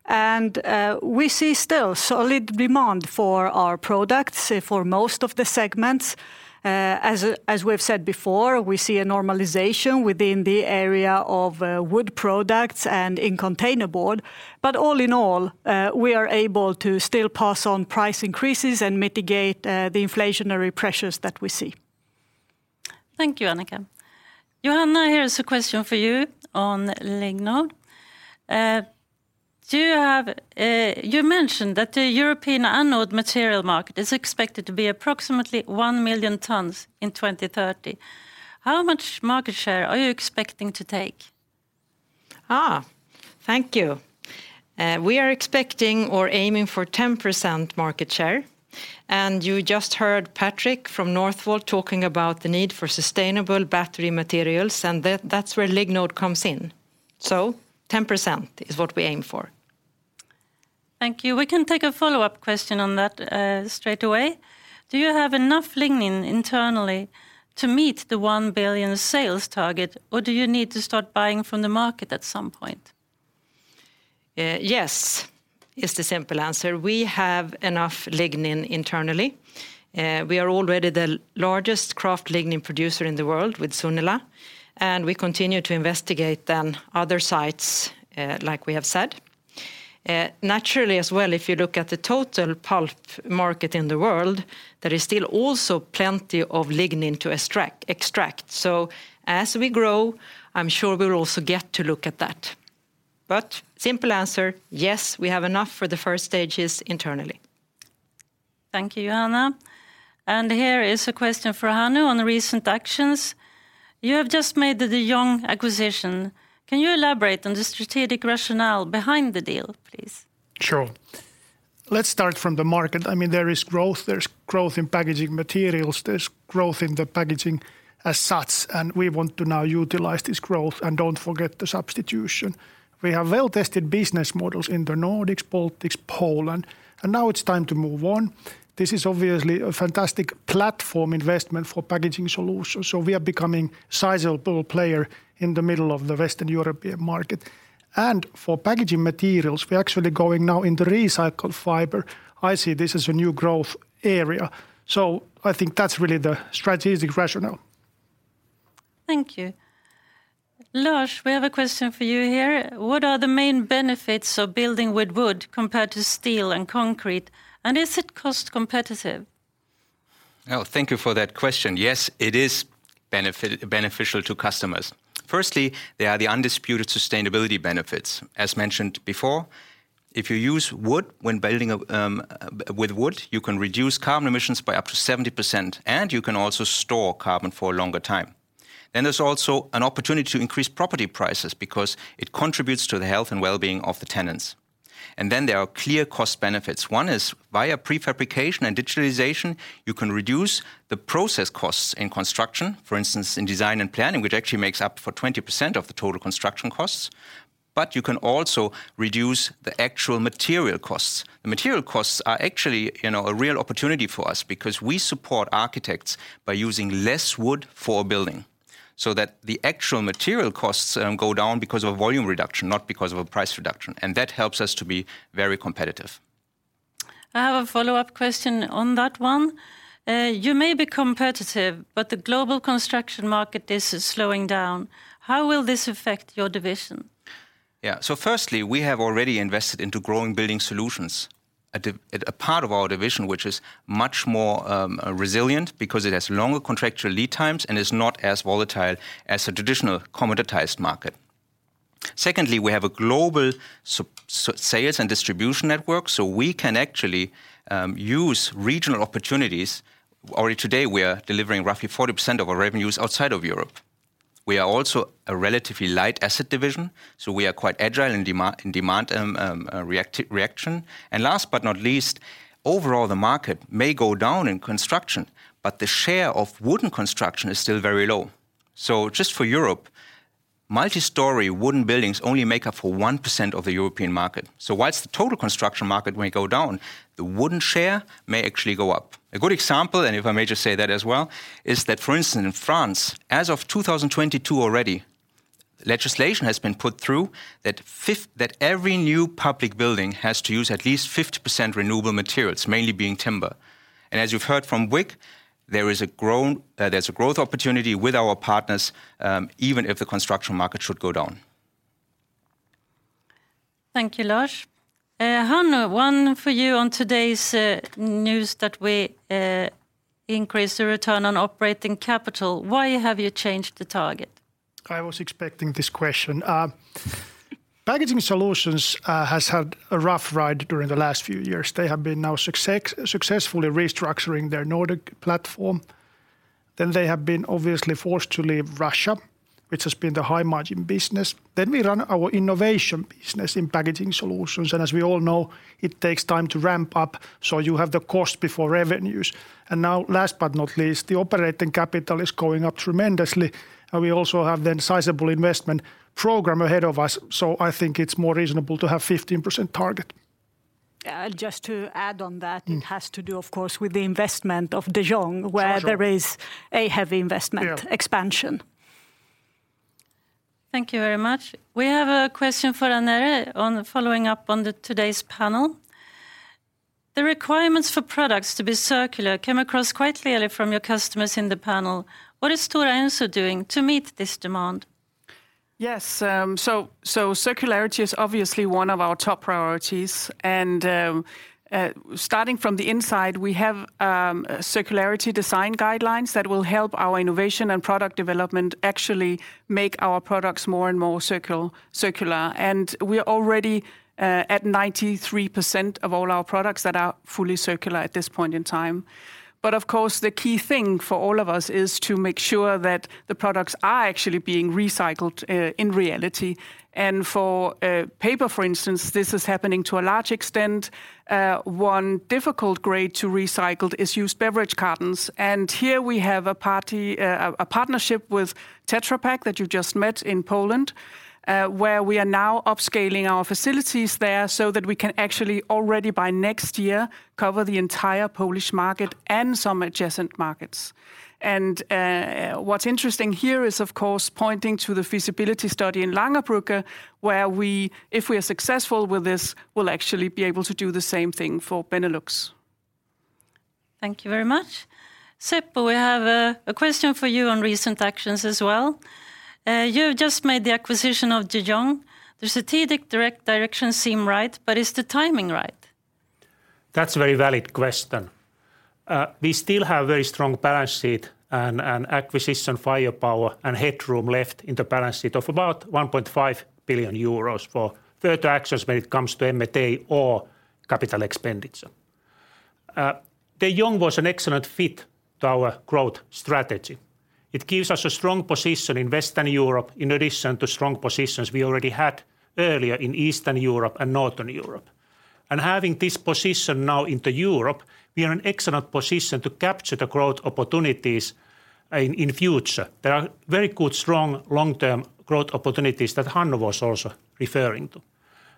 1.5 billion euro. We see still solid demand for our products for most of the segments. As we've said before, we see a normalization within the area of wood products and in container board. All in all, we are able to still pass on price increases and mitigate the inflationary pressures that we see. Thank you, Annica. Johanna, here is a question for you on Lignode. You mentioned that the European anode material market is expected to be approximately 1 million tons in 2030. How much market share are you expecting to take? Thank you. We are expecting or aiming for 10% market share. You just heard Patrik Andreasson from Northvolt talking about the need for sustainable battery materials, and that's where Lignode comes in. 10% is what we aim for. Thank you. We can take a follow-up question on that, straight away. Do you have enough lignin internally to meet the 1 billion sales target, or do you need to start buying from the market at some point? Yes is the simple answer. We have enough lignin internally. We are already the largest kraft lignin producer in the world with Sunila, and we continue to investigate then other sites, like we have said. Naturally as well, if you look at the total pulp market in the world, there is still also plenty of lignin to extract. As we grow, I'm sure we'll also get to look at that. Simple answer, yes, we have enough for the first stages internally. Thank you, Johanna. Here is a question for Hannu on recent actions. You have just made the De Jong acquisition. Can you elaborate on the strategic rationale behind the deal, please? Sure. Let's start from the market. I mean, there is growth, there's growth in packaging materials, there's growth in the packaging as such, and we want to now utilize this growth, and don't forget the substitution. We have well-tested business models in the Nordics, Baltics, Poland, and now it's time to move on. This is obviously a fantastic platform investment for packaging solutions, so we are becoming sizable player in the middle of the Western European market. For packaging materials, we are actually going now into recycled fiber. I see this as a new growth area. I think that's really the strategic rationale. Thank you. Lars, we have a question for you here. What are the main benefits of building with wood compared to steel and concrete, and is it cost competitive? Oh, thank you for that question. Yes, it is beneficial to customers. Firstly, there are the undisputed sustainability benefits. As mentioned before, if you use wood when building with wood, you can reduce carbon emissions by up to 70%, and you can also store carbon for a longer time. There is also an opportunity to increase property prices because it contributes to the health and wellbeing of the tenants. There are clear cost benefits. One is via prefabrication and digitalization, you can reduce the process costs in construction, for instance, in design and planning, which actually makes up for 20% of the total construction costs. You can also reduce the actual material costs. The material costs are actually, you know, a real opportunity for us because we support architects by using less wood for building. That the actual material costs go down because of volume reduction, not because of a price reduction, and that helps us to be very competitive. I have a follow-up question on that one. You may be competitive, but the global construction market is slowing down. How will this affect your division? Yeah. Firstly, we have already invested into growing building solutions at a part of our division which is much more resilient because it has longer contractual lead times and is not as volatile as the traditional commoditized market. Secondly, we have a global sales and distribution network, so we can actually use regional opportunities. Already today we are delivering roughly 40% of our revenues outside of Europe. We are also a relatively light asset division, so we are quite agile in demand reaction. Last but not least, overall the market may go down in construction, but the share of wooden construction is still very low. Just for Europe, multi-story wooden buildings only make up for 1% of the European market. While the total construction market may go down, the wooden share may actually go up. A good example, and if I may just say that as well, is that, for instance, in France, as of 2022 already, legislation has been put through that every new public building has to use at least 50% renewable materials, mainly being timber. As you've heard from Bouygues, there is a growth opportunity with our partners, even if the construction market should go down. Thank you, Lars. Hannu, one for you on today's news that we increase the return on operating capital. Why have you changed the target? I was expecting this question. Packaging Solutions has had a rough ride during the last few years. They have been now successfully restructuring their Nordic platform. They have been obviously forced to leave Russia, which has been the high-margin business. We run our innovation business in Packaging Solutions, and as we all know, it takes time to ramp up, so you have the cost before revenues. Now, last but not least, the operating capital is going up tremendously, and we also have the sizable investment program ahead of us, so I think it's more reasonable to have 15% target. Just to add on that. Mm. It has to do, of course, with the investment of De Jong. De Jong. Where there is a heavy investment. Yeah Expansion. Thank you very much. We have a question for Annette Stube on following up on today's panel. The requirements for products to be circular came across quite clearly from your customers in the panel. What is Stora Enso doing to meet this demand? Yes, circularity is obviously one of our top priorities. Starting from the inside, we have circularity design guidelines that will help our innovation and product development actually make our products more and more circular. We are already at 93% of all our products that are fully circular at this point in time. Of course, the key thing for all of us is to make sure that the products are actually being recycled in reality. For paper, for instance, this is happening to a large extent. One difficult grade to recycle is used beverage cartons, and here we have a partnership with Tetra Pak that you just met in Poland, where we are now upscaling our facilities there so that we can actually already by next year cover the entire Polish market and some adjacent markets. What's interesting here is, of course, pointing to the feasibility study in Langerbrugge where we, if we are successful with this, will actually be able to do the same thing for Benelux. Thank you very much. Seppo, we have a question for you on recent actions as well. You've just made the acquisition of De Jong. The strategic direction seems right, but is the timing right? That's a very valid question. We still have very strong balance sheet and acquisition firepower and headroom left in the balance sheet of about 1.5 billion euros for further actions when it comes to M&A or capital expenditure. De Jong was an excellent fit to our growth strategy. It gives us a strong position in Western Europe in addition to strong positions we already had earlier in Eastern Europe and Northern Europe. Having this position now in Europe, we are in excellent position to capture the growth opportunities in future. There are very good, strong long-term growth opportunities that Hannu was also referring to.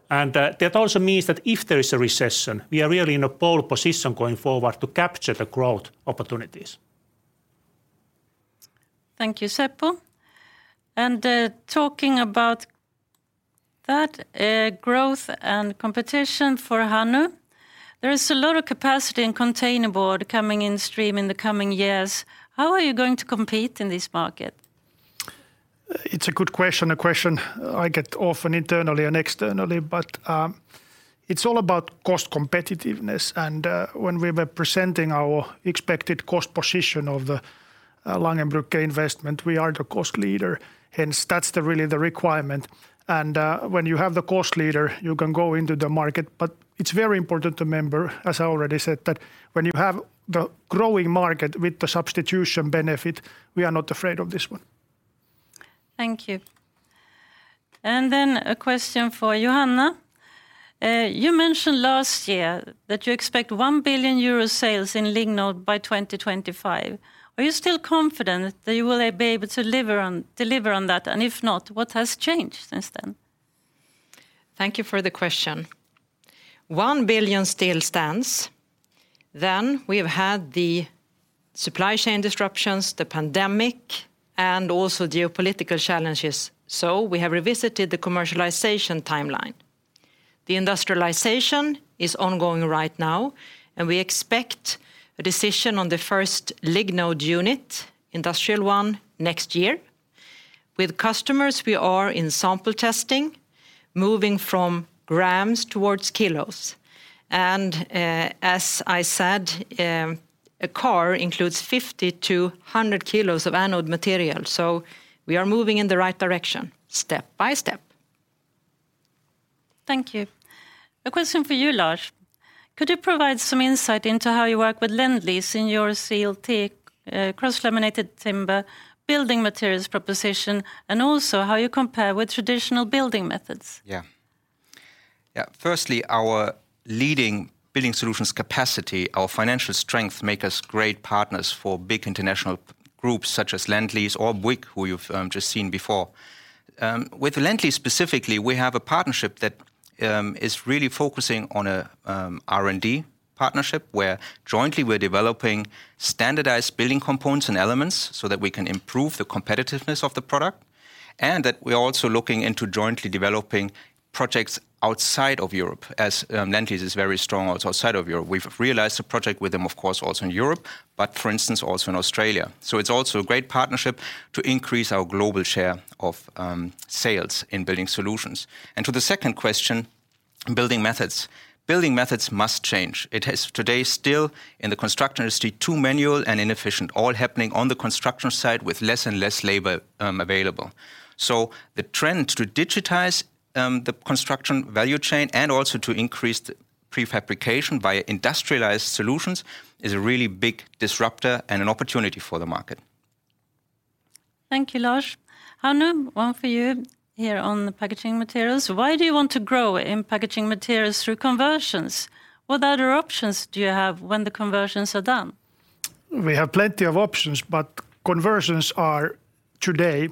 That also means that if there is a recession, we are really in a pole position going forward to capture the growth opportunities. Thank you, Seppo. Talking about that, growth and competition for Hannu, there is a lot of capacity in container board coming on stream in the coming years. How are you going to compete in this market? It's a good question, a question I get often internally and externally. It's all about cost competitiveness, and when we were presenting our expected cost position of the Langerbrugge investment, we are the cost leader, hence that's really the requirement. When you have the cost leader, you can go into the market. It's very important to remember, as I already said, that when you have the growing market with the substitution benefit, we are not afraid of this one. Thank you. A question for Johanna. You mentioned last year that you expect 1 billion euro sales in Lignode by 2025. Are you still confident that you will be able to deliver on that? If not, what has changed since then? Thank you for the question. 1 billion still stands. We have had the supply chain disruptions, the pandemic, and also geopolitical challenges, so we have revisited the commercialization timeline. The industrialization is ongoing right now, and we expect a decision on the first Lignode unit, industrial one, next year. With customers, we are in sample testing, moving from grams towards kilos. As I said, a car includes 50-100 kilos of anode material, so we are moving in the right direction step by step. Thank you. A question for you, Lars. Could you provide some insight into how you work with Lendlease in your CLT, cross-laminated timber building materials proposition, and also how you compare with traditional building methods? Firstly, our leading building solutions capacity, our financial strength make us great partners for big international groups such as Lendlease or, Bouygues, who you've just seen before. With Lendlease specifically, we have a partnership that is really focusing on a R&D partnership where jointly we're developing standardized building components and elements so that we can improve the competitiveness of the product and that we are also looking into jointly developing projects outside of Europe, as Lendlease is very strong also outside of Europe. We've realized a project with them, of course, also in Europe, but for instance, also in Australia. So it's also a great partnership to increase our global share of sales in building solutions. To the second question, building methods. Building methods must change. It is today still in the construction industry too manual and inefficient, all happening on the construction site with less and less labor, available. The trend to digitize the construction value chain and also to increase the prefabrication via industrialized solutions is a really big disruptor and an opportunity for the market. Thank you, Lars. Hannu, one for you here on the packaging materials. Why do you want to grow in packaging materials through conversions? What other options do you have when the conversions are done? We have plenty of options, but conversions are today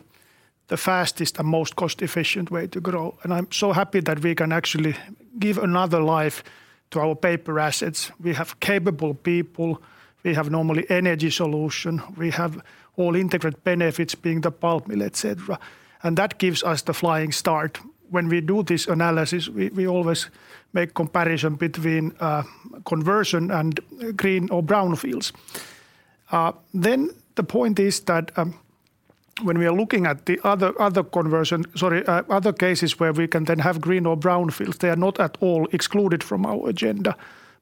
the fastest and most cost-efficient way to grow, and I'm so happy that we can actually give another life to our paper assets. We have capable people. We have normally energy solution. We have all integrated benefits, being the pulp mill, et cetera, and that gives us the flying start. When we do this analysis, we always make comparison between conversion and greenfield or brownfield. Then the point is that when we are looking at other cases where we can then have greenfield or brownfield, they are not at all excluded from our agenda.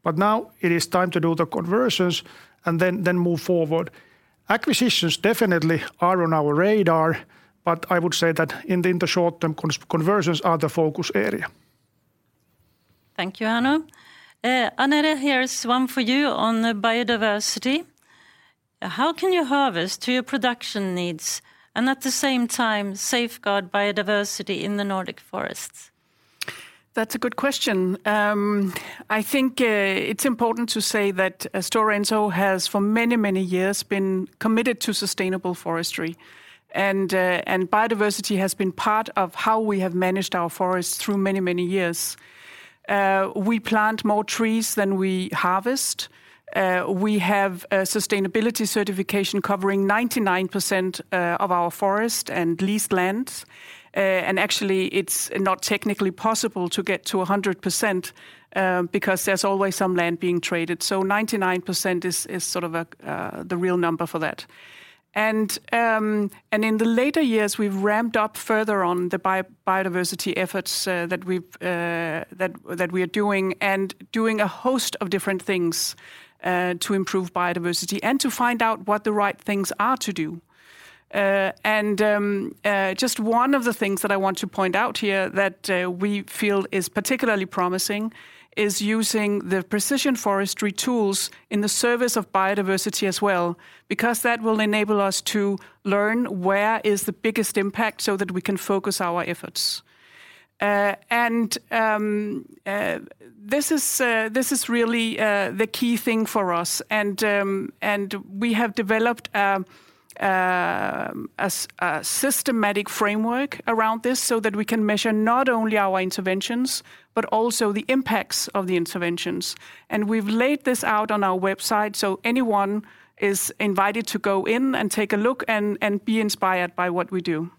Now it is time to do the conversions and then move forward. Acquisitions definitely are on our radar, but I would say that in the short term, conversions are the focus area. Thank you, Hannu. Annette, here is one for you on the biodiversity. How can you harvest to your production needs and at the same time safeguard biodiversity in the Nordic forests? That's a good question. I think it's important to say that Stora Enso has for many, many years been committed to sustainable forestry, and biodiversity has been part of how we have managed our forests through many, many years. We plant more trees than we harvest. We have a sustainability certification covering 99% of our forest and leased land. Actually it's not technically possible to get to 100%, because there's always some land being traded. So 99% is sort of the real number for that. In the later years, we've ramped up further on the biodiversity efforts that we are doing and doing a host of different things to improve biodiversity and to find out what the right things are to do. Just one of the things that I want to point out here that we feel is particularly promising is using the precision forestry tools in the service of biodiversity as well, because that will enable us to learn where is the biggest impact so that we can focus our efforts. This is really the key thing for us. We have developed a systematic framework around this so that we can measure not only our interventions, but also the impacts of the interventions. We've laid this out on our website, so anyone is invited to go in and take a look and be inspired by what we do.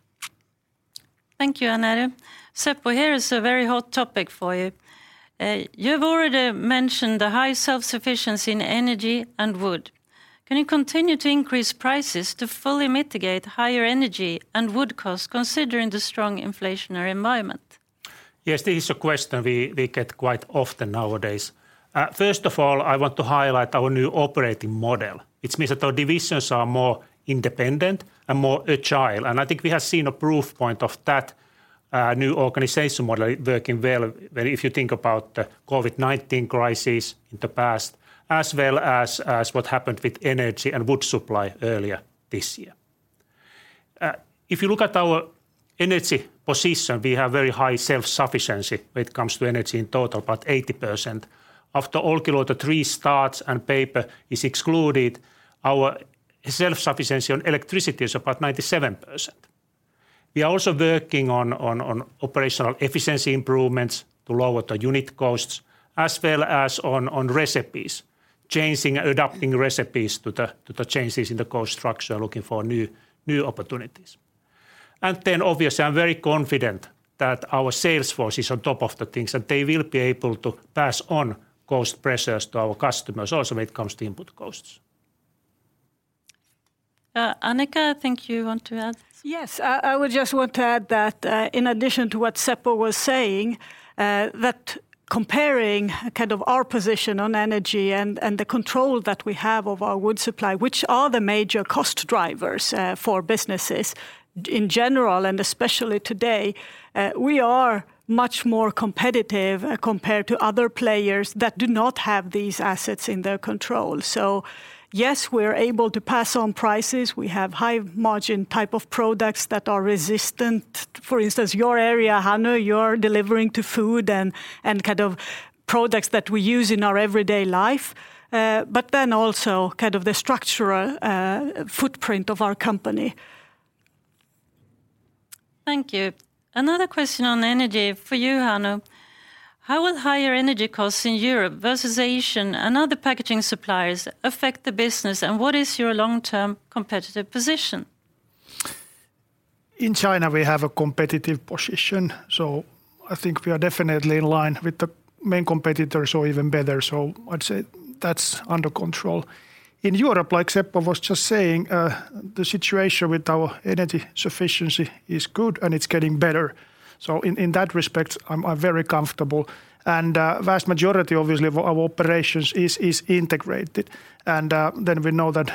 Thank you, Annette. Seppo, here is a very hot topic for you. You've already mentioned the high self-sufficiency in energy and wood. Can you continue to increase prices to fully mitigate higher energy and wood costs considering the strong inflationary environment? Yes, this is a question we get quite often nowadays. First of all, I want to highlight our new operating model, which means that our divisions are more independent and more agile, and I think we have seen a proof point of that, new organization model working well if you think about the COVID-19 crisis in the past as well as what happened with energy and wood supply earlier this year. If you look at our energy position, we have very high self-sufficiency when it comes to energy in total, about 80%. After Olkiluoto 3 starts and paper is excluded, our Self-sufficiency on electricity is about 97%. We are also working on operational efficiency improvements to lower the unit costs as well as on recipes, changing, adapting recipes to the changes in the cost structure, looking for new opportunities. Obviously, I'm very confident that our sales force is on top of the things, and they will be able to pass on cost pressures to our customers also when it comes to input costs. Annica, I think you want to add something. Yes. I would just want to add that, in addition to what Seppo was saying, that comparing kind of our position on energy and the control that we have of our wood supply, which are the major cost drivers, for businesses in general, and especially today, we are much more competitive compared to other players that do not have these assets in their control. Yes, we're able to pass on prices. We have high-margin type of products that are resistant. For instance, your area, Hannu, you're delivering to food and kind of products that we use in our everyday life, but then also kind of the structural footprint of our company. Thank you. Another question on energy for you, Hannu. How will higher energy costs in Europe versus Asian and other packaging suppliers affect the business, and what is your long-term competitive position? In China, we have a competitive position, so I think we are definitely in line with the main competitors or even better. I'd say that's under control. In Europe, like Seppo was just saying, the situation with our energy sufficiency is good, and it's getting better, so in that respect, I'm very comfortable. Vast majority, obviously, of our operations is integrated, and then we know that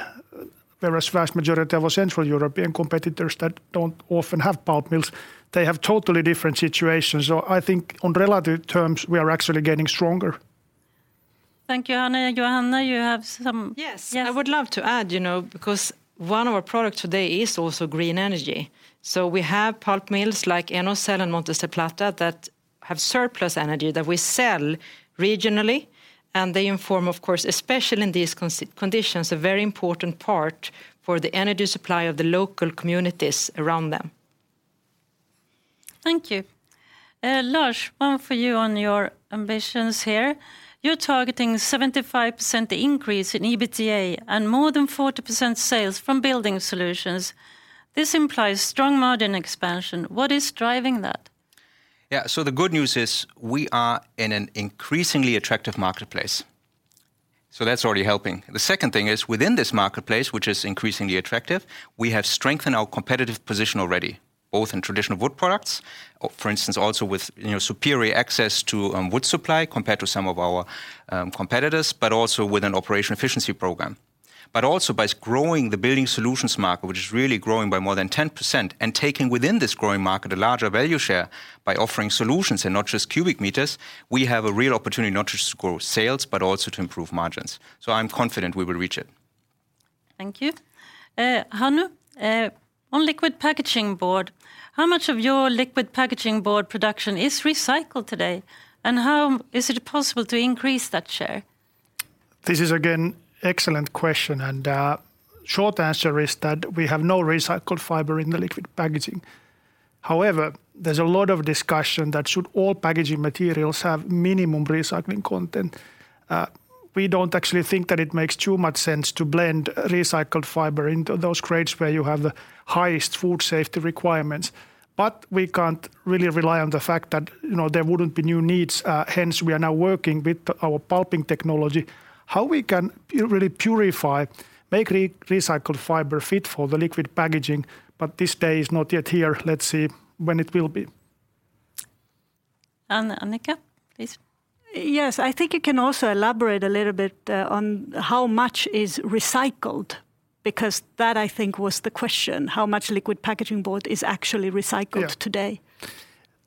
whereas vast majority of our Central European competitors that don't often have pulp mills, they have totally different situations. I think on relative terms, we are actually getting stronger. Thank you, Hannu. Johanna, you have some Yes Yeah. I would love to add, you know, because one of our products today is also green energy, so we have pulp mills like Enocell and Montes del Plata that have surplus energy that we sell regionally, and they form, of course, especially in these current conditions, a very important part for the energy supply of the local communities around them. Thank you. Lars, one for you on your ambitions here. You're targeting 75% increase in EBITDA and more than 40% sales from Building Solutions. This implies strong margin expansion. What is driving that? Yeah, the good news is we are in an increasingly attractive marketplace, that's already helping. The second thing is, within this marketplace, which is increasingly attractive, we have strengthened our competitive position already, both in traditional wood products, or for instance also with, you know, superior access to wood supply compared to some of our competitors, but also with an operational efficiency program. Also by growing the Building Solutions market, which is really growing by more than 10%, and taking within this growing market a larger value share by offering solutions and not just cubic meters, we have a real opportunity not just to grow sales but also to improve margins, I'm confident we will reach it. Thank you. Hannu, on liquid packaging board, how much of your liquid packaging board production is recycled today, and how is it possible to increase that share? This is again excellent question, and short answer is that we have no recycled fiber in the liquid packaging. However, there's a lot of discussion that should all packaging materials have minimum recycling content. We don't actually think that it makes too much sense to blend recycled fiber into those grades where you have the highest food safety requirements. We can't really rely on the fact that, you know, there wouldn't be new needs. Hence, we are now working with our pulping technology, how we can really purify, make recycled fiber fit for the liquid packaging, but this day is not yet here. Let's see when it will be. Annica, please. Yes, I think you can also elaborate a little bit on how much is recycled because that, I think, was the question, how much liquid packaging board is actually recycled today. Yeah.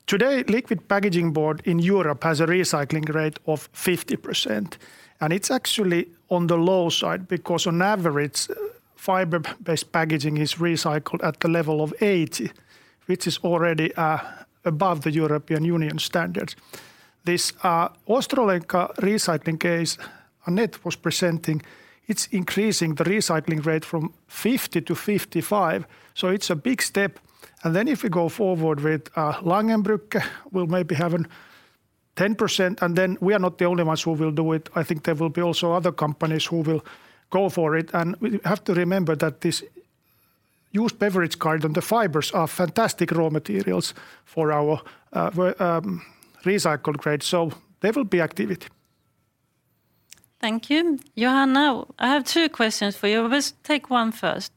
Today, liquid packaging board in Europe has a recycling rate of 50%, and it's actually on the low side because on average, fiber-based packaging is recycled at the level of 80%, which is already above the European Union standards. This Ostrołęka recycling case Annette was presenting, it's increasing the recycling rate from 50% to 55%, so it's a big step. If we go forward with Langerbrugge, we'll maybe have a 10%, and then we are not the only ones who will do it. I think there will be also other companies who will go for it. We have to remember that this used beverage carton, the fibers are fantastic raw materials for our recycle grade, so there will be activity. Thank you. Johanna, I have two questions for you. We'll take one first.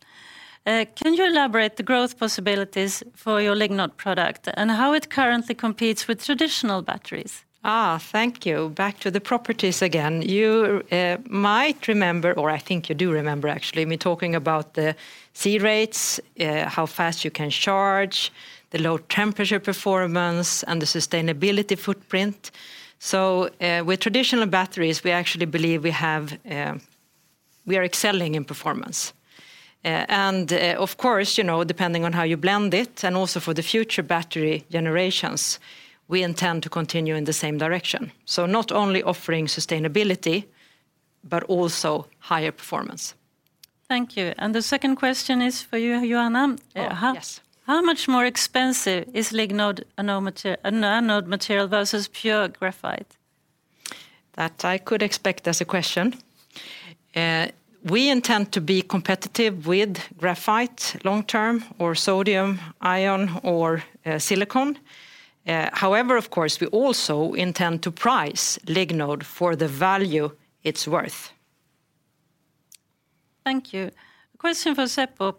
Can you elaborate the growth possibilities for your Lignode product and how it currently competes with traditional batteries? Thank you. Back to the properties again. You might remember, or I think you do remember actually, me talking about the C-rates, how fast you can charge, the low temperature performance, and the sustainability footprint. With traditional batteries, we actually believe we are excelling in performance. Of course, you know, depending on how you blend it, and also for the future battery generations, we intend to continue in the same direction, so not only offering sustainability but also higher performance. Thank you. The second question is for you, Johanna. Oh, yes. How much more expensive is Lignode anode material versus pure graphite? That I could expect as a question. We intend to be competitive with graphite long-term or sodium-ion or silicon. However, of course, we also intend to price Lignode for the value it's worth. Thank you. Question for Seppo.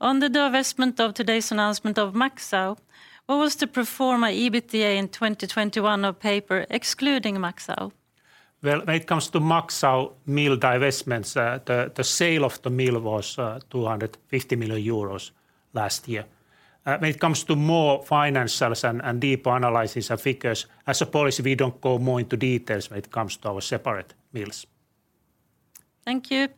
On the divestment of today's announcement of Maxau, what was the pro forma EBITDA in 2021 of paper excluding Maxau? Well, when it comes to Maxau mill divestments, the sale of the mill was 250 million euros last year. When it comes to more financials and deeper analysis of figures, as a policy, we don't go more into details when it comes to our separate mills. Thank you.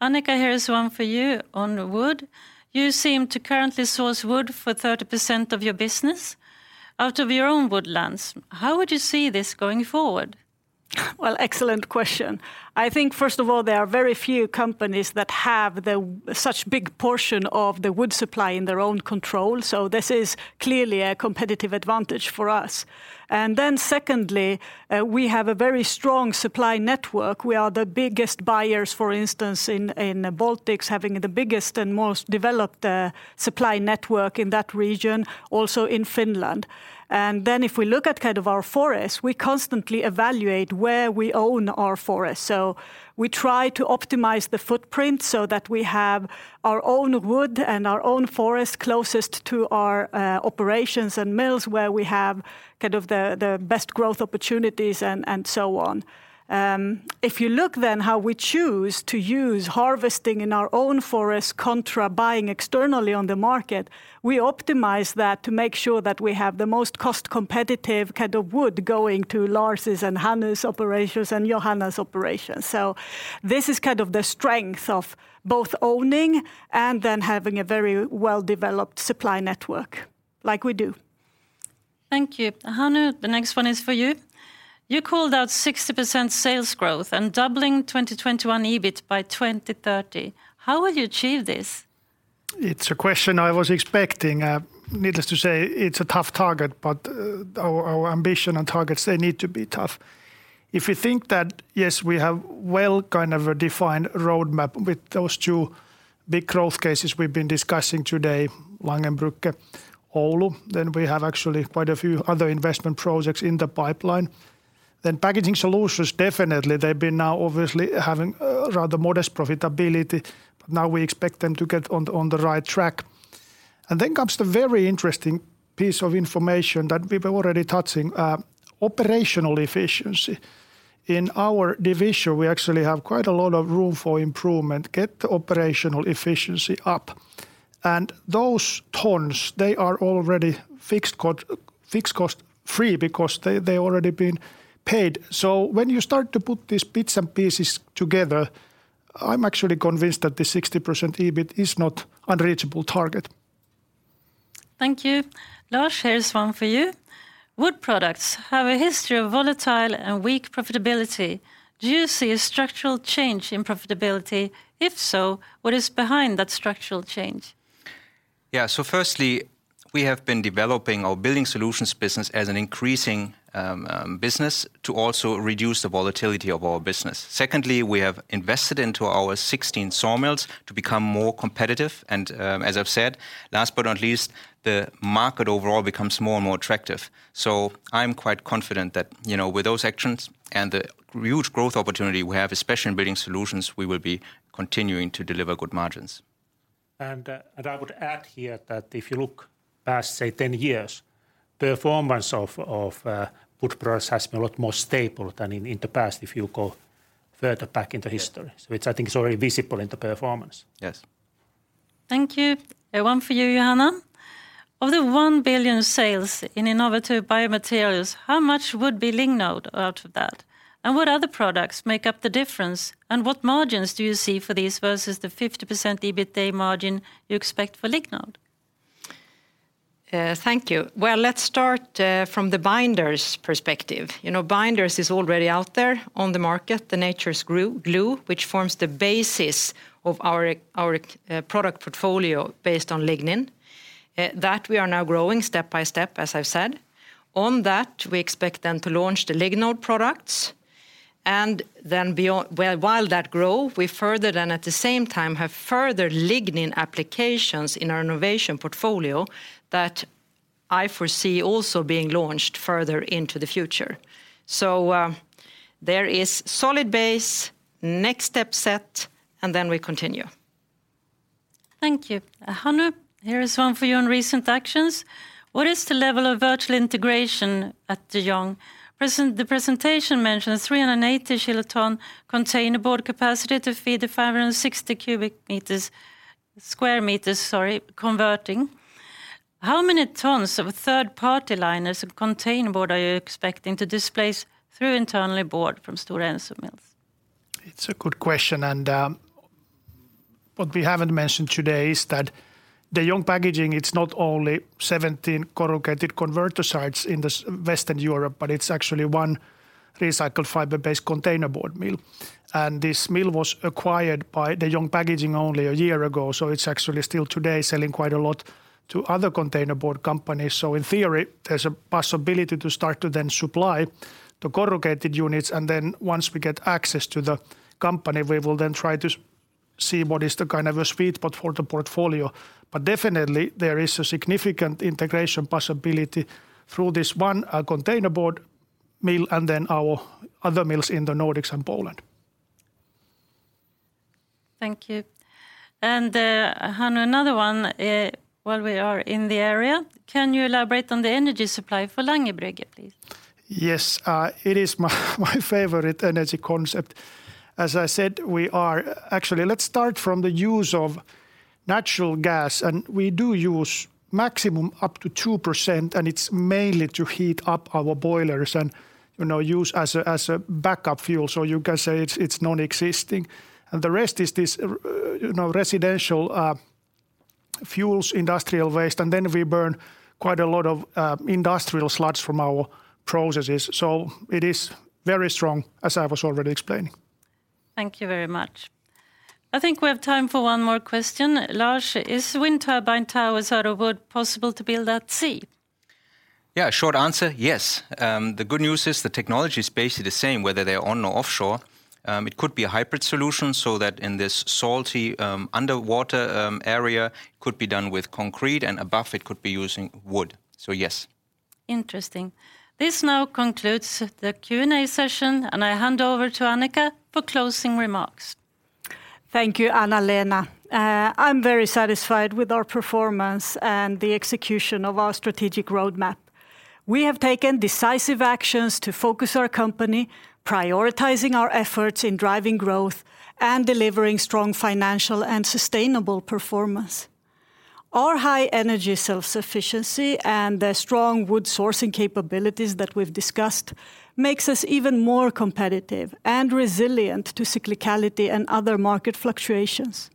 Annica, here is one for you on wood. You seem to currently source wood for 30% of your business out of your own woodlands. How would you see this going forward? Well, excellent question. I think, first of all, there are very few companies that have such big portion of the wood supply in their own control. This is clearly a competitive advantage for us. Secondly, we have a very strong supply network. We are the biggest buyers, for instance, in the Baltics, having the biggest and most developed supply network in that region, also in Finland. If we look at kind of our forests, we constantly evaluate where we own our forests. We try to optimize the footprint so that we have our own wood and our own forests closest to our operations and mills where we have kind of the best growth opportunities and so on. If you look then how we choose to use harvesting in our own forests contra buying externally on the market, we optimize that to make sure that we have the most cost-competitive kind of wood going to Lars' and Hannu's operations and Johanna's operations. This is kind of the strength of both owning and then having a very well-developed supply network like we do. Thank you. Hannu, the next one is for you. You called out 60% sales growth and doubling 2021 EBIT by 2030. How will you achieve this? It's a question I was expecting. Needless to say, it's a tough target, but our ambition and targets, they need to be tough. If you think that, yes, we have well kind of a defined roadmap with those two big growth cases we've been discussing today, Langerbrugge, Oulu, then we have actually quite a few other investment projects in the pipeline. Packaging Solutions, definitely they've been now obviously having a rather modest profitability. Now we expect them to get on the right track. Then comes the very interesting piece of information that we were already touching, operational efficiency. In our division, we actually have quite a lot of room for improvement, get the operational efficiency up. Those tons, they are already fixed cost free because they already been paid. When you start to put these bits and pieces together, I'm actually convinced that the 60% EBIT is not unreachable target. Thank you. Lars, here is one for you. Wood Products have a history of volatile and weak profitability. Do you see a structural change in profitability? If so, what is behind that structural change? Yeah. Firstly, we have been developing our Building Solutions business as an increasing business to also reduce the volatility of our business. Secondly, we have invested into our 16 sawmills to become more competitive. As I've said, last but not least, the market overall becomes more and more attractive. I'm quite confident that, you know, with those actions and the huge growth opportunity we have, especially in Building Solutions, we will be continuing to deliver good margins. I would add here that if you look past, say, 10 years, performance of Wood Products has been a lot more stable than in the past if you go further back into history, so I think it's already visible in the performance. Yes. Thank you. One for you, Johanna. Of the 1 billion sales in innovative biomaterials, how much would be Lignode out of that? And what other products make up the difference? And what margins do you see for these versus the 50% EBITDA margin you expect for Lignode? Thank you. Well, let's start from the binder's perspective. You know, binders is already out there on the market, NeoLigno, which forms the basis of our product portfolio based on lignin that we are now growing step by step, as I've said. On that, we expect then to launch the Lignode products. Then beyond. Well, while that grow, we further then at the same time have further lignin applications in our innovation portfolio that I foresee also being launched further into the future. There is solid base, next step set, and then we continue. Thank you. Hannu, here is one for you on recent actions. What is the level of virtual integration at De Jong? The presentation mentions 380 kiloton container board capacity to feed the 560 million m², sorry, converting. How many tons of third-party liners of container board are you expecting to displace through internal board from Stora Enso mills? It's a good question, and what we haven't mentioned today is that De Jong Packaging, it's not only 17 corrugated converter sites in Western Europe, but it's actually one recycled fiber-based container board mill. This mill was acquired by De Jong Packaging only a year ago, so it's actually still today selling quite a lot to other container board companies. In theory, there's a possibility to start to then supply the corrugated units. Once we get access to the company, we will then try to see what is the kind of a sweet spot for the portfolio. But definitely there is a significant integration possibility through this one container board mill and then our other mills in the Nordics and Poland. Thank you. Hannu, another one, while we are in the area, can you elaborate on the energy supply for Langerbrugge, please? Yes. It is my favorite energy concept. As I said, actually, let's start from the use of natural gas, and we do use maximum up to 2%, and it's mainly to heat up our boilers and, you know, use as a backup fuel, so you can say it's non-existent. The rest is this, you know, residential fuels, industrial waste, and then we burn quite a lot of industrial sludge from our processes, so it is very strong, as I was already explaining. Thank you very much. I think we have time for one more question. Lars, is wind turbine towers out of wood possible to build at sea? Yeah. Short answer, yes. The good news is the technology is basically the same whether they're on or offshore. It could be a hybrid solution so that in this salty, underwater, area, could be done with concrete, and above it could be using wood. Yes. Interesting. This now concludes the Q&A session, and I hand over to Annica for closing remarks. Thank you, Anna-Lena. I'm very satisfied with our performance and the execution of our strategic roadmap. We have taken decisive actions to focus our company, prioritizing our efforts in driving growth and delivering strong financial and sustainable performance. Our high energy self-sufficiency and the strong wood sourcing capabilities that we've discussed makes us even more competitive and resilient to cyclicality and other market fluctuations.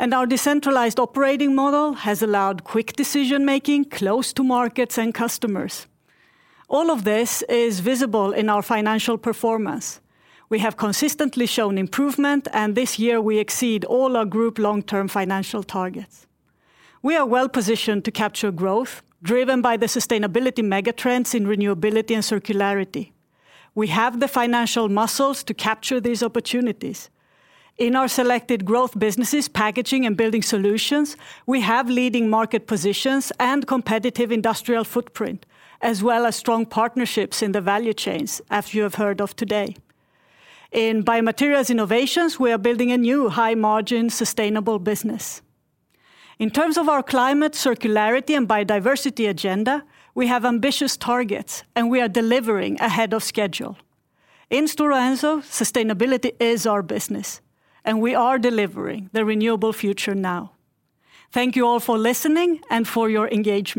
Our decentralized operating model has allowed quick decision-making close to markets and customers. All of this is visible in our financial performance. We have consistently shown improvement, and this year we exceed all our group long-term financial targets. We are well positioned to capture growth, driven by the sustainability mega trends in renewability and circularity. We have the financial muscles to capture these opportunities. In our selected growth businesses, packaging and building solutions, we have leading market positions and competitive industrial footprint, as well as strong partnerships in the value chains, as you have heard of today. In biomaterials innovations, we are building a new high-margin sustainable business. In terms of our climate circularity and biodiversity agenda, we have ambitious targets, and we are delivering ahead of schedule. In Stora Enso, sustainability is our business, and we are delivering the renewable future now. Thank you all for listening and for your engagement.